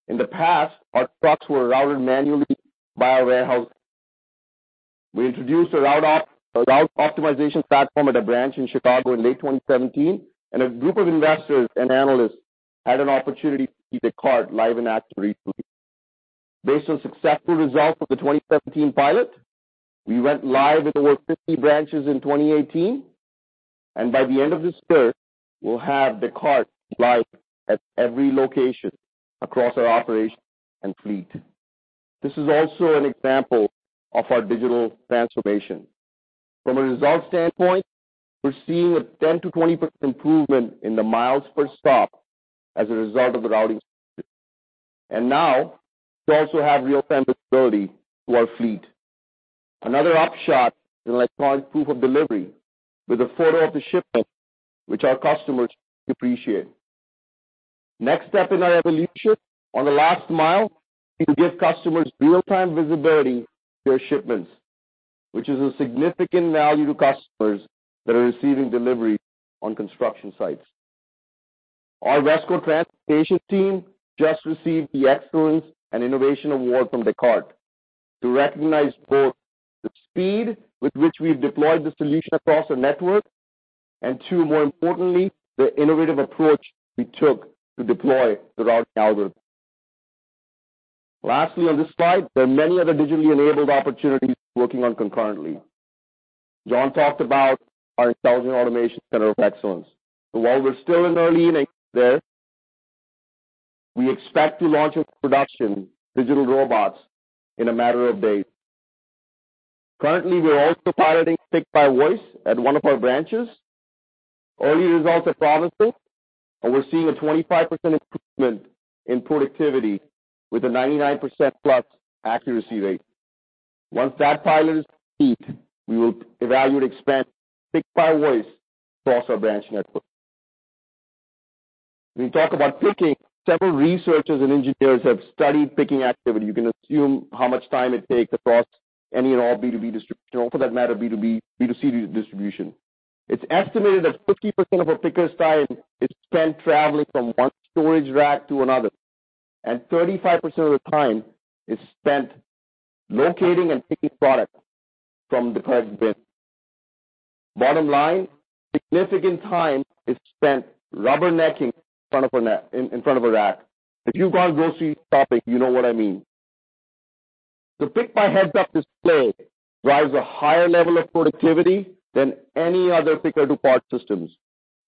In the past, our trucks were routed manually by our warehouse. We introduced a route optimization platform at a branch in Chicago in late 2017, and a group of investors and analysts had an opportunity to see Descartes live in action recently. Based on successful results of the 2017 pilot, we went live with over 50 branches in 2018, and by the end of this quarter, we'll have Descartes live at every location across our operations and fleet. This is also an example of our digital transformation. From a results standpoint, we're seeing a 10%-20% improvement in the miles per stop as a result of the routing solution. Now we also have real-time visibility to our fleet. Another upshot is an electronic proof of delivery with a photo of the shipment, which our customers appreciate. Next step in our evolution on the last mile is to give customers real-time visibility to their shipments, which is of significant value to customers that are receiving deliveries on construction sites. Our WESCO Transportation team just received the Excellence and Innovation Award from Descartes to recognize both the speed with which we've deployed the solution across our network, and two, more importantly, the innovative approach we took to deploy the routing algorithm. Lastly, on this slide, there are many other digitally enabled opportunities we're working on concurrently. John talked about our Intelligent Automation Center of Excellence. While we're still in early innings there, we expect to launch our production digital robots in a matter of days. Currently, we're also piloting Pick by Voice at one of our branches. Early results are promising, and we're seeing a 25% improvement in productivity with a 99%+ accuracy rate. Once that pilot is complete, we will evaluate expanding Pick by Voice across our branch network. When we talk about picking, several researchers and engineers have studied picking activity. You can assume how much time it takes across any and all B2B distribution, or for that matter, B2C distribution. It's estimated that 50% of a picker's time is spent traveling from one storage rack to another, and 35% of the time is spent locating and picking product from the correct bin. Bottom line, significant time is spent rubbernecking in front of a rack. If you've gone grocery shopping, you know what I mean. Pick by Heads Up Display drives a higher level of productivity than any other picker-to-part systems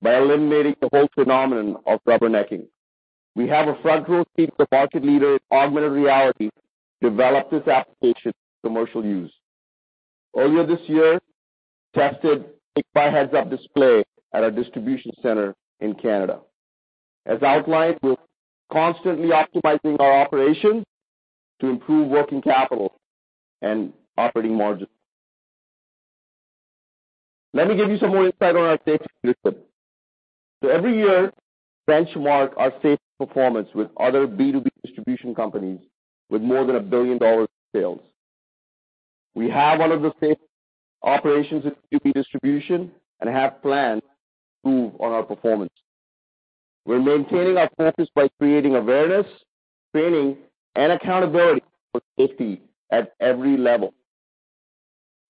by eliminating the whole phenomenon of rubbernecking. We have a front-row seat to a market leader in augmented reality to develop this application for commercial use. Earlier this year, we tested Pick by Heads Up Display at our distribution center in Canada. As outlined, we're constantly optimizing our operations to improve working capital and operating margin. Let me give you some more insight on our safety initiatives. Every year, we benchmark our safety performance with other B2B distribution companies with more than $1 billion in sales. We have one of the safest operations in B2B distribution and have plans to improve on our performance. We're maintaining our focus by creating awareness, training, and accountability for safety at every level.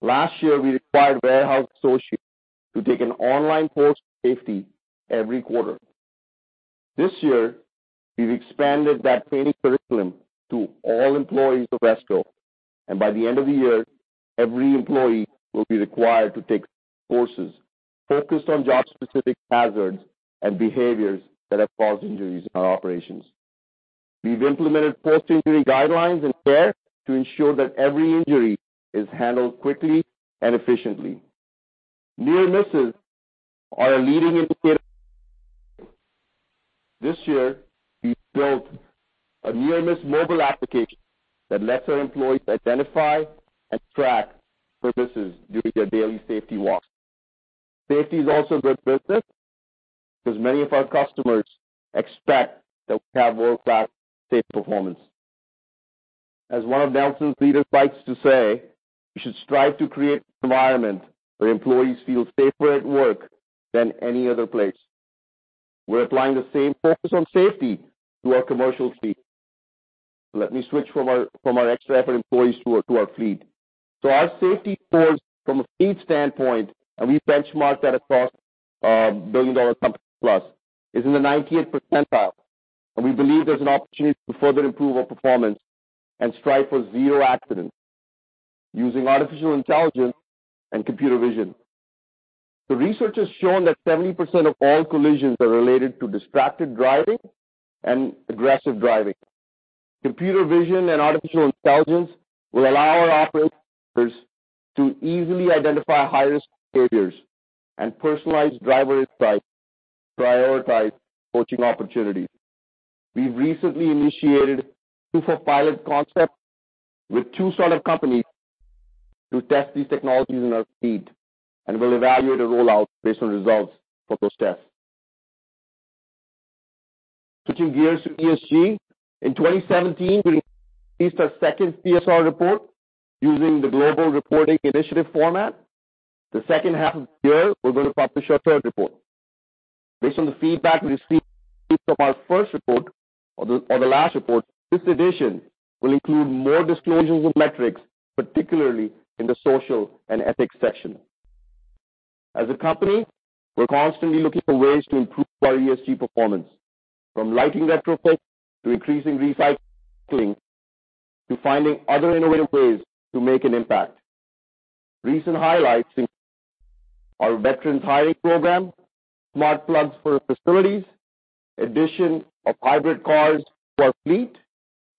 Last year, we required warehouse associates to take an online course in safety every quarter. This year, we've expanded that training curriculum to all employees of WESCO, and by the end of the year, every employee will be required to take courses focused on job-specific hazards and behaviors that have caused injuries in our operations. We've implemented post-injury guidelines and care to ensure that every injury is handled quickly and efficiently. Near misses are a leading indicator. This year, we built a near-miss mobile application that lets our employees identify and track near misses during their daily safety walks. Safety is also good business, because many of our customers expect that we have world-class safe performance. As one of Nelson's leaders likes to say, "We should strive to create an environment where employees feel safer at work than any other place." We're applying the same focus on safety to our commercial fleet. Let me switch from our extra effort employees to our fleet. Our safety scores from a fleet standpoint, and we benchmark that across billion-dollar companies plus, is in the 90th percentile, and we believe there's an opportunity to further improve our performance and strive for zero accidents using artificial intelligence and computer vision. The research has shown that 70% of all collisions are related to distracted driving and aggressive driving. Computer vision and artificial intelligence will allow our operators to easily identify high-risk behaviors and personalize driver insights to prioritize coaching opportunities. We've recently initiated a proof of pilot concept with two startup companies to test these technologies in our fleet, and will evaluate a rollout based on results for those tests. Switching gears to ESG, in 2017, we released our second CSR report using the Global Reporting Initiative format. The second half of this year, we're going to publish our third report. Based on the feedback received from our first report, or the last report, this edition will include more disclosures of metrics, particularly in the social and ethics section. As a company, we're constantly looking for ways to improve our ESG performance, from lighting retrofits to increasing recycling, to finding other innovative ways to make an impact. Recent highlights include our veterans hiring program, smart plugs for our facilities, addition of hybrid cars to our fleet,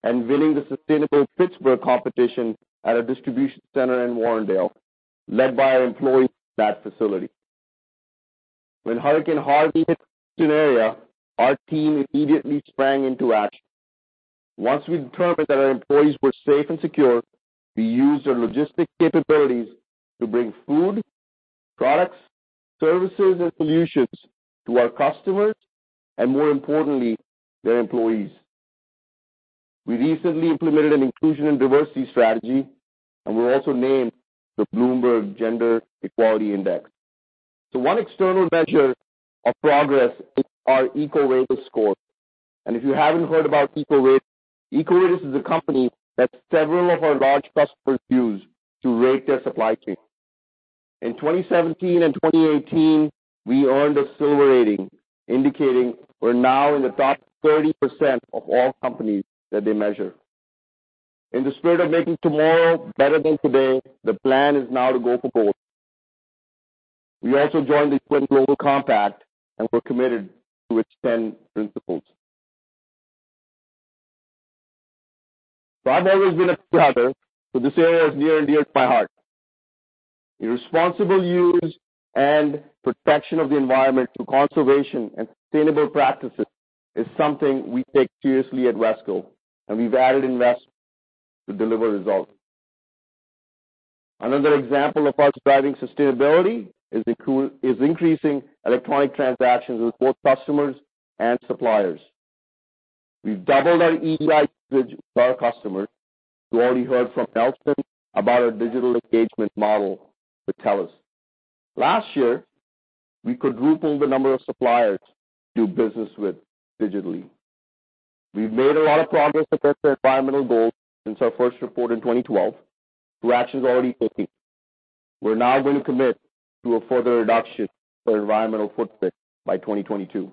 and winning the Sustainable Pittsburgh competition at our distribution center in Warrendale, led by our employees at that facility. When Hurricane Harvey hit the Houston area, our team immediately sprang into action. Once we determined that our employees were safe and secure, we used our logistic capabilities to bring food, products, services, and solutions to our customers, and more importantly, their employees. We recently implemented an inclusion and diversity strategy, and we're also named the Bloomberg Gender-Equality Index. One external measure of progress is our EcoVadis score. If you haven't heard about EcoVadis is a company that several of our large customers use to rate their supply chain. In 2017 and 2018, we earned a silver rating, indicating we're now in the top 30% of all companies that they measure. In the spirit of making tomorrow better than today, the plan is now to go for gold. We also joined the UN Global Compact, and we're committed to its 10 principles. I've always been a traveler, this area is near and dear to my heart. The responsible use and protection of the environment through conservation and sustainable practices is something we take seriously at WESCO, and we've added investments to deliver results. Another example of us driving sustainability is increasing electronic transactions with both customers and suppliers. We've doubled our EDI usage with our customers. You already heard from Nelson about our digital engagement model with TELUS. Last year, we quadrupled the number of suppliers we do business with digitally. We've made a lot of progress against our environmental goals since our first report in 2012. Progress is already kicking in. We're now going to commit to a further reduction of our environmental footprint by 2022.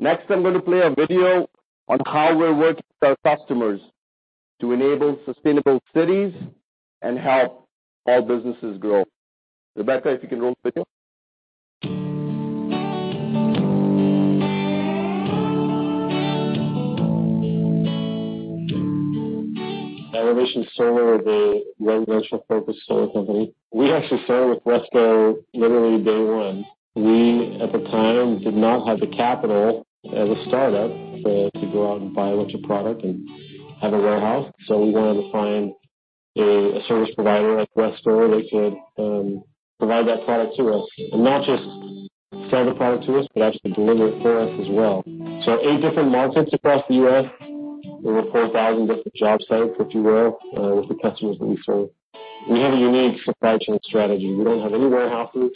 Next, I'm going to play a video on how we're working with our customers to enable sustainable cities and help all businesses grow. Rebecca, if you can roll the video. Elevation Solar is a residential-focused solar company. We actually started with WESCO literally day one. We, at the time, did not have the capital as a startup to go out and buy a bunch of product and have a warehouse. We wanted to find a service provider like WESCO that could provide that product to us, and not just sell the product to us, but actually deliver it for us as well. Eight different markets across the U.S. Over 4,000 different job sites, if you will, with the customers that we serve. We have a unique supply chain strategy. We don't have any warehouses.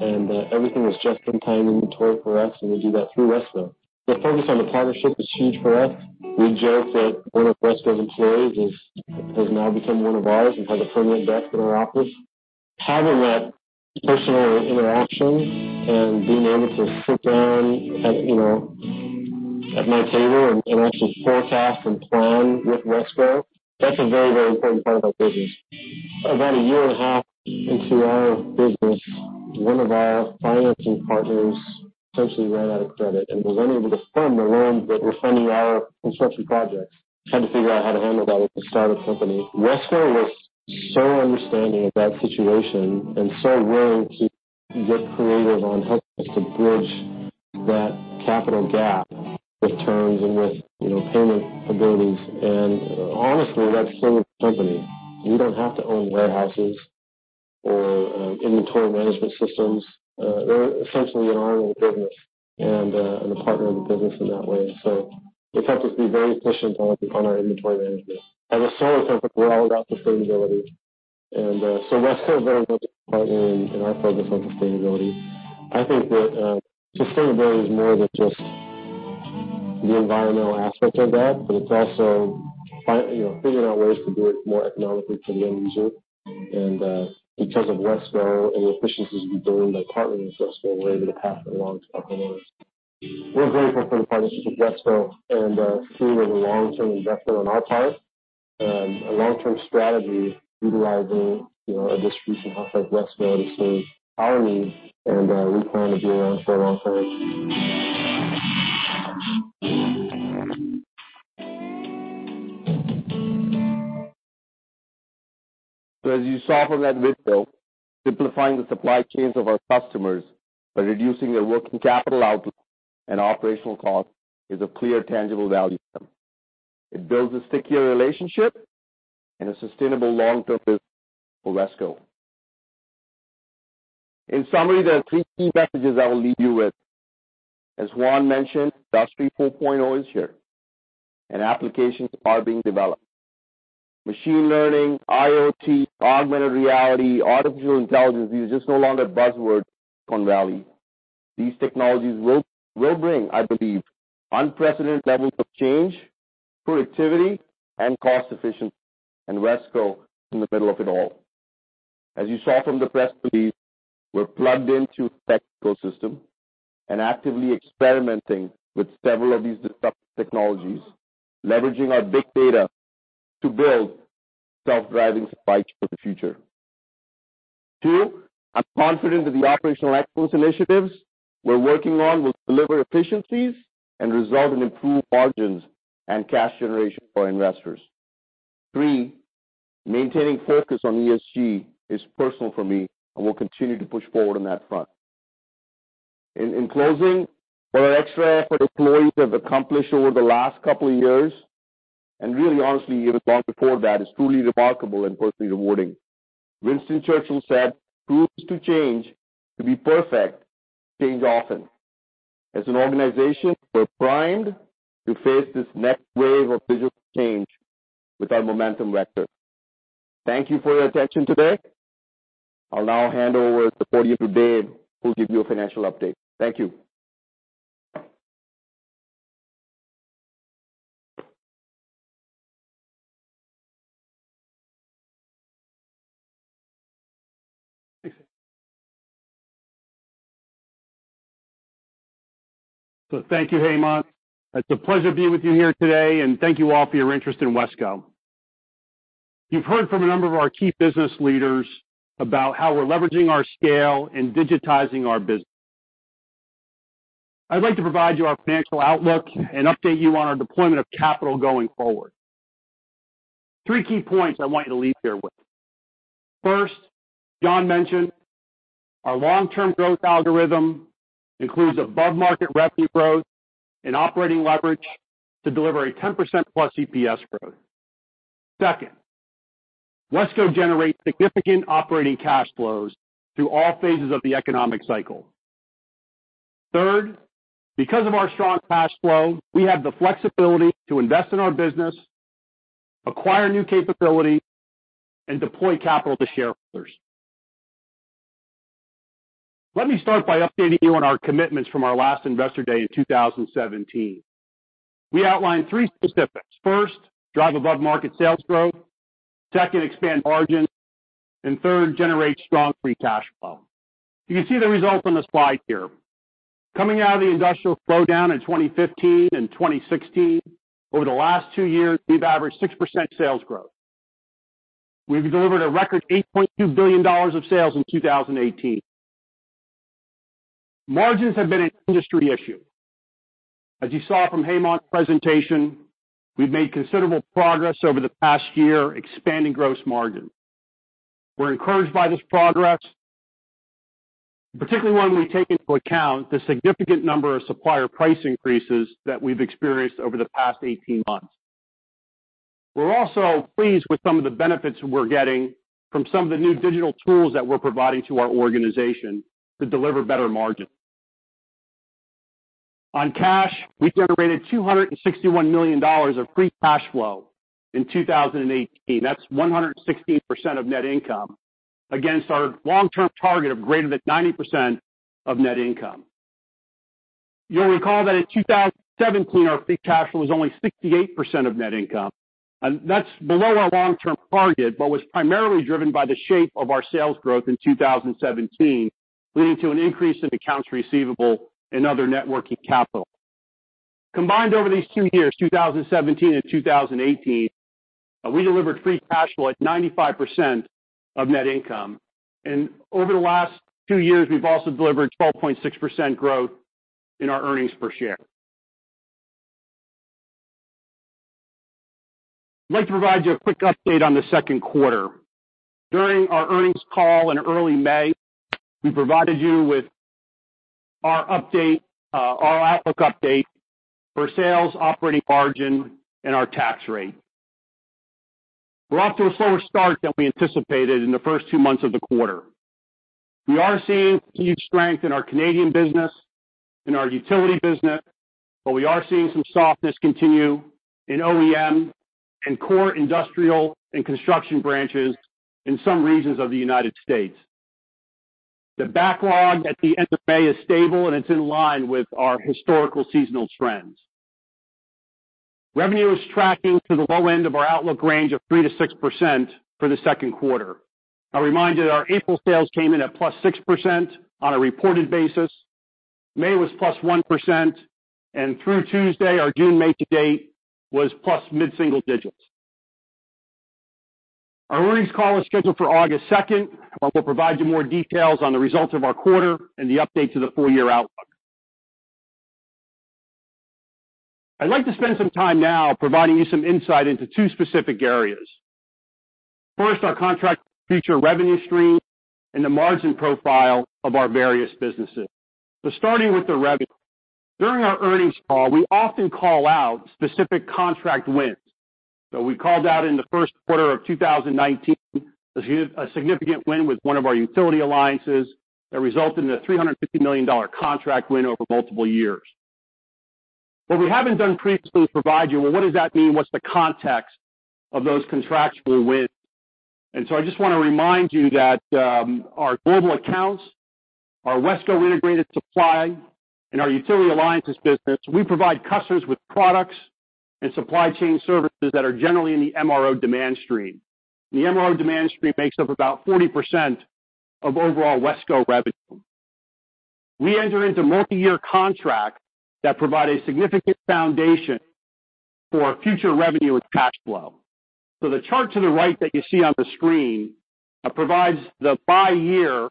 Everything is just-in-time inventory for us, and we do that through WESCO. The focus on the partnership is huge for us. We joke that one of WESCO's employees has now become one of ours and has a permanent desk in our office. Having that personal interaction and being able to sit down at my table and actually forecast and plan with WESCO, that's a very important part of our business. About 1.5 year into our business, one of our financing partners essentially ran out of credit and was unable to fund the loans that were funding our construction projects. We had to figure out how to handle that as a startup company. WESCO was so understanding of that situation and so willing to get creative on helping us to bridge that capital gap with terms and with payment abilities. Honestly, that saved the company. We don't have to own warehouses or inventory management systems. They're essentially an arm of the business and a partner of the business in that way. They've helped us be very efficient on our inventory management. As a solar company, we're all about sustainability. WESCO has been a great partner in our focus on sustainability. I think that sustainability is more than just the environmental aspect of that, but it is also figuring out ways to do it more economically for the end user. Because of WESCO and the efficiencies we gain by partnering with WESCO, we are able to pass that along to our customers. We are very focused on the partnership with WESCO and see it as a long-term investor on our part. A long-term strategy utilizing a distribution house like WESCO to serve our needs, and we plan to be around for a long time. As you saw from that video, simplifying the supply chains of our customers by reducing their working capital outlook and operational costs is a clear tangible value to them. It builds a stickier relationship and a sustainable long-term business for WESCO. In summary, there are three key messages I will leave you with. As Juan mentioned, Industry 4.0 is here, and applications are being developed. Machine learning, IoT, augmented reality, artificial intelligence, these are no longer buzzwords on Valley. These technologies will bring, I believe, unprecedented levels of change, productivity, and cost efficiency, and WESCO is in the middle of it all. As you saw from the press release, we are plugged into the technical system and actively experimenting with several of these disruptive technologies, leveraging our big data to build self-driving supply chain for the future. Two, I am confident that the operational excellence initiatives we are working on will deliver efficiencies and result in improved margins and cash generation for investors. Three, maintaining focus on ESG is personal for me, and we will continue to push forward on that front. In closing, what our extra effort employees have accomplished over the last couple of years, and really honestly, even long before that, is truly remarkable and personally rewarding. Winston Churchill said, "Who looks to change to be perfect, change often." As an organization, we are primed to face this next wave of digital change with our momentum vector. Thank you for your attention today. I will now hand over to Dave Schulz, who will give you a financial update. Thank you. Thank you, Hemant. It is a pleasure being with you here today, and thank you all for your interest in WESCO. You have heard from a number of our key business leaders about how we are leveraging our scale and digitizing our business. I would like to provide you our financial outlook and update you on our deployment of capital going forward. Three key points I want you to leave here with. First, John mentioned our long-term growth algorithm includes above-market revenue growth and operating leverage to deliver a 10%+ EPS growth. Second, WESCO generates significant operating cash flows through all phases of the economic cycle. Third, because of our strong cash flow, we have the flexibility to invest in our business, acquire new capability, and deploy capital to shareholders. Let me start by updating you on our commitments from our last Investor Day in 2017. We outlined three specifics. First, drive above-market sales growth. Second, expand margins. Third, generate strong free cash flow. You can see the results on the slide here. Coming out of the industrial slowdown in 2015 and 2016, over the last two years, we've averaged 6% sales growth. We've delivered a record $8.2 billion of sales in 2018. Margins have been an industry issue. As you saw from Hemant's presentation, we've made considerable progress over the past year expanding gross margin. We're encouraged by this progress, particularly when we take into account the significant number of supplier price increases that we've experienced over the past 18 months. We're also pleased with some of the benefits we're getting from some of the new digital tools that we're providing to our organization to deliver better margin. On cash, we generated $261 million of free cash flow in 2018. That's 116% of net income against our long-term target of greater than 90% of net income. You'll recall that in 2017, our free cash flow was only 68% of net income, and that's below our long-term target, but was primarily driven by the shape of our sales growth in 2017, leading to an increase in accounts receivable and other net working capital. Combined over these two years, 2017 and 2018, we delivered free cash flow at 95% of net income. Over the last two years, we've also delivered 12.6% growth in our earnings per share. I'd like to provide you a quick update on the second quarter. During our earnings call in early May, we provided you with our outlook update for sales, operating margin, and our tax rate. We're off to a slower start than we anticipated in the first two months of the quarter. We are seeing huge strength in our Canadian business, in our utility business, but we are seeing some softness continue in OEM, in core industrial and construction branches in some regions of the U.S. The backlog at the end of May is stable, and it's in line with our historical seasonal trends. Revenue is tracking to the low end of our outlook range of 3%-6% for the second quarter. A reminder, our April sales came in at +6% on a reported basis. May was +1%, and through Tuesday, our June, May to date was +mid-single digits. Our earnings call is scheduled for August 2nd, where we'll provide you more details on the results of our quarter and the update to the full-year outlook. I'd like to spend some time now providing you some insight into two specific areas. First, our contract future revenue stream and the margin profile of our various businesses. Starting with the revenue. During our earnings call, we often call out specific contract wins. We called out in the first quarter of 2019, a significant win with one of our utility alliances that resulted in a $350 million contract win over multiple years. What we haven't done previously is provide you, what does that mean? What's the context of those contractual wins? I just want to remind you that our global accounts, our WESCO integrated supply, and our utility alliances business, we provide customers with products and supply chain services that are generally in the MRO demand stream. The MRO demand stream makes up about 40% of overall WESCO revenue. We enter into multi-year contracts that provide a significant foundation for future revenue and cash flow. The chart to the right that you see on the screen provides the by year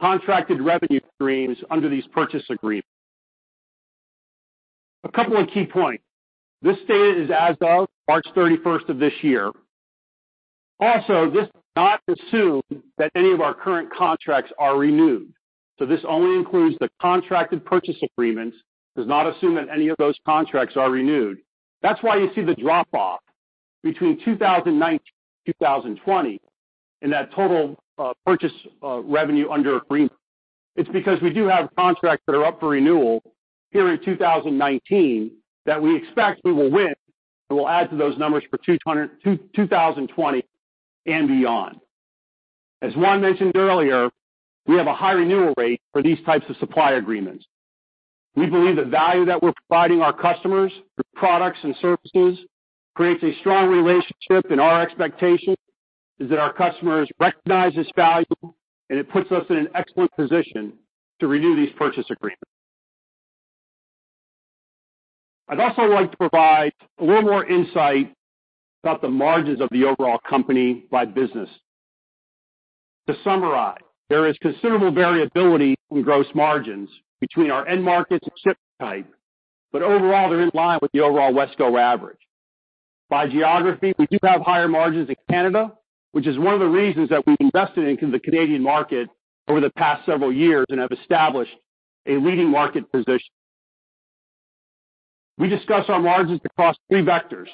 contracted revenue streams under these purchase agreements. A couple of key points. This data is as of March 31st of this year. This does not assume that any of our current contracts are renewed. This only includes the contracted purchase agreements, does not assume that any of those contracts are renewed. That's why you see the drop-off between 2019 and 2020 in that total purchase revenue under agreement. It's because we do have contracts that are up for renewal during 2019 that we expect we will win and will add to those numbers for 2020 and beyond. As Juan mentioned earlier, we have a high renewal rate for these types of supply agreements. We believe the value that we're providing our customers through products and services creates a strong relationship, and our expectation is that our customers recognize this value, and it puts us in an excellent position to renew these purchase agreements. I'd also like to provide a little more insight about the margins of the overall company by business. To summarize, there is considerable variability in gross margins between our end markets and shipment type, but overall, they're in line with the overall WESCO average. By geography, we do have higher margins in Canada, which is one of the reasons that we've invested in the Canadian market over the past several years and have established a leading market position. We discuss our margins across three vectors: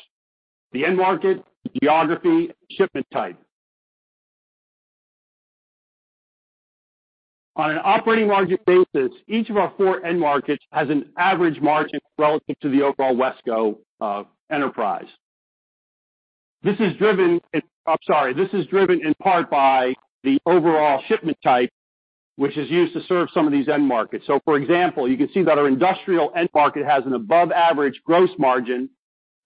the end market, geography, shipment type. On an operating margin basis, each of our four end markets has an average margin relative to the overall WESCO enterprise. This is driven in part by the overall shipment type, which is used to serve some of these end markets. For example, you can see that our industrial end market has an above-average gross margin,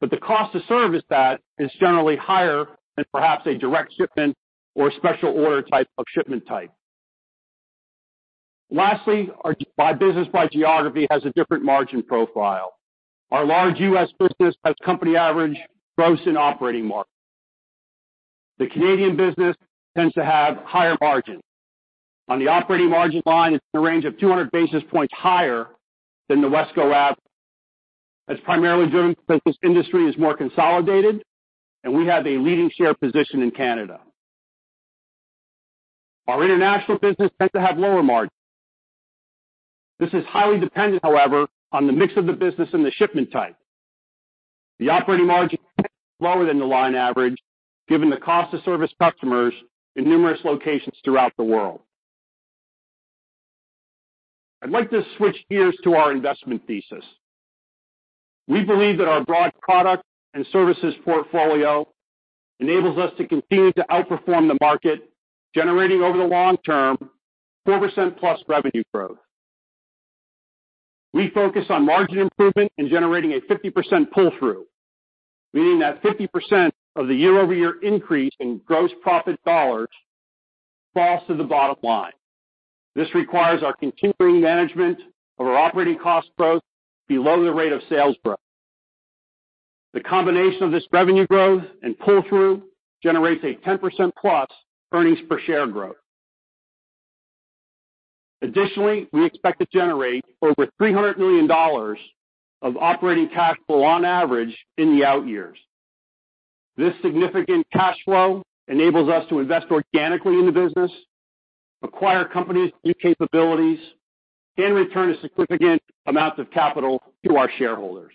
but the cost to service that is generally higher than perhaps a direct shipment or a special order type of shipment type. Lastly, our business by geography has a different margin profile. Our large U.S. business has company average gross and operating margin. The Canadian business tends to have higher margins. On the operating margin line, it's in a range of 200 basis points higher than the WESCO average. That's primarily driven because industry is more consolidated, and we have a leading share position in Canada. Our international business tends to have lower margins. This is highly dependent, however, on the mix of the business and the shipment type. The operating margin is lower than the line average, given the cost to service customers in numerous locations throughout the world. I'd like to switch gears to our investment thesis. We believe that our broad product and services portfolio enables us to continue to outperform the market, generating over the long term 4%+ revenue growth. We focus on margin improvement and generating a 50% pull-through, meaning that 50% of the year-over-year increase in gross profit dollars falls to the bottom line. This requires our continuing management of our operating cost growth below the rate of sales growth. The combination of this revenue growth and pull-through generates a 10%+ earnings per share growth. Additionally, we expect to generate over $300 million of operating cash flow on average in the out years. This significant cash flow enables us to invest organically in the business, acquire companies with new capabilities, and return significant amounts of capital to our shareholders.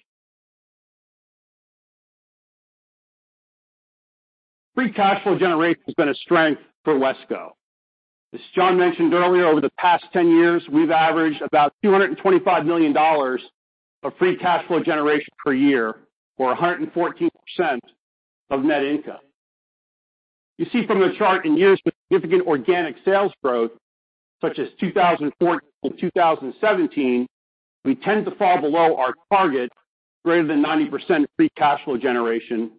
Free cash flow generation has been a strength for WESCO. As John mentioned earlier, over the past 10 years, we've averaged about $225 million of free cash flow generation per year, or 114% of net income. You see from the chart, in years with significant organic sales growth, such as 2014 to 2017, we tend to fall below our target greater than 90% free cash flow generation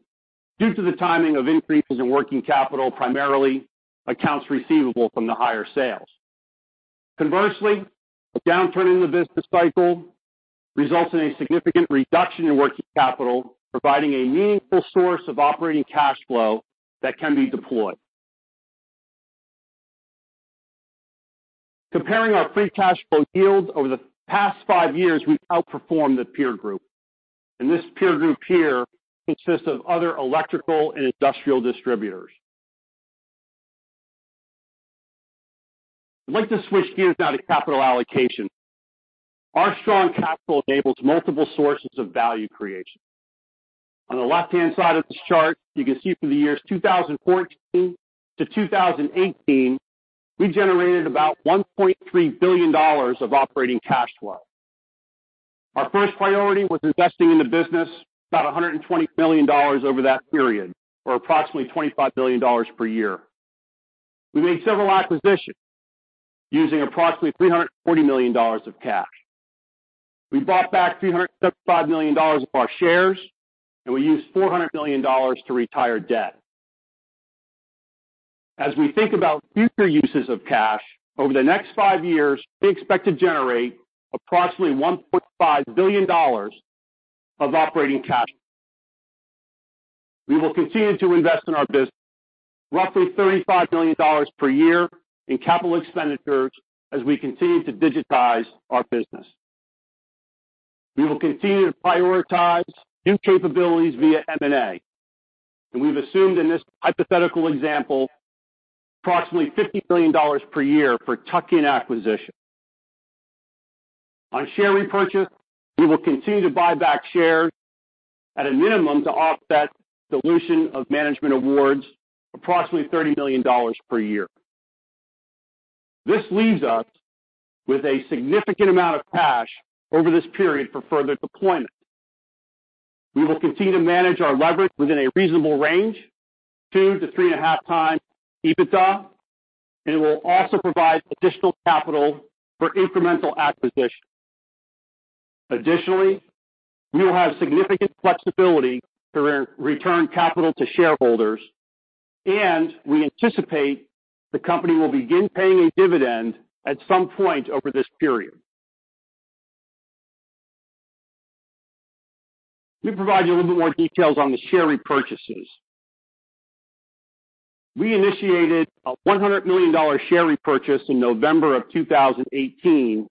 due to the timing of increases in working capital, primarily accounts receivable from the higher sales. Conversely, a downturn in the business cycle results in a significant reduction in working capital, providing a meaningful source of operating cash flow that can be deployed. Comparing our free cash flow yields over the past five years, we've outperformed the peer group. This peer group here consists of other electrical and industrial distributors. I'd like to switch gears now to capital allocation. Our strong capital enables multiple sources of value creation. On the left-hand side of this chart, you can see from the years 2014 to 2018, we generated about $1.3 billion of operating cash flow. Our first priority was investing in the business, about $120 million over that period, or approximately $25 million per year. We made several acquisitions using approximately $340 million of cash. We bought back $375 million of our shares, and we used $400 million to retire debt. As we think about future uses of cash, over the next five years, we expect to generate approximately $1.5 billion of operating cash. We will continue to invest in our business, roughly $35 million per year in capital expenditures as we continue to digitize our business. We will continue to prioritize new capabilities via M&A, and we've assumed in this hypothetical example, approximately $50 million per year for tuck-in acquisitions. On share repurchase, we will continue to buy back shares at a minimum to offset dilution of management awards, approximately $30 million per year. This leaves us with a significant amount of cash over this period for further deployment. We will continue to manage our leverage within a reasonable range, 2x to 3.5x EBITDA, and it will also provide additional capital for incremental acquisitions. Additionally, we will have significant flexibility to return capital to shareholders. We anticipate the company will begin paying a dividend at some point over this period. Let me provide you a little bit more details on the share repurchases. We initiated a $100 million share repurchase in November of 2018,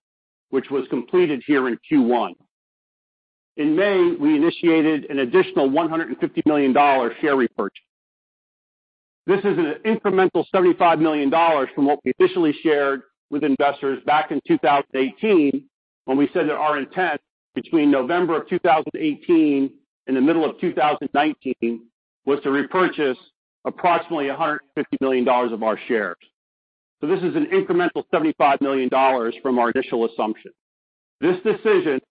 which was completed here in Q1. In May, we initiated an additional $150 million share repurchase. This is an incremental $75 million from what we initially shared with investors back in 2018 when we said that our intent between November of 2018 and the middle of 2019 was to repurchase approximately $150 million of our shares. This is an incremental $75 million from our initial assumption. This decision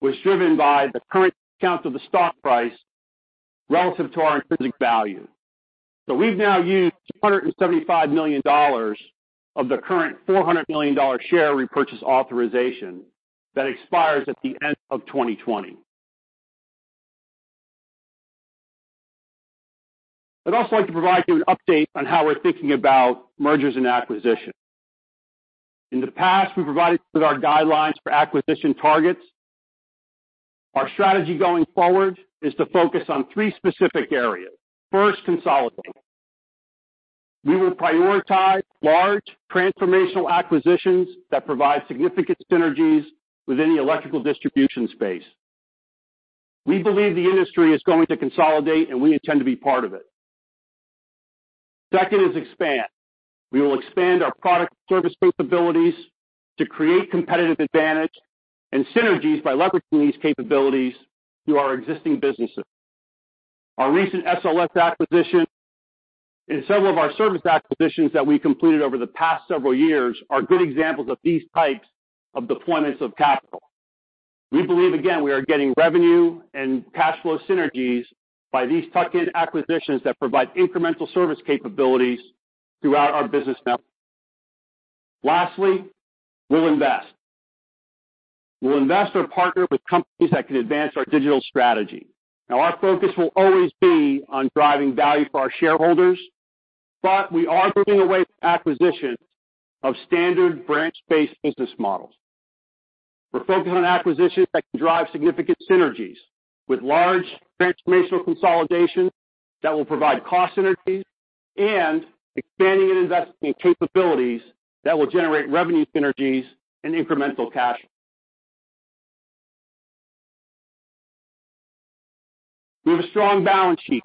was driven by the current count of the stock price relative to our intrinsic value. We've now used $275 million of the current $400 million share repurchase authorization that expires at the end of 2020. I'd also like to provide you an update on how we're thinking about mergers and acquisitions. In the past, we provided with our guidelines for acquisition targets. Our strategy going forward is to focus on three specific areas. First, consolidating. We will prioritize large, transformational acquisitions that provide significant synergies within the electrical distribution space. We believe the industry is going to consolidate, and we intend to be part of it. Second is expand. We will expand our product service capabilities to create competitive advantage and synergies by leveraging these capabilities through our existing businesses. Our recent SLS acquisition and several of our service acquisitions that we completed over the past several years are good examples of these types of deployments of capital. We believe, again, we are getting revenue and cash flow synergies by these tuck-in acquisitions that provide incremental service capabilities throughout our business network. Lastly, we'll invest. We'll invest or partner with companies that can advance our digital strategy. Our focus will always be on driving value for our shareholders, we are moving away from acquisitions of standard branch-based business models. We're focused on acquisitions that can drive significant synergies with large transformational consolidation that will provide cost synergies and expanding and investing in capabilities that will generate revenue synergies and incremental cash. We have a strong balance sheet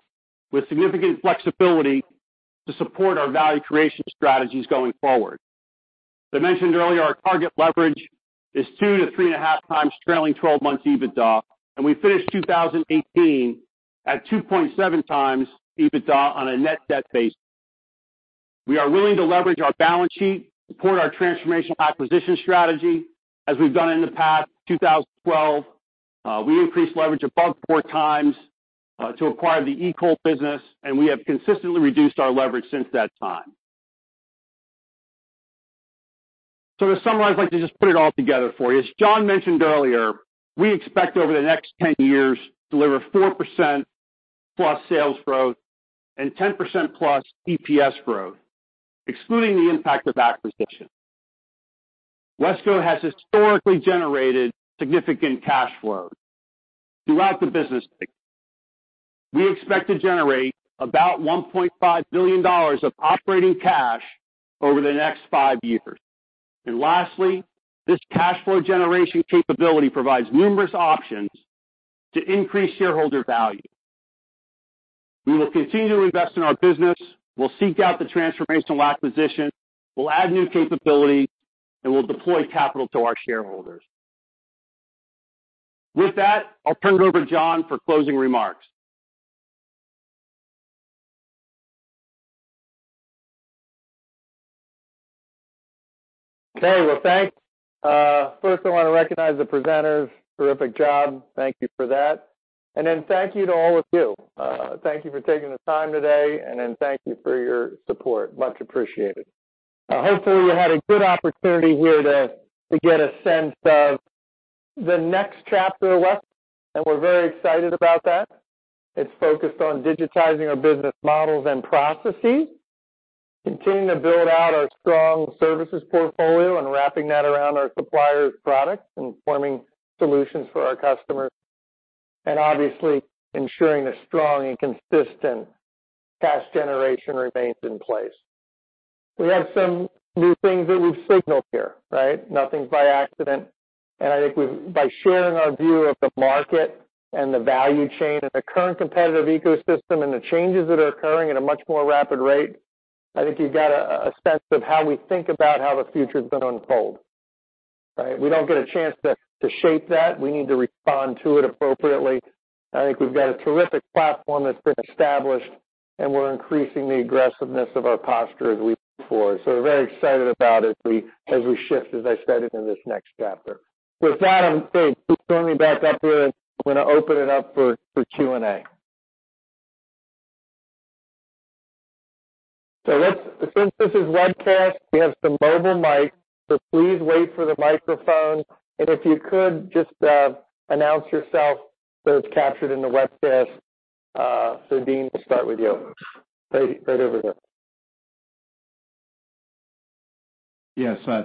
with significant flexibility to support our value creation strategies going forward. As I mentioned earlier, our target leverage is 2x to 3.5x trailing 12 months EBITDA, and we finished 2018 at 2.7x EBITDA on a net debt basis. We are willing to leverage our balance sheet, support our transformational acquisition strategy, as we've done in the past. 2012, we increased leverage above 4x to acquire the EECOL Electric business, and we have consistently reduced our leverage since that time. To summarize, I'd like to just put it all together for you. As John mentioned earlier, we expect over the next 10 years, to deliver 4%+ sales growth and 10%+ EPS growth, excluding the impact of acquisitions. WESCO has historically generated significant cash flow throughout the business cycle. We expect to generate about $1.5 billion of operating cash over the next five years. Lastly, this cash flow generation capability provides numerous options to increase shareholder value. We will continue to invest in our business. We'll seek out the transformational acquisition. We'll add new capabilities, and we'll deploy capital to our shareholders. With that, I'll turn it over to John for closing remarks. Well, thanks. First, I want to recognize the presenters. Terrific job. Thank you for that. Thank you to all of you. Thank you for taking the time today. Thank you for your support. Much appreciated. Hopefully, you had a good opportunity here to get a sense of the next chapter of WESCO. We're very excited about that. It's focused on digitizing our business models and processes, continuing to build out our strong services portfolio, wrapping that around our suppliers' products and forming solutions for our customers, obviously ensuring a strong and consistent cash generation remains in place. We have some new things that we've signaled here, right? Nothing's by accident. I think by sharing our view of the market and the value chain and the current competitive ecosystem and the changes that are occurring at a much more rapid rate, I think you've got a sense of how we think about how the future is going to unfold. Right? We don't get a chance to shape that. We need to respond to it appropriately. I think we've got a terrific platform that's been established. We're increasing the aggressiveness of our posture as we move forward. We're very excited about it as we shift, as I said, into this next chapter. With that, Dave, please bring me back up here. I'm going to open it up for Q&A. Since this is a webcast, we have some mobile mics. Please wait for the microphone, and if you could just announce yourself so it's captured in the webcast. Deane, we'll start with you. Right over there.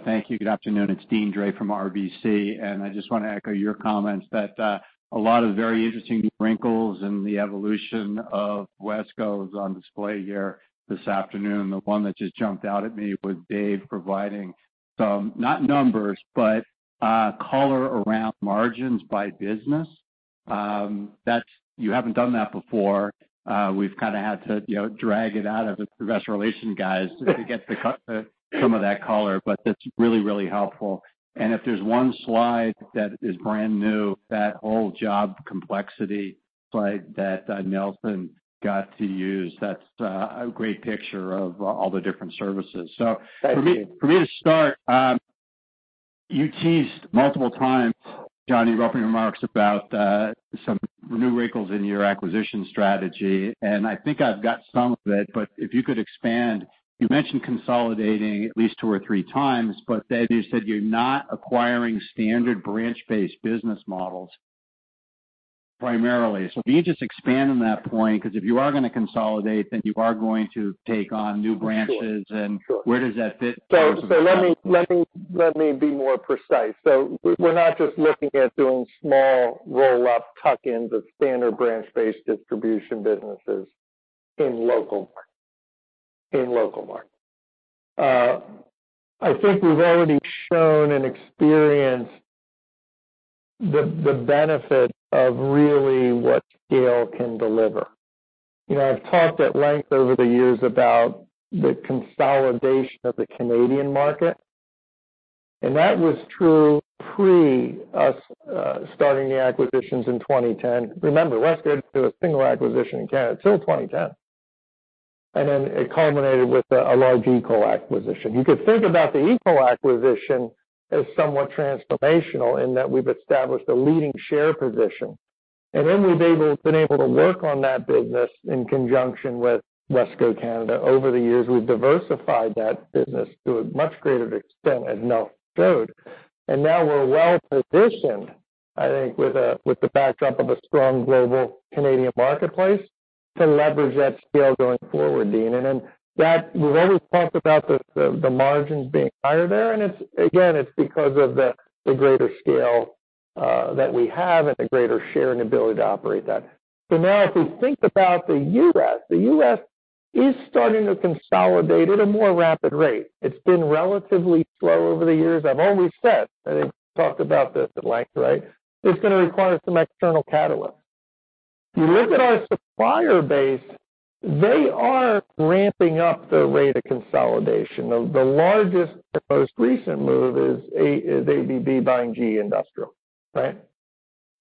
Thank you. Good afternoon. It's Deane Dray from RBC. I just want to echo your comments that a lot of very interesting wrinkles in the evolution of WESCO is on display here this afternoon. The one that just jumped out at me was Dave providing some, not numbers, but color around margins by business. You haven't done that before. We've kind of had to drag it out of investor relation guys to get some of that color. That's really, really helpful. If there's one slide that is brand new, that whole job complexity slide that Nelson got to use, that's a great picture of all the different services. Thank you. For me to start, you teased multiple times, John, in your opening remarks about some new wrinkles in your acquisition strategy, and I think I've got some of it, but if you could expand. You mentioned consolidating at least 2x or 3x, you said you're not acquiring standard branch-based business models primarily. Can you just expand on that point? Because if you are going to consolidate, then you are going to take on new branches- Sure. Where does that fit? Let me be more precise. We're not just looking at doing small roll-up tuck-ins of standard branch-based distribution businesses in local markets. I think we've already shown and experienced the benefit of really what scale can deliver. I've talked at length over the years about the consolidation of the Canadian market, and that was true pre us starting the acquisitions in 2010. Remember, WESCO did a single acquisition in Canada till 2010, and then it culminated with a large EECOL acquisition. You could think about the EECOL acquisition as somewhat transformational in that we've established a leading share position, and then we've been able to work on that business in conjunction with WESCO Canada. Over the years, we've diversified that business to a much greater extent, as Nel showed. Now we're well-positioned, I think, with the backdrop of a strong global Canadian marketplace to leverage that scale going forward, Deane. We've always talked about the margins being higher there, again, it's because of the greater scale that we have and the greater share and ability to operate that. If we think about the U.S., the U.S. is starting to consolidate at a more rapid rate. It's been relatively slow over the years. I've always said, and I've talked about this at length, it's going to require some external catalyst. If you look at our supplier base, they are ramping up their rate of consolidation. The largest and most recent move is ABB buying GE Industrial Solutions. Right?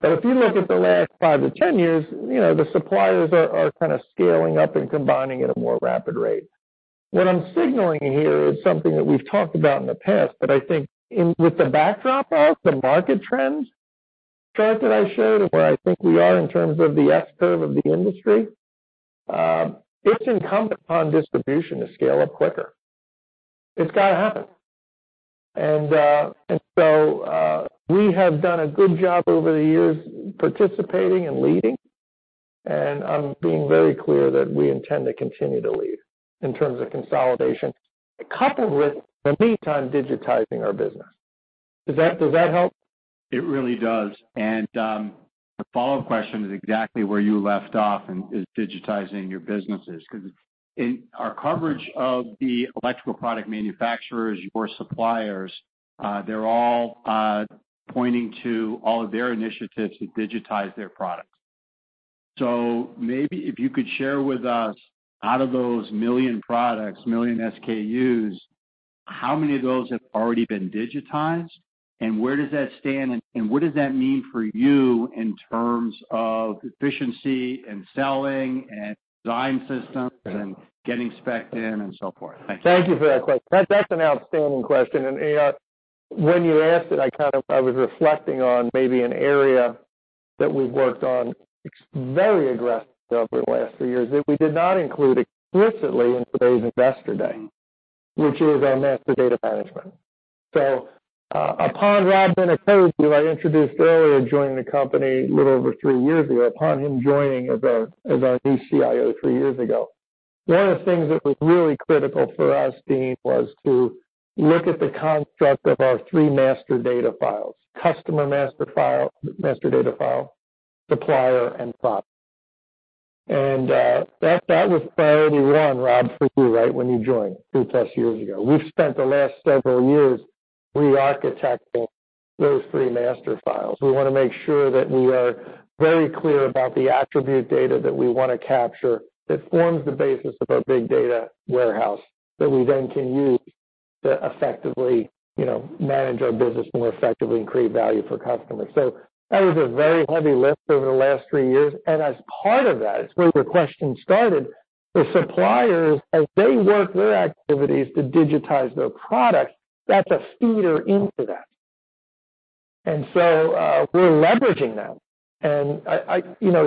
If you look at the last 5 to 10 years, the suppliers are kind of scaling up and combining at a more rapid rate. What I'm signaling here is something that we've talked about in the past, but I think with the backdrop of the market trends chart that I showed and where I think we are in terms of the S-curve of the industry, it's incumbent upon distribution to scale up quicker. It's got to happen. We have done a good job over the years participating and leading, and I'm being very clear that we intend to continue to lead in terms of consolidation, coupled with, in the meantime, digitizing our business. Does that help? It really does. The follow-up question is exactly where you left off, and is digitizing your businesses, because in our coverage of the electrical product manufacturers, your suppliers, they're all pointing to all of their initiatives to digitize their products. Maybe if you could share with us, out of those million products, million SKUs, how many of those have already been digitized, and where does that stand, and what does that mean for you in terms of efficiency in selling and design systems and getting specced in and so forth? Thank you. Thank you for that question. That's an outstanding question. When you asked it, I was reflecting on maybe an area that we've worked on very aggressively over the last three years that we did not include explicitly in today's Investor Day, which is our master data management. Upon Rob Minicozzi, who I introduced earlier, joining the company a little over three years ago, upon him joining as our new CIO three years ago, one of the things that was really critical for us, Deane, was to look at the construct of our three master data files, customer master data file, supplier, and product. That was priority one, Rob, for you, right, when you joined 3+ years ago. We've spent the last several years re-architecting those three master files. We want to make sure that we are very clear about the attribute data that we want to capture that forms the basis of our big data warehouse that we then can use to effectively manage our business more effectively and create value for customers. That was a very heavy lift over the last three years. As part of that, it's where your question started, the suppliers, as they work their activities to digitize their products, that's a feeder into that. We're leveraging that.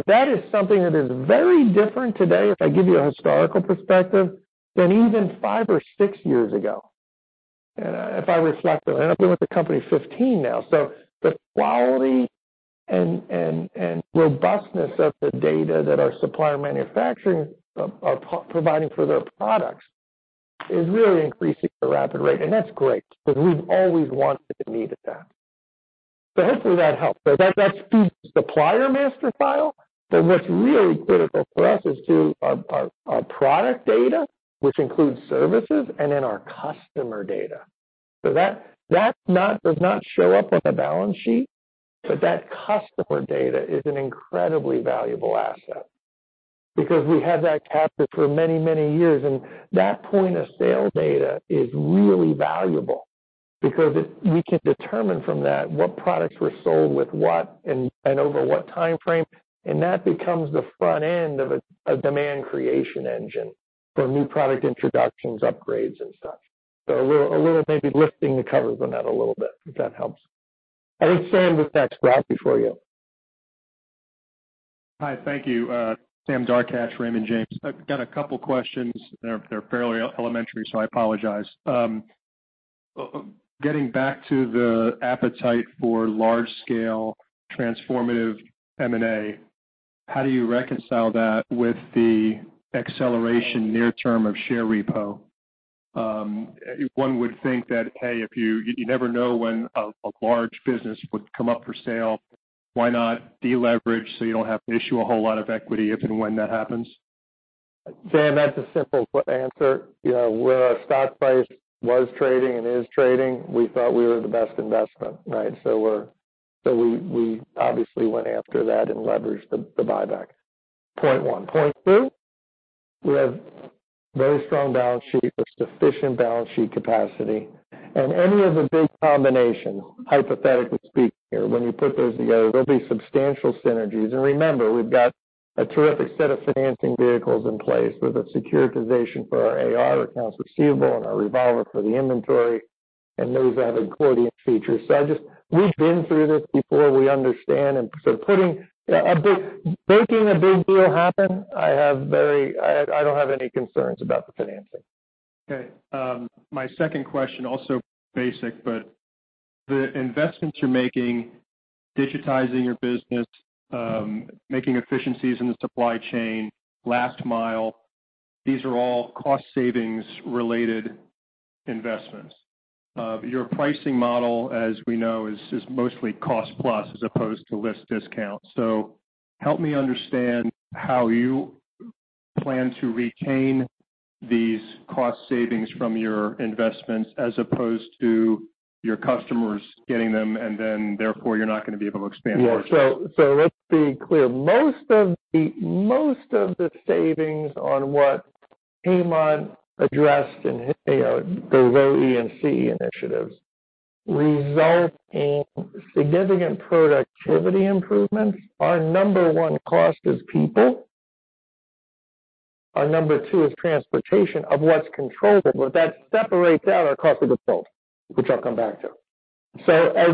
That is something that is very different today, if I give you a historical perspective, than even five or six years ago, if I reflect on it. I've been with the company 15 now. The quality and robustness of the data that our supplier manufacturing are providing for their products is really increasing at a rapid rate, and that's great, because we've always wanted and needed that. Hopefully that helps. That feeds the supplier master file, but what's really critical for us is our product data, which includes services, and then our customer data. That does not show up on the balance sheet, but that customer data is an incredibly valuable asset because we have that captured for many, many years. That point of sale data is really valuable because we can determine from that what products were sold with what and over what time frame, and that becomes the front end of a demand creation engine for new product introductions, upgrades, and such. A little maybe lifting the covers on that a little bit, if that helps. I think Sam was next, Rob, before you. Hi, thank you. Sam Darkatsh, Raymond James. I've got a couple questions. They're fairly elementary, so I apologize. Getting back to the appetite for large-scale transformative M&A, how do you reconcile that with the acceleration near term of share repo? One would think that, hey, you never know when a large business would come up for sale. Why not de-leverage so you don't have to issue a whole lot of equity if and when that happens? Sam, that's a simple answer. Where our stock price was trading and is trading, we thought we were the best investment, right? We obviously went after that and leveraged the buyback, point 1. Point 2, we have very strong balance sheet with sufficient balance sheet capacity and any of the big combination, hypothetically speaking here, when you put those together, there'll be substantial synergies. Remember, we've got a terrific set of financing vehicles in place with a securitization for our AR accounts receivable and our revolver for the inventory, and those have accordion features. We've been through this before. We understand. Making a big deal happen, I don't have any concerns about the financing. Okay. My second question, also basic, but the investments you're making, digitizing your business, making efficiencies in the supply chain, last mile, these are all cost savings related investments. Your pricing model, as we know, is mostly cost-plus as opposed to list discount. Help me understand how you plan to retain these cost savings from your investments as opposed to your customers getting them and then therefore you're not going to be able to expand margin. Yeah. Let's be clear. Most of the savings on what Hemant addressed in his OE and CE initiatives result in significant productivity improvements. Our number one cost is people. Our number two is transportation of what's controllable, but that separates out our cost of default, which I'll come back to. As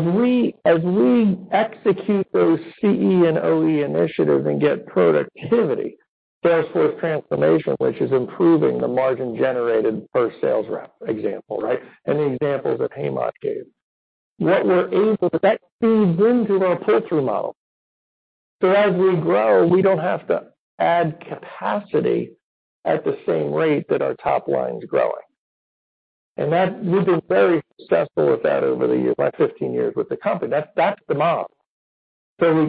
we execute those CE and OE initiatives and get productivity, sales force transformation, which is improving the margin generated per sales rep example, right? The examples that Hemant gave. That feeds into our pull-through model. As we grow, we don't have to add capacity at the same rate that our top line's growing. We've been very successful with that over the years, my 15 years with the company. That's the model. We're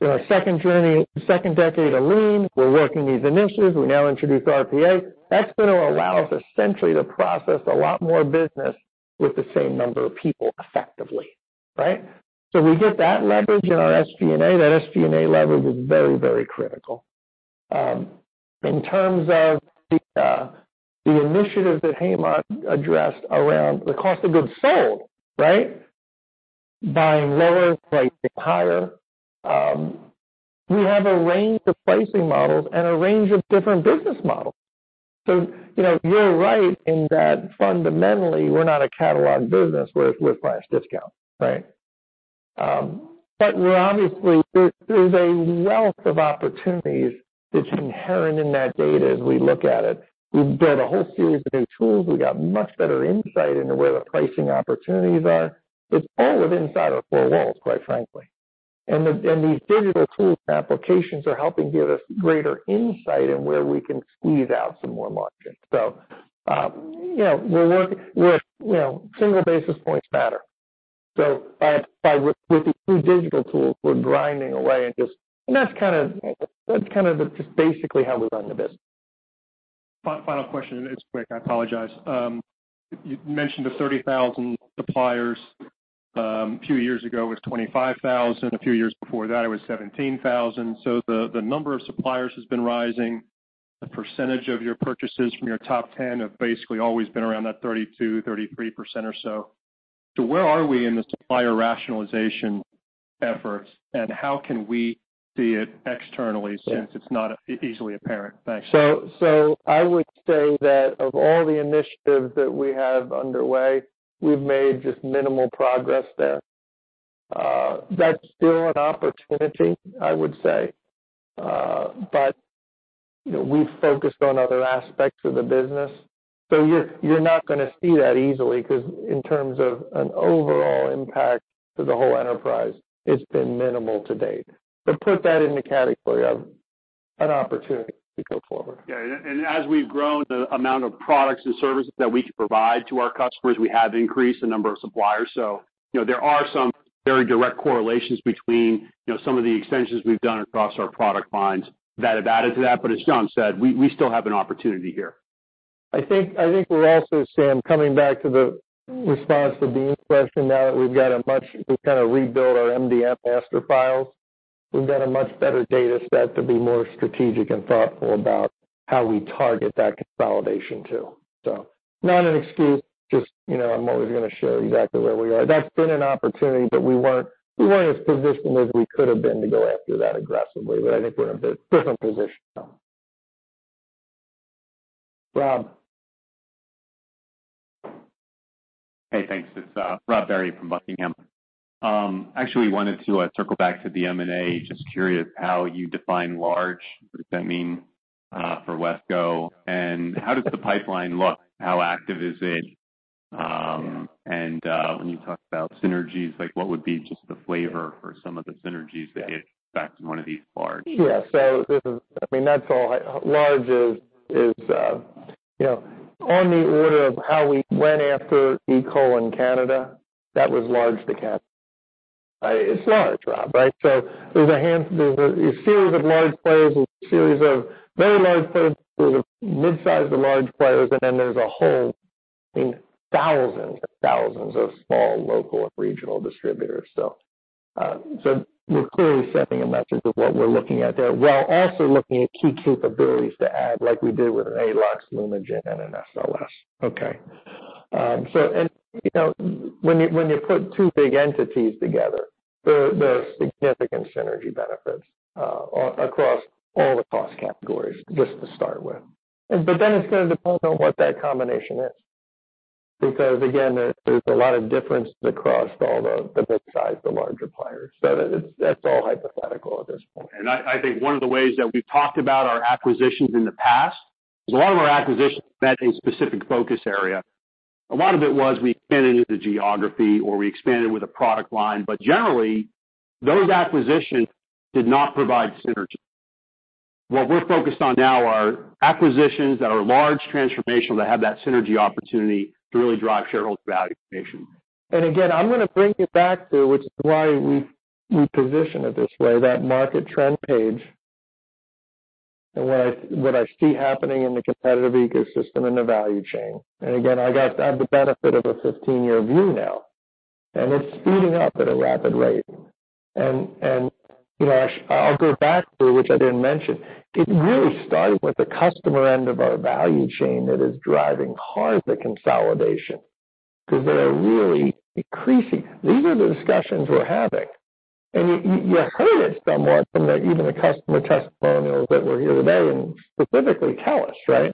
in our second journey, second decade of lean. We're working these initiatives. We now introduced RPA. That's going to allow us essentially to process a lot more business with the same number of people effectively, right? We get that leverage in our SG&A. That SG&A leverage is very critical. In terms of the initiatives that Hemant addressed around the cost of goods sold, right? Buying lower, pricing higher. We have a range of pricing models and a range of different business models. You're right in that fundamentally, we're not a catalog business with price discount, right? Obviously, there's a wealth of opportunities that's inherent in that data as we look at it. We've built a whole series of new tools. We've got much better insight into where the pricing opportunities are. It's all of inside our four walls, quite frankly. These digital tools and applications are helping give us greater insight in where we can squeeze out some more margin. Single basis points matter. With these new digital tools, we're grinding away, and that's kind of just basically how we run the business. Final question, and it's quick. I apologize. You mentioned the 30,000 suppliers. A few years ago, it was 25,000. A few years before that, it was 17,000. The number of suppliers has been rising. The percentage of your purchases from your top 10 have basically always been around that 32%-33% or so. Where are we in the supplier rationalization efforts, and how can we see it externally since it's not easily apparent? Thanks. I would say that of all the initiatives that we have underway, we've made just minimal progress there. That's still an opportunity, I would say. We've focused on other aspects of the business. You're not going to see that easily because in terms of an overall impact to the whole enterprise, it's been minimal to date. Put that in the category of an opportunity to go forward. Yeah, as we've grown the amount of products and services that we can provide to our customers, we have increased the number of suppliers. There are some very direct correlations between some of the extensions we've done across our product lines that have added to that. As John said, we still have an opportunity here. I think we're also, Sam, coming back to the response to Deane Dray's question now that we've kind of rebuilt our MDM master files. We've got a much better data set to be more strategic and thoughtful about how we target that consolidation too. Not an excuse, just I'm always going to show you exactly where we are. That's been an opportunity, we weren't as positioned as we could have been to go after that aggressively, I think we're in a bit different position now. Rob? Hey, thanks. It's Rob Barry from Buckingham. Actually wanted to circle back to the M&A, just curious how you define large. What does that mean for WESCO, and how does the pipeline look? How active is it? When you talk about synergies, what would be just the flavor for some of the synergies that you expect in one of these large? Yeah. Large is on the order of how we went after EECOL in Canada. That was large to cap. It's large, Rob, right? There's a series of large players, there's a series of very large players, there's a mid-sized to large players, then there's a whole thousands of small, local, and regional distributors. We're clearly sending a message of what we're looking at there, while also looking at key capabilities to add, like we did with an Aelux, Lumagen, and an SLS. Okay. When you put two big entities together, there are significant synergy benefits across all the cost categories just to start with. It's going to depend on what that combination is. Again, there's a lot of difference across all the mid-size to larger players. That's all hypothetical at this point. I think one of the ways that we've talked about our acquisitions in the past is a lot of our acquisitions met a specific focus area. A lot of it was we expanded into the geography or we expanded with a product line, generally, those acquisitions did not provide synergy. What we're focused on now are acquisitions that are large transformational to have that synergy opportunity to really drive shareholder value creation. I'm going to bring you back to, which is why we position it this way, that market trend page and what I see happening in the competitive ecosystem and the value chain. Again, I have the benefit of a 15-year view now, and it's speeding up at a rapid rate. I'll go back to, which I didn't mention. It really started with the customer end of our value chain that is driving hard the consolidation because they are really increasing. These are the discussions we're having. You heard it somewhat from even the customer testimonials that were here today and specifically tell us, right?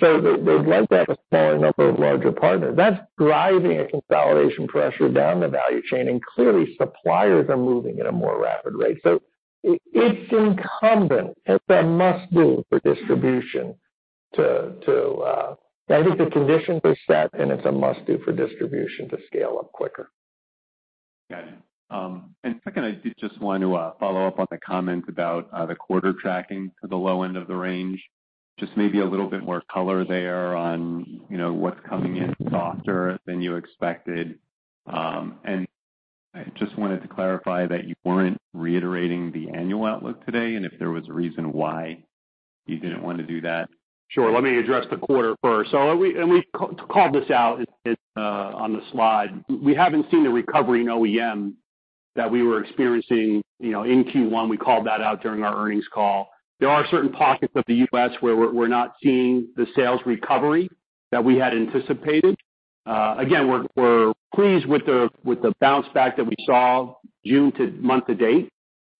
They'd like to have a smaller number of larger partners. That's driving a consolidation pressure down the value chain, and clearly suppliers are moving at a more rapid rate. It's incumbent, it's a must-do for distribution. I think the conditions are set, it's a must-do for distribution to scale up quicker. Got it. Second, I did just want to follow up on the comment about the quarter tracking to the low end of the range. Just maybe a little bit more color there on what's coming in softer than you expected. I just wanted to clarify that you weren't reiterating the annual outlook today, and if there was a reason why you didn't want to do that. Sure. Let me address the quarter first. We called this out on the slide. We haven't seen a recovery in OEM that we were experiencing in Q1. We called that out during our earnings call. There are certain pockets of the U.S. where we're not seeing the sales recovery that we had anticipated. Again, we're pleased with the bounce back that we saw June to month to date.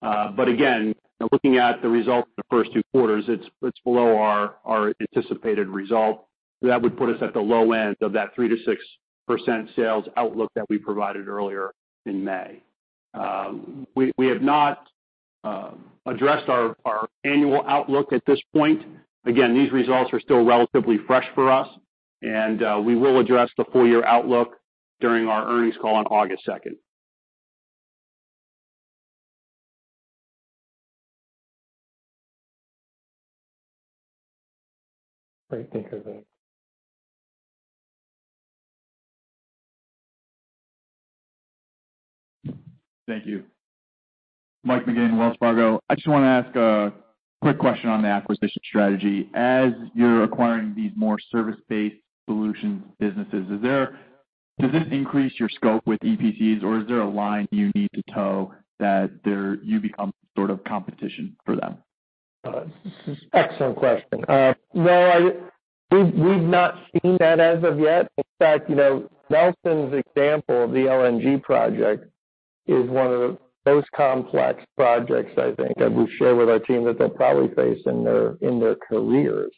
Again, looking at the results of the first two quarters, it's below our anticipated result. That would put us at the low end of that 3%-6% sales outlook that we provided earlier in May. We have not addressed our annual outlook at this point. Again, these results are still relatively fresh for us, and we will address the full year outlook during our earnings call on August 2nd. Great. Thanks, Rob. Thank you. Mike McGlone, Wells Fargo. I just want to ask a quick question on the acquisition strategy. As you're acquiring these more service-based solutions businesses, does this increase your scope with EPCs or is there a line you need to tow that you become sort of competition for them? This is excellent question. Well, we've not seen that as of yet. In fact, Nelson's example of the LNG project is one of the most complex projects I think, as we share with our team, that they'll probably face in their careers.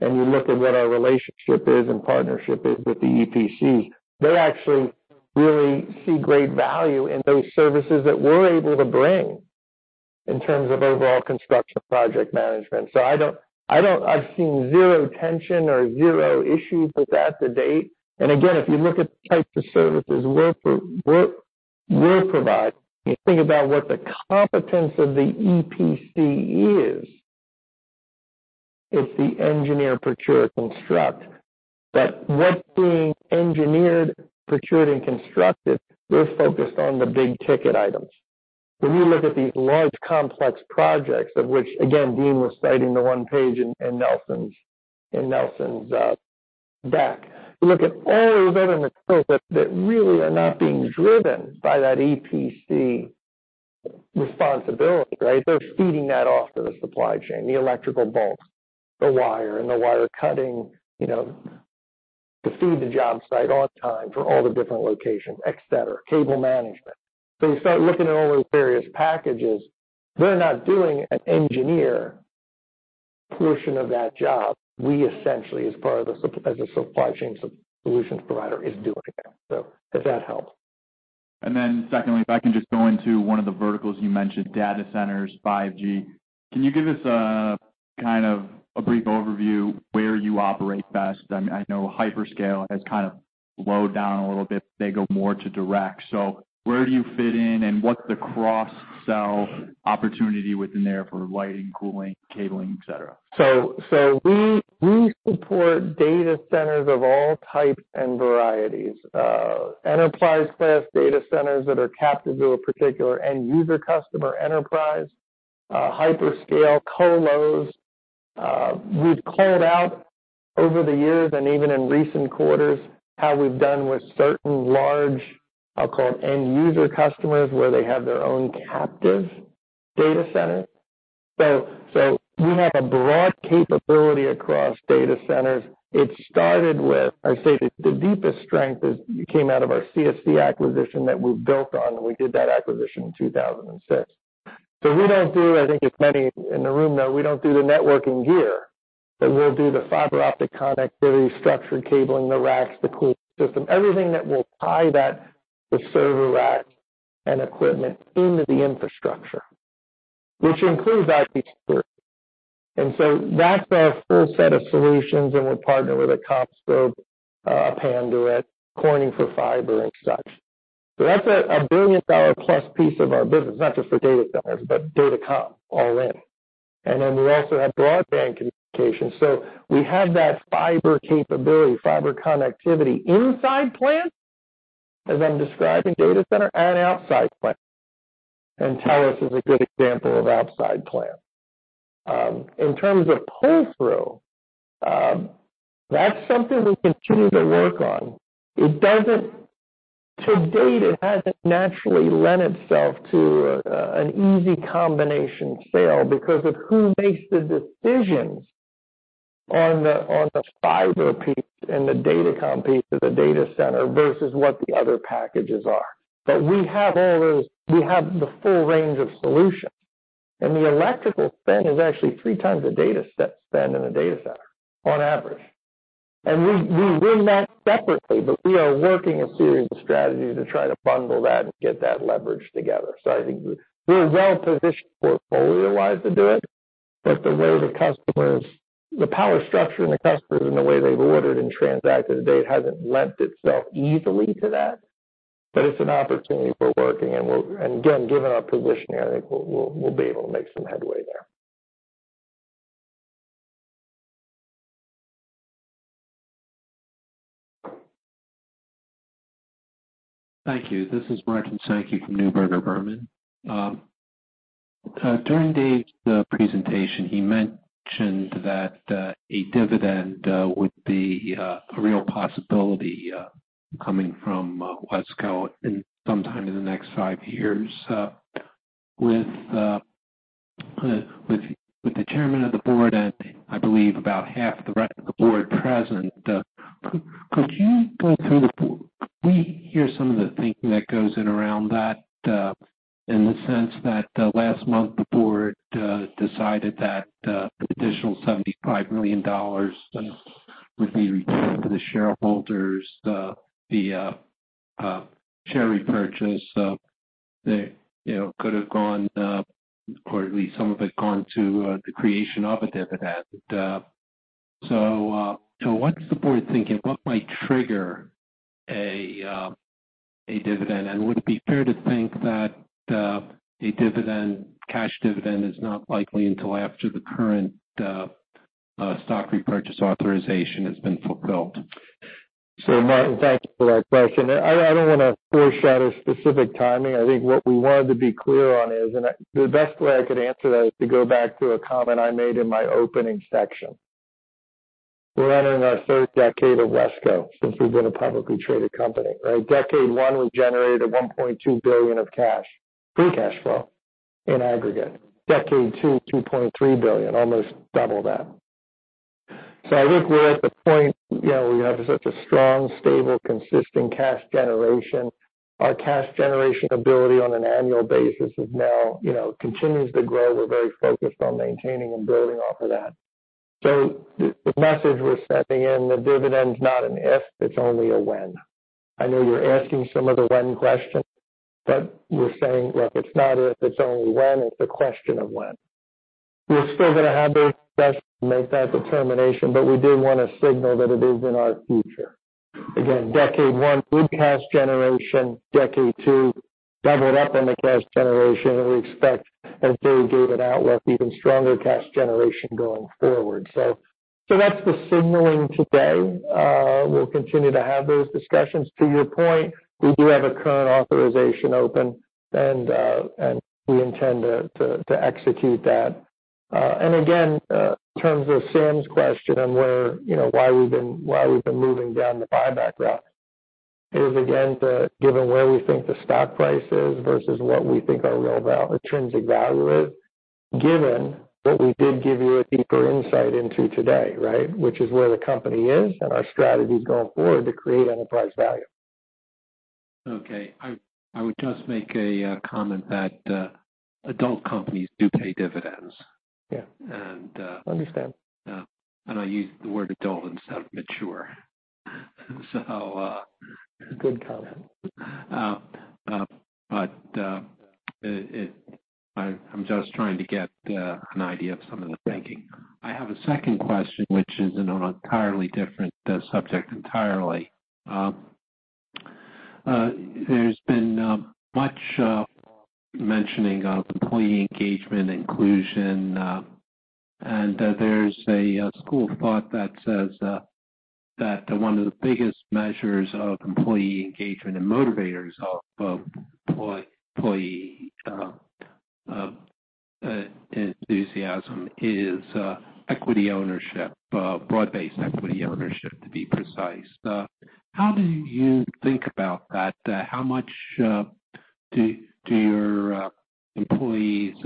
You look at what our relationship is and partnership is with the EPC, they actually really see great value in those services that we're able to bring in terms of overall construction project management. I've seen zero tension or zero issues with that to date. Again, if you look at the types of services we'll provide, you think about what the competence of the EPC is, it's the engineer procure construct. What's being engineered, procured, and constructed, we're focused on the big-ticket items. When you look at these large, complex projects, of which again, Deane was citing the one page in Nelson's deck. You look at all of the other materials that really are not being driven by that EPC responsibility, right? They're feeding that off to the supply chain, the electrical bolts, the wire, and the wire cutting to feed the job site on time for all the different locations, et cetera. Cable management. You start looking at all those various packages, they're not doing an engineer portion of that job. We essentially, as a supply chain solutions provider, is doing that. Does that help? Secondly, if I can just go into one of the verticals you mentioned, data centers, 5G. Can you give us a brief overview where you operate best? I know hyperscale has slowed down a little bit. They go more to direct. Where do you fit in and what's the cross-sell opportunity within there for lighting, cooling, cabling, et cetera? We support data centers of all types and varieties. Enterprise-class data centers that are captive to a particular end user customer enterpriseHyperscale, colos. We've called out over the years, and even in recent quarters, how we've done with certain large, I'll call it end-user customers, where they have their own captive data center. We have a broad capability across data centers. It started with, I'd say, the deepest strength came out of our CSC acquisition that we've built on, and we did that acquisition in 2006. We don't do, as many in the room know, we don't do the networking gear. We'll do the fiber optic connectivity, structured cabling, the racks, the cooling system, everything that will tie that, the server rack and equipment into the infrastructure, which includes IP security. That's our full set of solutions, and we're partnered with a CommScope, Panduit, Corning for fiber and such. That's a $1+ billion piece of our business, not just for data centers, but data comm all in. We also have broadband communications. We have that fiber capability, fiber connectivity inside plant, as I'm describing data center, and outside plant. TELUS is a good example of outside plant. In terms of pull-through, that's something we continue to work on. To date, it hasn't naturally lent itself to an easy combination sale because of who makes the decisions on the fiber piece and the data comm piece of the data center versus what the other packages are. We have the full range of solutions, and the electrical spend is actually 3x the data spend in a data center on average. We win that separately, but we are working a series of strategies to try to bundle that and get that leverage together. We're well-positioned portfolio-wise to do it, but the way the customers, the power structure and the customers and the way they've ordered and transacted to date hasn't lent itself easily to that. It's an opportunity we're working, and again, given our position there, we'll be able to make some headway there. Thank you. This is Martin Sankey from Neuberger Berman. During Dave's presentation, he mentioned that a dividend would be a real possibility coming from WESCO in sometime in the next five years. With the chairman of the board and I believe about half the rest of the board present, could we hear some of the thinking that goes in around that, in the sense that last month the board decided that the additional $75 million would be returned to the shareholders, the share repurchase could have gone, or at least some of it gone to the creation of a dividend? What's the board thinking? What might trigger a dividend? Would it be fair to think that a cash dividend is not likely until after the current stock repurchase authorization has been fulfilled? Martin, thanks for that question. I don't want to foreshadow specific timing. I think what we wanted to be clear on is, the best way I could answer that is to go back to a comment I made in my opening section. We're entering our third decade of WESCO since we've been a publicly traded company, right? Decade one, we generated $1.2 billion of cash, free cash flow in aggregate. Decade two, $2.3 billion, almost double that. I think we're at the point where we have such a strong, stable, consistent cash generation. Our cash generation ability on an annual basis now continues to grow. We're very focused on maintaining and building off of that. The message we're sending in the dividend's not an if, it's only a when. I know you're asking some of the when questions, we're saying, look, it's not if, it's only when. It's a question of when. We're still going to have those discussions to make that determination, but we do want to signal that it is in our future. Again, Decade one, good cash generation. Decade two, doubled up on the cash generation, and we expect as Dave gave an outlook, even stronger cash generation going forward. That's the signaling today. We'll continue to have those discussions. To your point, we do have a current authorization open and we intend to execute that. Again, in terms of Sam's question on why we've been moving down the buyback route, it is again, given where we think the stock price is versus what we think our real intrinsic value is, given what we did give you a deeper insight into today, right? Which is where the company is and our strategies going forward to create enterprise value. Okay. I would just make a comment that adult companies do pay dividends. Yeah. And- Understand. I use the word adult instead of mature. Good comment I'm just trying to get an idea of some of the thinking. I have a second question, which is on an entirely different subject entirely. There's been much mentioning of employee engagement, inclusion. There's a school of thought that says that one of the biggest measures of employee engagement and motivators of employee enthusiasm is equity ownership, broad-based equity ownership, to be precise. How do you think about that? How much do your employees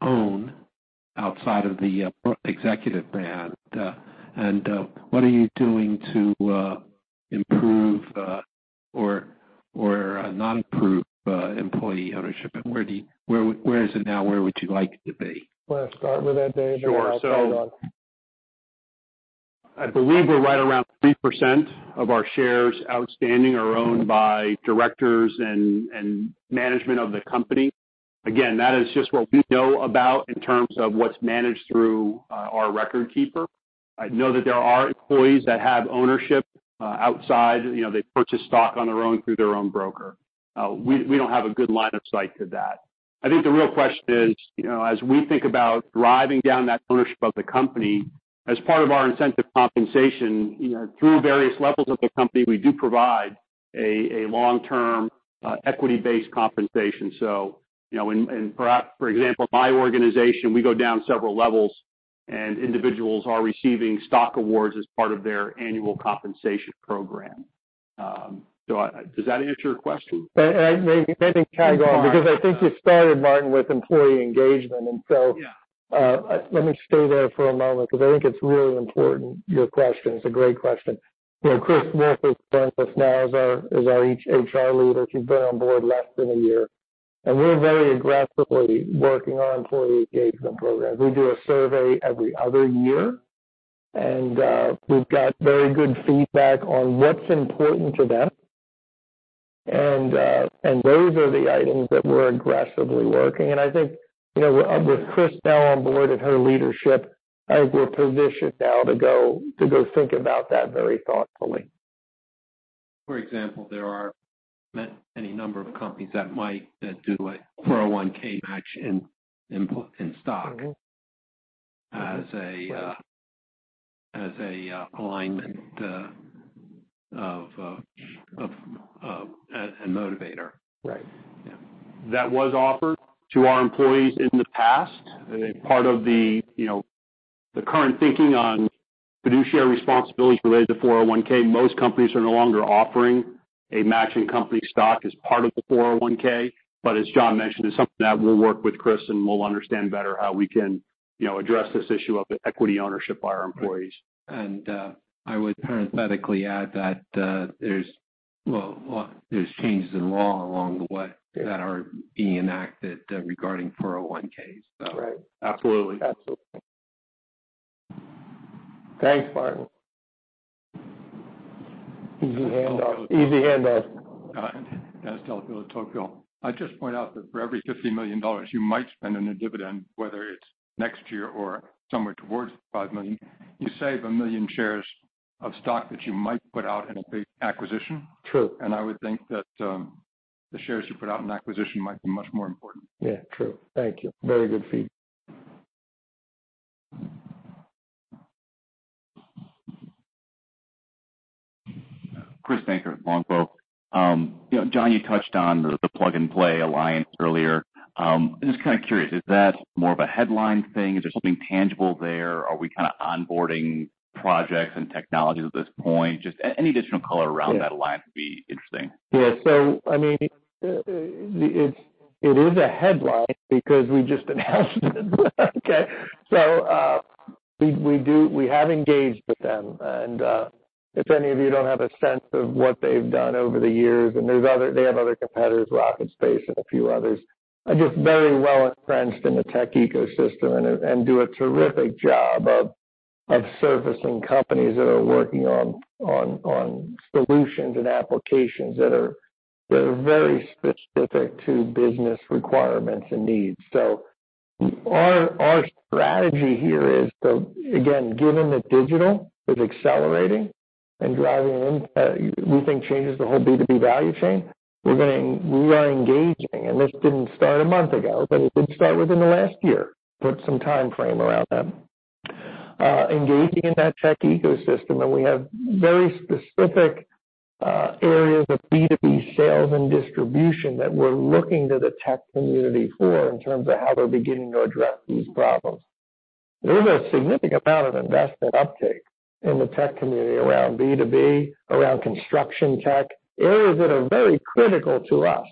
own outside of the executive band? What are you doing to improve or not improve employee ownership? Where is it now? Where would you like it to be? You want to start with that, Dave, then I'll chime in. I believe we're right around 3% of our shares outstanding are owned by directors and management of the company. Again, that is just what we know about in terms of what's managed through our record keeper. I know that there are employees that have ownership outside, they purchase stock on their own through their own broker. We don't have a good line of sight to that. I think the real question is, as we think about driving down that ownership of the company, as part of our incentive compensation, through various levels of the company, we do provide a long-term equity-based compensation. For example, my organization, we go down several levels, and individuals are receiving stock awards as part of their annual compensation program. Does that answer your question? Maybe tag on, because I think you started, Martin, with employee engagement. Yeah. Let me stay there for a moment because I think it's really important, your question. It's a great question. Chris Murphy joins us now as our HR leader. She's been on board less than a year, we're very aggressively working on employee engagement programs. We do a survey every other year, we've got very good feedback on what's important to them. Those are the items that we're aggressively working. I think, with Chris now on board and her leadership, I think we're positioned now to go think about that very thoughtfully. For example, there are any number of companies that might do a 401(k) match in stock, as a alignment and motivator. Right. Yeah. That was offered to our employees in the past. Part of the current thinking on fiduciary responsibilities related to 401(k), most companies are no longer offering a matching company stock as part of the 401(k). As John mentioned, it's something that we'll work with Chris, and we'll understand better how we can address this issue of equity ownership by our employees. I would parenthetically add that there's changes in law along the way that are being enacted regarding 401(k)s. Right. Absolutely. Absolutely. Thanks, Martin. Easy handoff. Dennis Delafield, Tocqueville. I'd just point out that for every $50 million you might spend in a dividend, whether it's next year or somewhere towards $5 million, you save 1 million shares of stock that you might put out in a big acquisition. True. I would think that the shares you put out in acquisition might be much more important. Yeah. True. Thank you. Very good feedback. Chris Bakken, Longboat. John, you touched on the Plug and Play alliance earlier. I'm just kind of curious, is that more of a headline thing? Is there something tangible there? Are we kind of onboarding projects and technologies at this point? Just any additional color around that alliance would be interesting. Yeah. It is a headline because we just announced it. Okay. We have engaged with them and if any of you don't have a sense of what they've done over the years, and they have other competitors, RocketSpace and a few others, are just very well entrenched in the tech ecosystem and do a terrific job of servicing companies that are working on solutions and applications that are very specific to business requirements and needs. Our strategy here is, again, given that digital is accelerating and driving, we think, changes the whole B2B value chain, we are engaging. This didn't start a month ago, but it did start within the last year. Put some timeframe around that. Engaging in that tech ecosystem, and we have very specific areas of B2B sales and distribution that we're looking to the tech community for in terms of how they're beginning to address these problems. There's a significant amount of investment uptake in the tech community around B2B, around construction tech, areas that are very critical to us.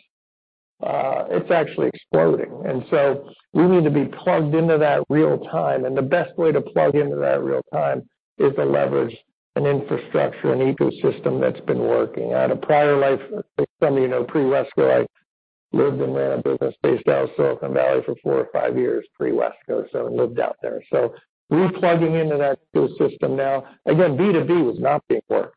It's actually exploding, so we need to be plugged into that real time, and the best way to plug into that real time is to leverage an infrastructure and ecosystem that's been working. At a prior life, as some of you know, pre-WESCO, I lived and ran a business based out of Silicon Valley for four or five years pre-WESCO, so lived out there. We're plugging into that ecosystem now. Again, B2B was not being worked.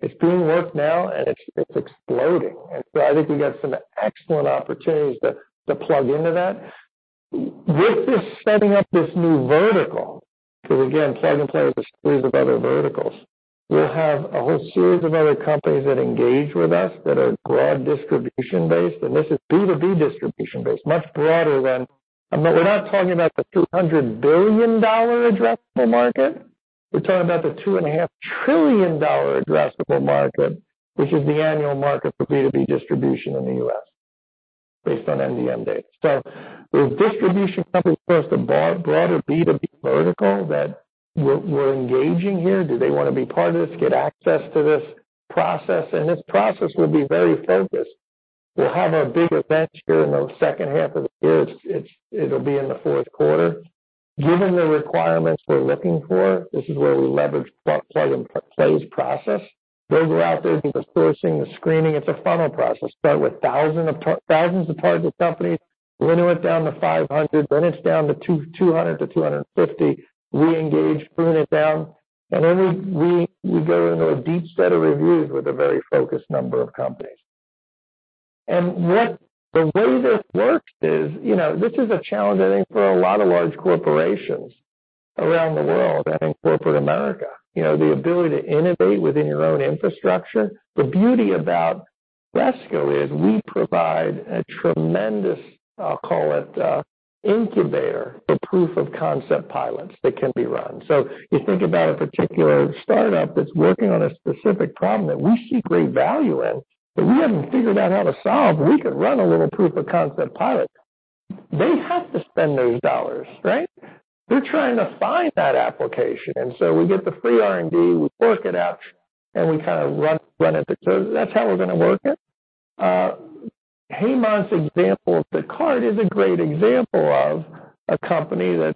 It's being worked now, and it's exploding. I think we got some excellent opportunities to plug into that. With this setting up this new vertical, because again, Plug and Play is a series of other verticals. We'll have a whole series of other companies that engage with us that are broad distribution-based, and this is B2B distribution-based, much broader than. We're not talking about the $300 billion addressable market. We're talking about the $2.5 trillion addressable market, which is the annual market for B2B distribution in the U.S. based on MDM data. With distribution companies across the broader B2B vertical that we're engaging here, do they want to be part of this, get access to this process? This process will be very focused. We'll have our big event here in the second half of the year. It'll be in the fourth quarter. Given the requirements we're looking for, this is where we leverage Plug and Play's process. They go out there, do the sourcing, the screening. It's a funnel process. Start with thousands of target companies, winnow it down to 500, then it's down to 200 to 250. Re-engage, winnow it down. We go into a deep set of reviews with a very focused number of companies. The way this works is, this is a challenge, I think, for a lot of large corporations around the world and in corporate America. The ability to innovate within your own infrastructure. The beauty about WESCO is we provide a tremendous, I'll call it, incubator for proof-of-concept pilots that can be run. You think about a particular startup that's working on a specific problem that we see great value in, that we haven't figured out how to solve, we could run a little proof-of-concept pilot. They have to spend those dollars, right? They're trying to find that application. We get the free R&D, we source it out, and we kind of run it. That's how we're going to work it. Hemant's example of the cart is a great example of a company that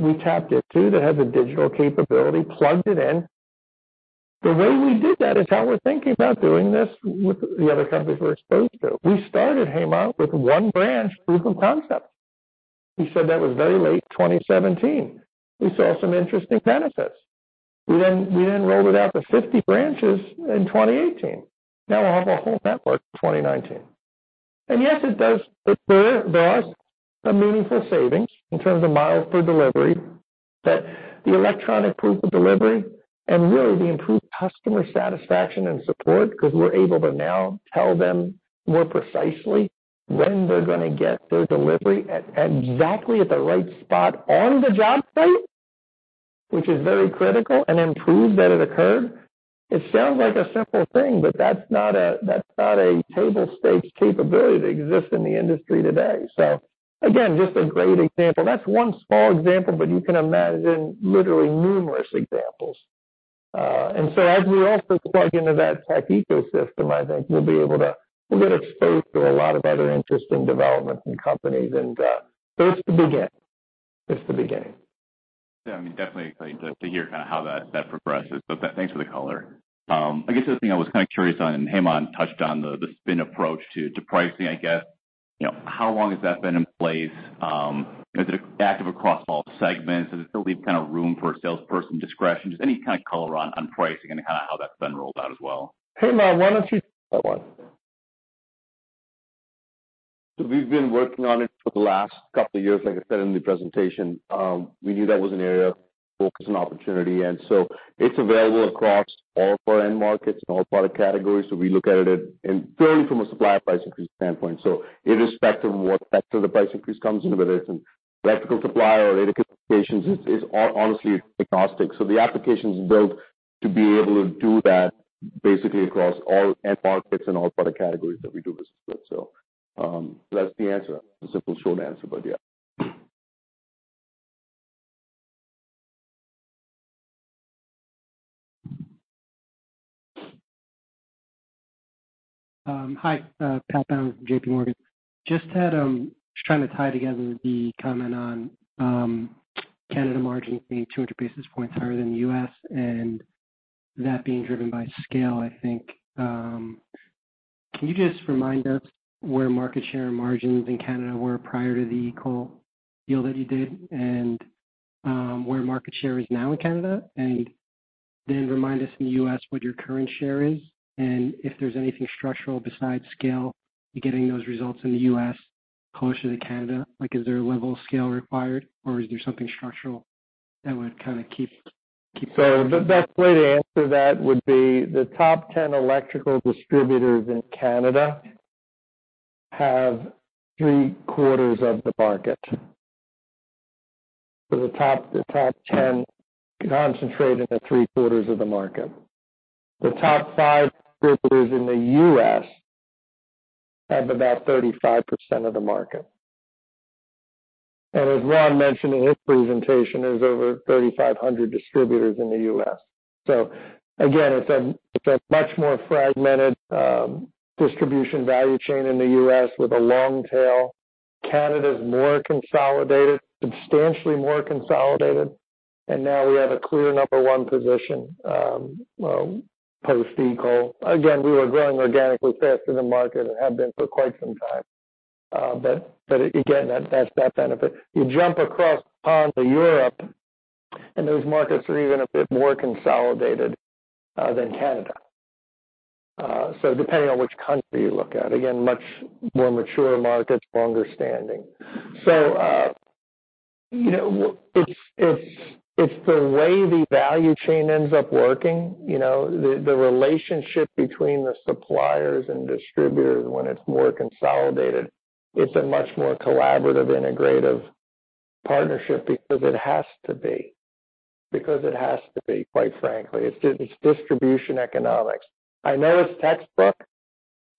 we tapped into that has a digital capability, plugged it in. The way we did that is how we're thinking about doing this with the other companies we're exposed to. We started Hemant with one branch proof of concept. He said that was very late 2017. We saw some interesting benefits. We then rolled it out to 50 branches in 2018. Now we'll have a whole network in 2019. Yes, it does bear a meaningful savings in terms of miles per delivery, but the electronic proof of delivery and really the improved customer satisfaction and support, because we're able to now tell them more precisely when they're going to get their delivery at exactly at the right spot on the job site, which is very critical, and then prove that it occurred. It sounds like a simple thing, but that's not a table stakes capability that exists in the industry today. Again, just a great example. That's one small example, but you can imagine literally numerous examples. As we also plug into that tech ecosystem, I think we'll get exposed to a lot of other interesting developments and companies. It's the beginning. Yeah, definitely exciting to hear kind of how that progresses. Thanks for the color. I guess the thing I was kind of curious on. Hemant touched on the SPIN approach to pricing, I guess. How long has that been in place? Is it active across all segments? Does it still leave kind of room for salesperson discretion? Any kind of color on pricing and kind of how that's been rolled out as well. Hemant, why don't you take that one? We've been working on it for the last couple of years. Like I said in the presentation, we knew that was an area of focus and opportunity. It's available across all of our end markets and all product categories. We look at it in theory from a supplier price increase standpoint. Irrespective of what sector the price increase comes in, whether it's an electrical supplier or data communications, it's honestly agnostic. The application's built to be able to do that basically across all end markets and all product categories that we do business with. That's the answer. A simple short answer, but yeah. Hi, Pat Baumann, JPMorgan. Just trying to tie together the comment on Canada margin being 200 basis points higher than the U.S. and that being driven by scale, I think. Can you just remind us where market share margins in Canada were prior to the EECOL deal that you did, and where market share is now in Canada? Then remind us in the U.S. what your current share is, and if there's anything structural besides scale to getting those results in the U.S. closer to Canada. Like is there a level of scale required, or is there something structural that would kind of keep- The best way to answer that would be the top 10 electrical distributors in Canada have three-quarters of the market. The top 10 concentrate in the three-quarters of the market. The top five distributors in the U.S. have about 35% of the market. As Juan, mentioned in his presentation, there's over 3,500 distributors in the U.S. Again, it's a much more fragmented distribution value chain in the U.S. with a long tail. Canada is more consolidated, substantially more consolidated, and now we have a clear number one position post-EECOL. Again, we were growing organically faster than market and have been for quite some time. Again, that's that benefit. You jump across the pond to Europe, and those markets are even a bit more consolidated than Canada. Depending on which country you look at, again, much more mature markets, longer standing. It's the way the value chain ends up working. The relationship between the suppliers and distributors when it's more consolidated, it's a much more collaborative, integrative partnership because it has to be, quite frankly. It's distribution economics. I know it's textbook,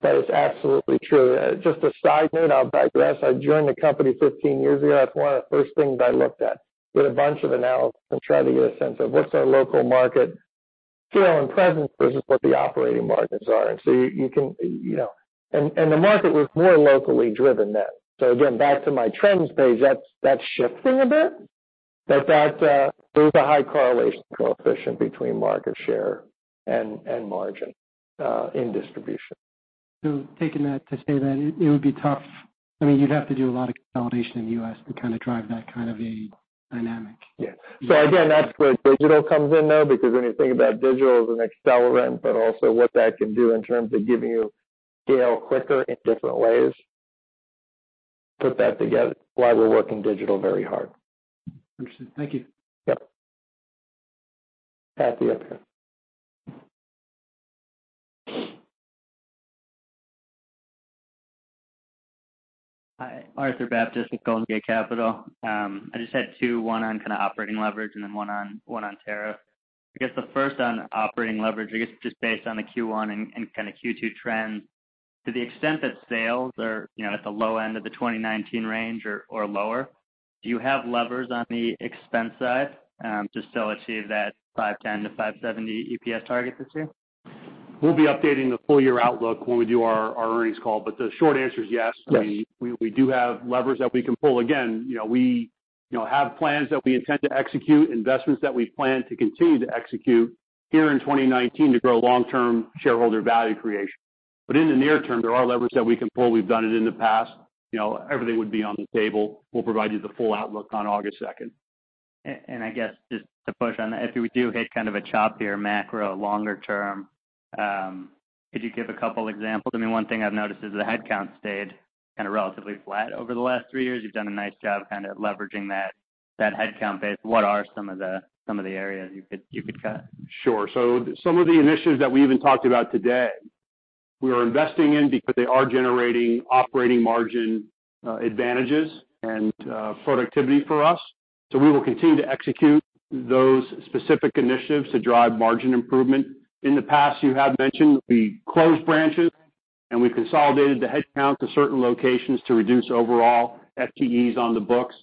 but it's absolutely true. Just a side note, I'll digress. I joined the company 15 years ago. That's one of the first things I looked at with a bunch of analysts and tried to get a sense of what's our local market scale and presence versus what the operating margins are. The market was more locally driven then. Again, back to my trends page, that's shifting a bit, but there's a high correlation coefficient between market share and margin in distribution. Taking that to say that it would be tough, you'd have to do a lot of consolidation in the U.S. to drive that kind of a dynamic. Yeah. Again, that's where digital comes in now, because when you think about digital as an accelerant, but also what that can do in terms of giving you scale quicker in different ways. Put that together, why we're working digital very hard. Interesting. Thank you. Yep. Happy to. Hi, Arthur Baptist with Golden Gate Capital. I just had two, one on kind of operating leverage and then one on tariff. I guess the first on operating leverage, I guess just based on the Q1 and kind of Q2 trends, to the extent that sales are at the low end of the 2019 range or lower, do you have levers on the expense side to still achieve that $510-$570 EPS target this year? We'll be updating the full year outlook when we do our earnings call. The short answer is yes. Yes. We do have levers that we can pull. Again, we have plans that we intend to execute, investments that we plan to continue to execute here in 2019 to grow long-term shareholder value creation. In the near term, there are levers that we can pull. We've done it in the past. Everything would be on the table. We'll provide you the full outlook on August 2nd. I guess just to push on that, if we do hit kind of a choppier macro longer term, could you give a couple examples? One thing I've noticed is the headcount stayed kind of relatively flat over the last three years. You've done a nice job kind of leveraging that headcount base. What are some of the areas you could cut? Sure. Some of the initiatives that we even talked about today, we are investing in because they are generating operating margin advantages and productivity for us. We will continue to execute those specific initiatives to drive margin improvement. In the past, you have mentioned we closed branches and we consolidated the headcount to certain locations to reduce overall FTEs on the books.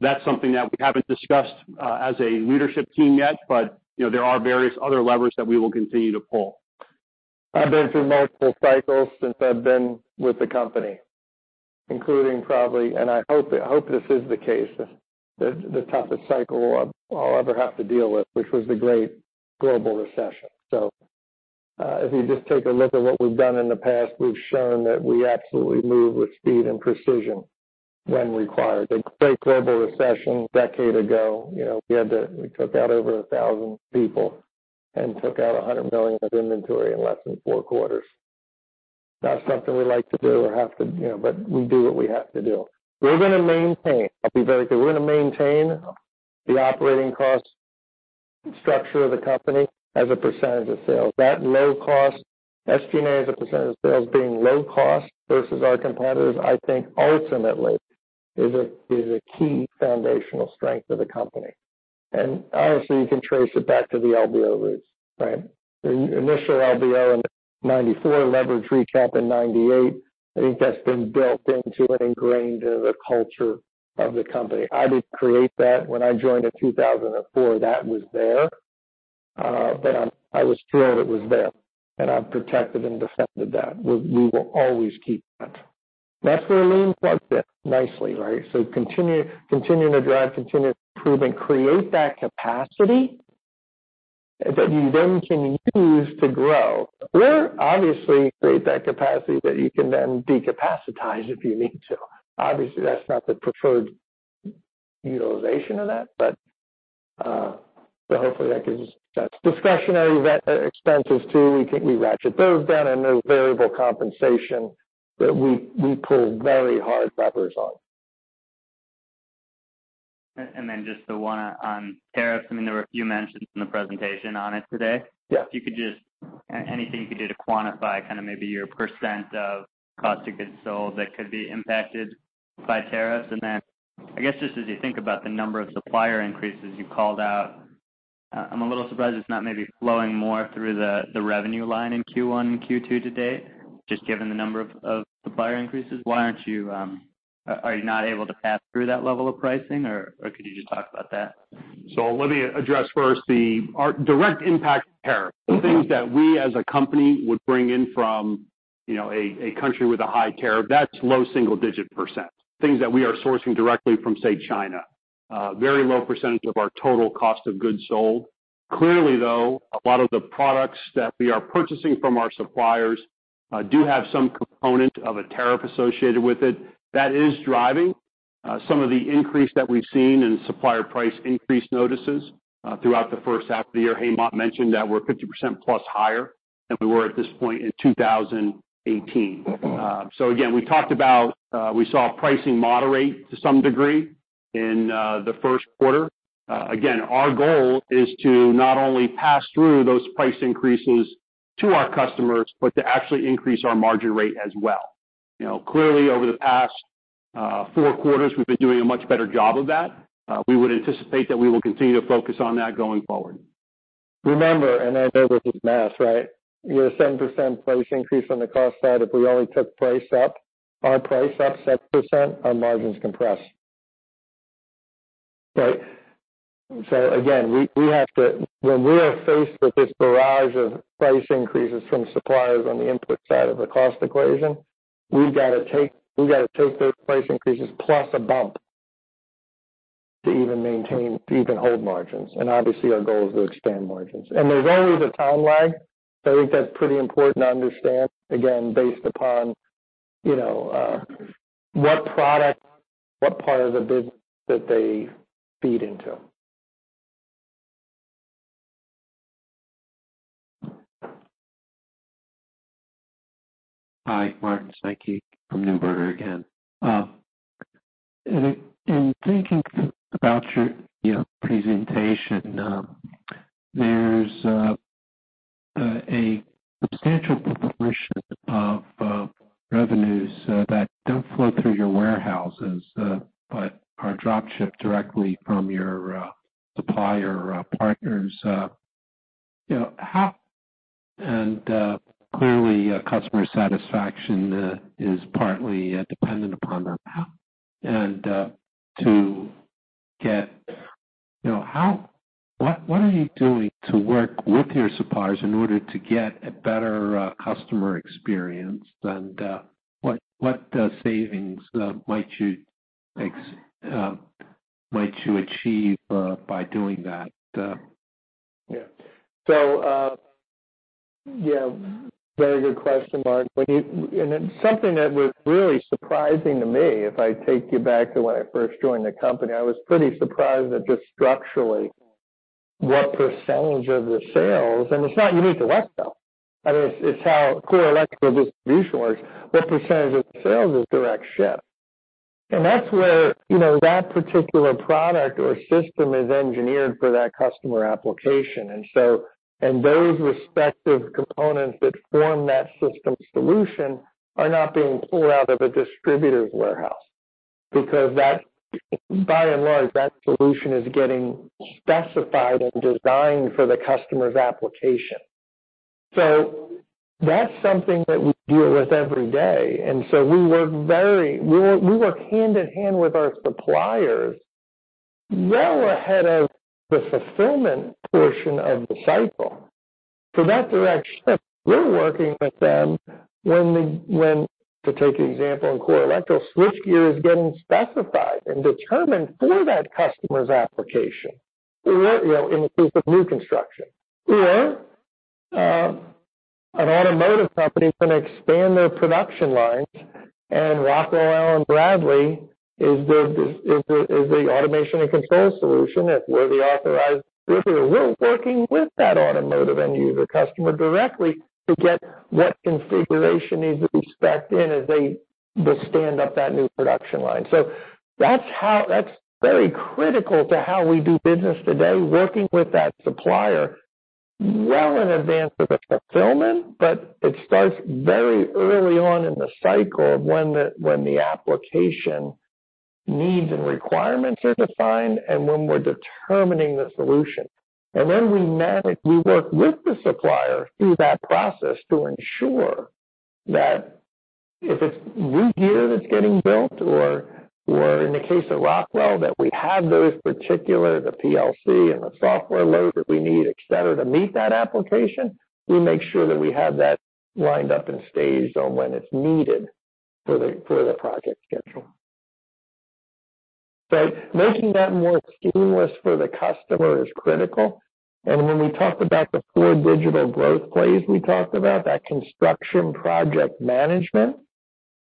That's something that we haven't discussed as a leadership team yet, there are various other levers that we will continue to pull. I've been through multiple cycles since I've been with the company, including probably, and I hope this is the case, the toughest cycle I'll ever have to deal with, which was the great global recession. If you just take a look at what we've done in the past, we've shown that we absolutely move with speed and precision when required. The great global recession a decade ago, we took out over 1,000 people and took out $100 million of inventory in less than four quarters. Not something we like to do or have to, we do what we have to do. We're going to maintain, I'll be very clear, we're going to maintain the operating cost structure of the company as a percentage of sales. That low cost, SG&A as a percentage of sales being low cost versus our competitors, I think ultimately is a key foundational strength of the company. Honestly, you can trace it back to the LBO roots, right? The initial LBO in 1994, leverage recap in 1998. I think that's been built into and ingrained in the culture of the company. I didn't create that when I joined in 2004. That was there. I was thrilled it was there, and I've protected and defended that. We will always keep that. That's where lean plugs in nicely, right? Continuing to drive, continuous improvement, create that capacity that you then can use to grow or obviously create that capacity that you can then decapacitize if you need to. Obviously, that's not the preferred utilization of that. Discretionary expenses too. We think we ratchet those down. There's variable compensation that we pull very hard levers on. Then just the one on tariffs. There were a few mentions in the presentation on it today. Yeah. If you could just, anything you could do to quantify kind of maybe your percent of cost of goods sold that could be impacted by tariffs? Then I guess, just as you think about the number of supplier increases you called out, I'm a little surprised it's not maybe flowing more through the revenue line in Q1 and Q2 to date, just given the number of supplier increases. Are you not able to pass through that level of pricing or could you just talk about that? Let me address first our direct impact tariff. The things that we as a company would bring in from a country with a high tariff, that's low single-digit percent. Things that we are sourcing directly from, say, China. A very low percentage of our total cost of goods sold. Clearly, though, a lot of the products that we are purchasing from our suppliers do have some component of a tariff associated with it. That is driving some of the increase that we've seen in supplier price increase notices throughout the first half of the year, Hemant mentioned that we're 50%+ higher than we were at this point in 2018. Again, we saw pricing moderate to some degree in the first quarter. Our goal is to not only pass through those price increases to our customers, but to actually increase our margin rate as well. Clearly, over the past four quarters, we've been doing a much better job of that. We would anticipate that we will continue to focus on that going forward. Remember, I know this is math, right? We have a 7% price increase on the cost side. If we only took price up, our price up 7%, our margins compress. Right. When we are faced with this barrage of price increases from suppliers on the input side of the cost equation, we've got to take those price increases plus a bump to even hold margins. Obviously, our goal is to expand margins. There's always a time lag. I think that's pretty important to understand, again, based upon what product, what part of the business that they feed into. Hi, Martin Sankey from Neuberger again. In thinking about your presentation, there's a substantial proportion of revenues that don't flow through your warehouses, but are drop-shipped directly from your supplier partners. Clearly, customer satisfaction is partly dependent upon that. What are you doing to work with your suppliers in order to get a better customer experience? What savings might you achieve by doing that? Yeah. Very good question, Martin. It's something that was really surprising to me, if I take you back to when I first joined the company. I was pretty surprised at just structurally what percentage of the sales, and it's not unique to WESCO, it's how core electrical distribution works, what percentage of the sales is direct ship. Those respective components that form that system solution are not being pulled out of a distributor's warehouse. Because by and large, that solution is getting specified and designed for the customer's application. That's something that we deal with every day. We work hand-in-hand with our suppliers well ahead of the fulfillment portion of the cycle. For that direct ship, we're working with them when, to take an example in core electrical, switchgear is getting specified and determined for that customer's application in the case of new construction. Or an automotive company is going to expand their production lines and Rockwell Allen-Bradley is the automation and control solution, if we're the authorized distributor, we're working with that automotive end user customer directly to get what configuration needs to be specced in as they stand up that new production line. That's very critical to how we do business today, working with that supplier well in advance of the fulfillment, it starts very early on in the cycle when the application needs and requirements are defined and when we're determining the solution. We work with the supplier through that process to ensure that if it's new gear that's getting built or, in the case of Rockwell, that we have those particular, the PLC and the software load that we need, et cetera, to meet that application, we make sure that we have that lined up and staged on when it's needed for the project schedule. Making that more seamless for the customer is critical. When we talked about the four digital growth plays we talked about, that construction project management,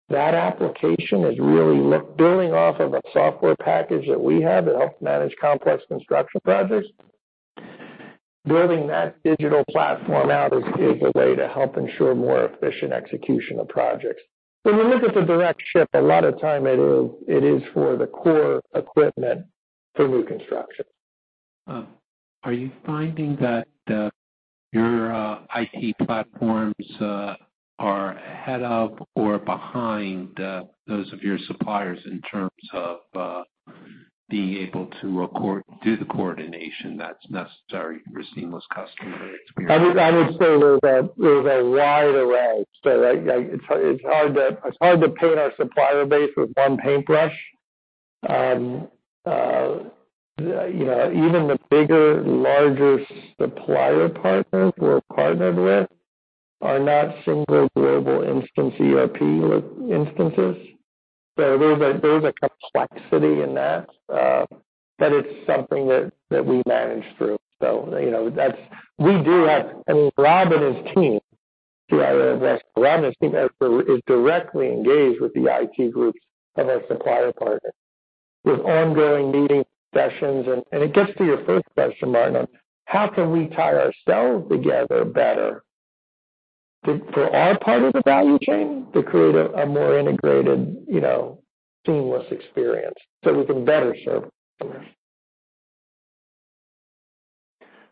that application is really building off of a software package that we have that helps manage complex construction projects. Building that digital platform out is a way to help ensure more efficient execution of projects. When we look at the direct ship, a lot of time it is for the core equipment for new construction. Are you finding that your IT platforms are ahead of or behind those of your suppliers in terms of being able to do the coordination that's necessary for a seamless customer experience? I would say there's a wide array. It's hard to paint our supplier base with one paintbrush. Even the bigger, larger supplier partners we're partnered with are not single global instance ERP instances. There's a complexity in that. It's something that we manage through. Rob and his team, CIO and investor, is directly engaged with the IT groups of our supplier partners with ongoing meeting sessions. It gets to your first question, Martin on how can we tie ourselves together better for our part of the value chain to create a more integrated seamless experience so we can better serve customers.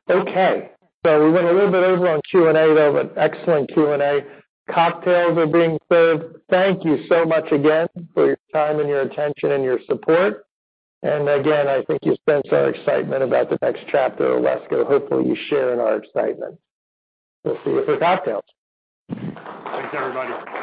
Okay. We went a little bit over on Q&A there, excellent Q&A. Cocktails are being served. Thank you so much again for your time and your attention and your support. Again, I think you sense our excitement about the next chapter of WESCO. Hopefully, you share in our excitement. We'll see you for cocktails. Thanks, everybody.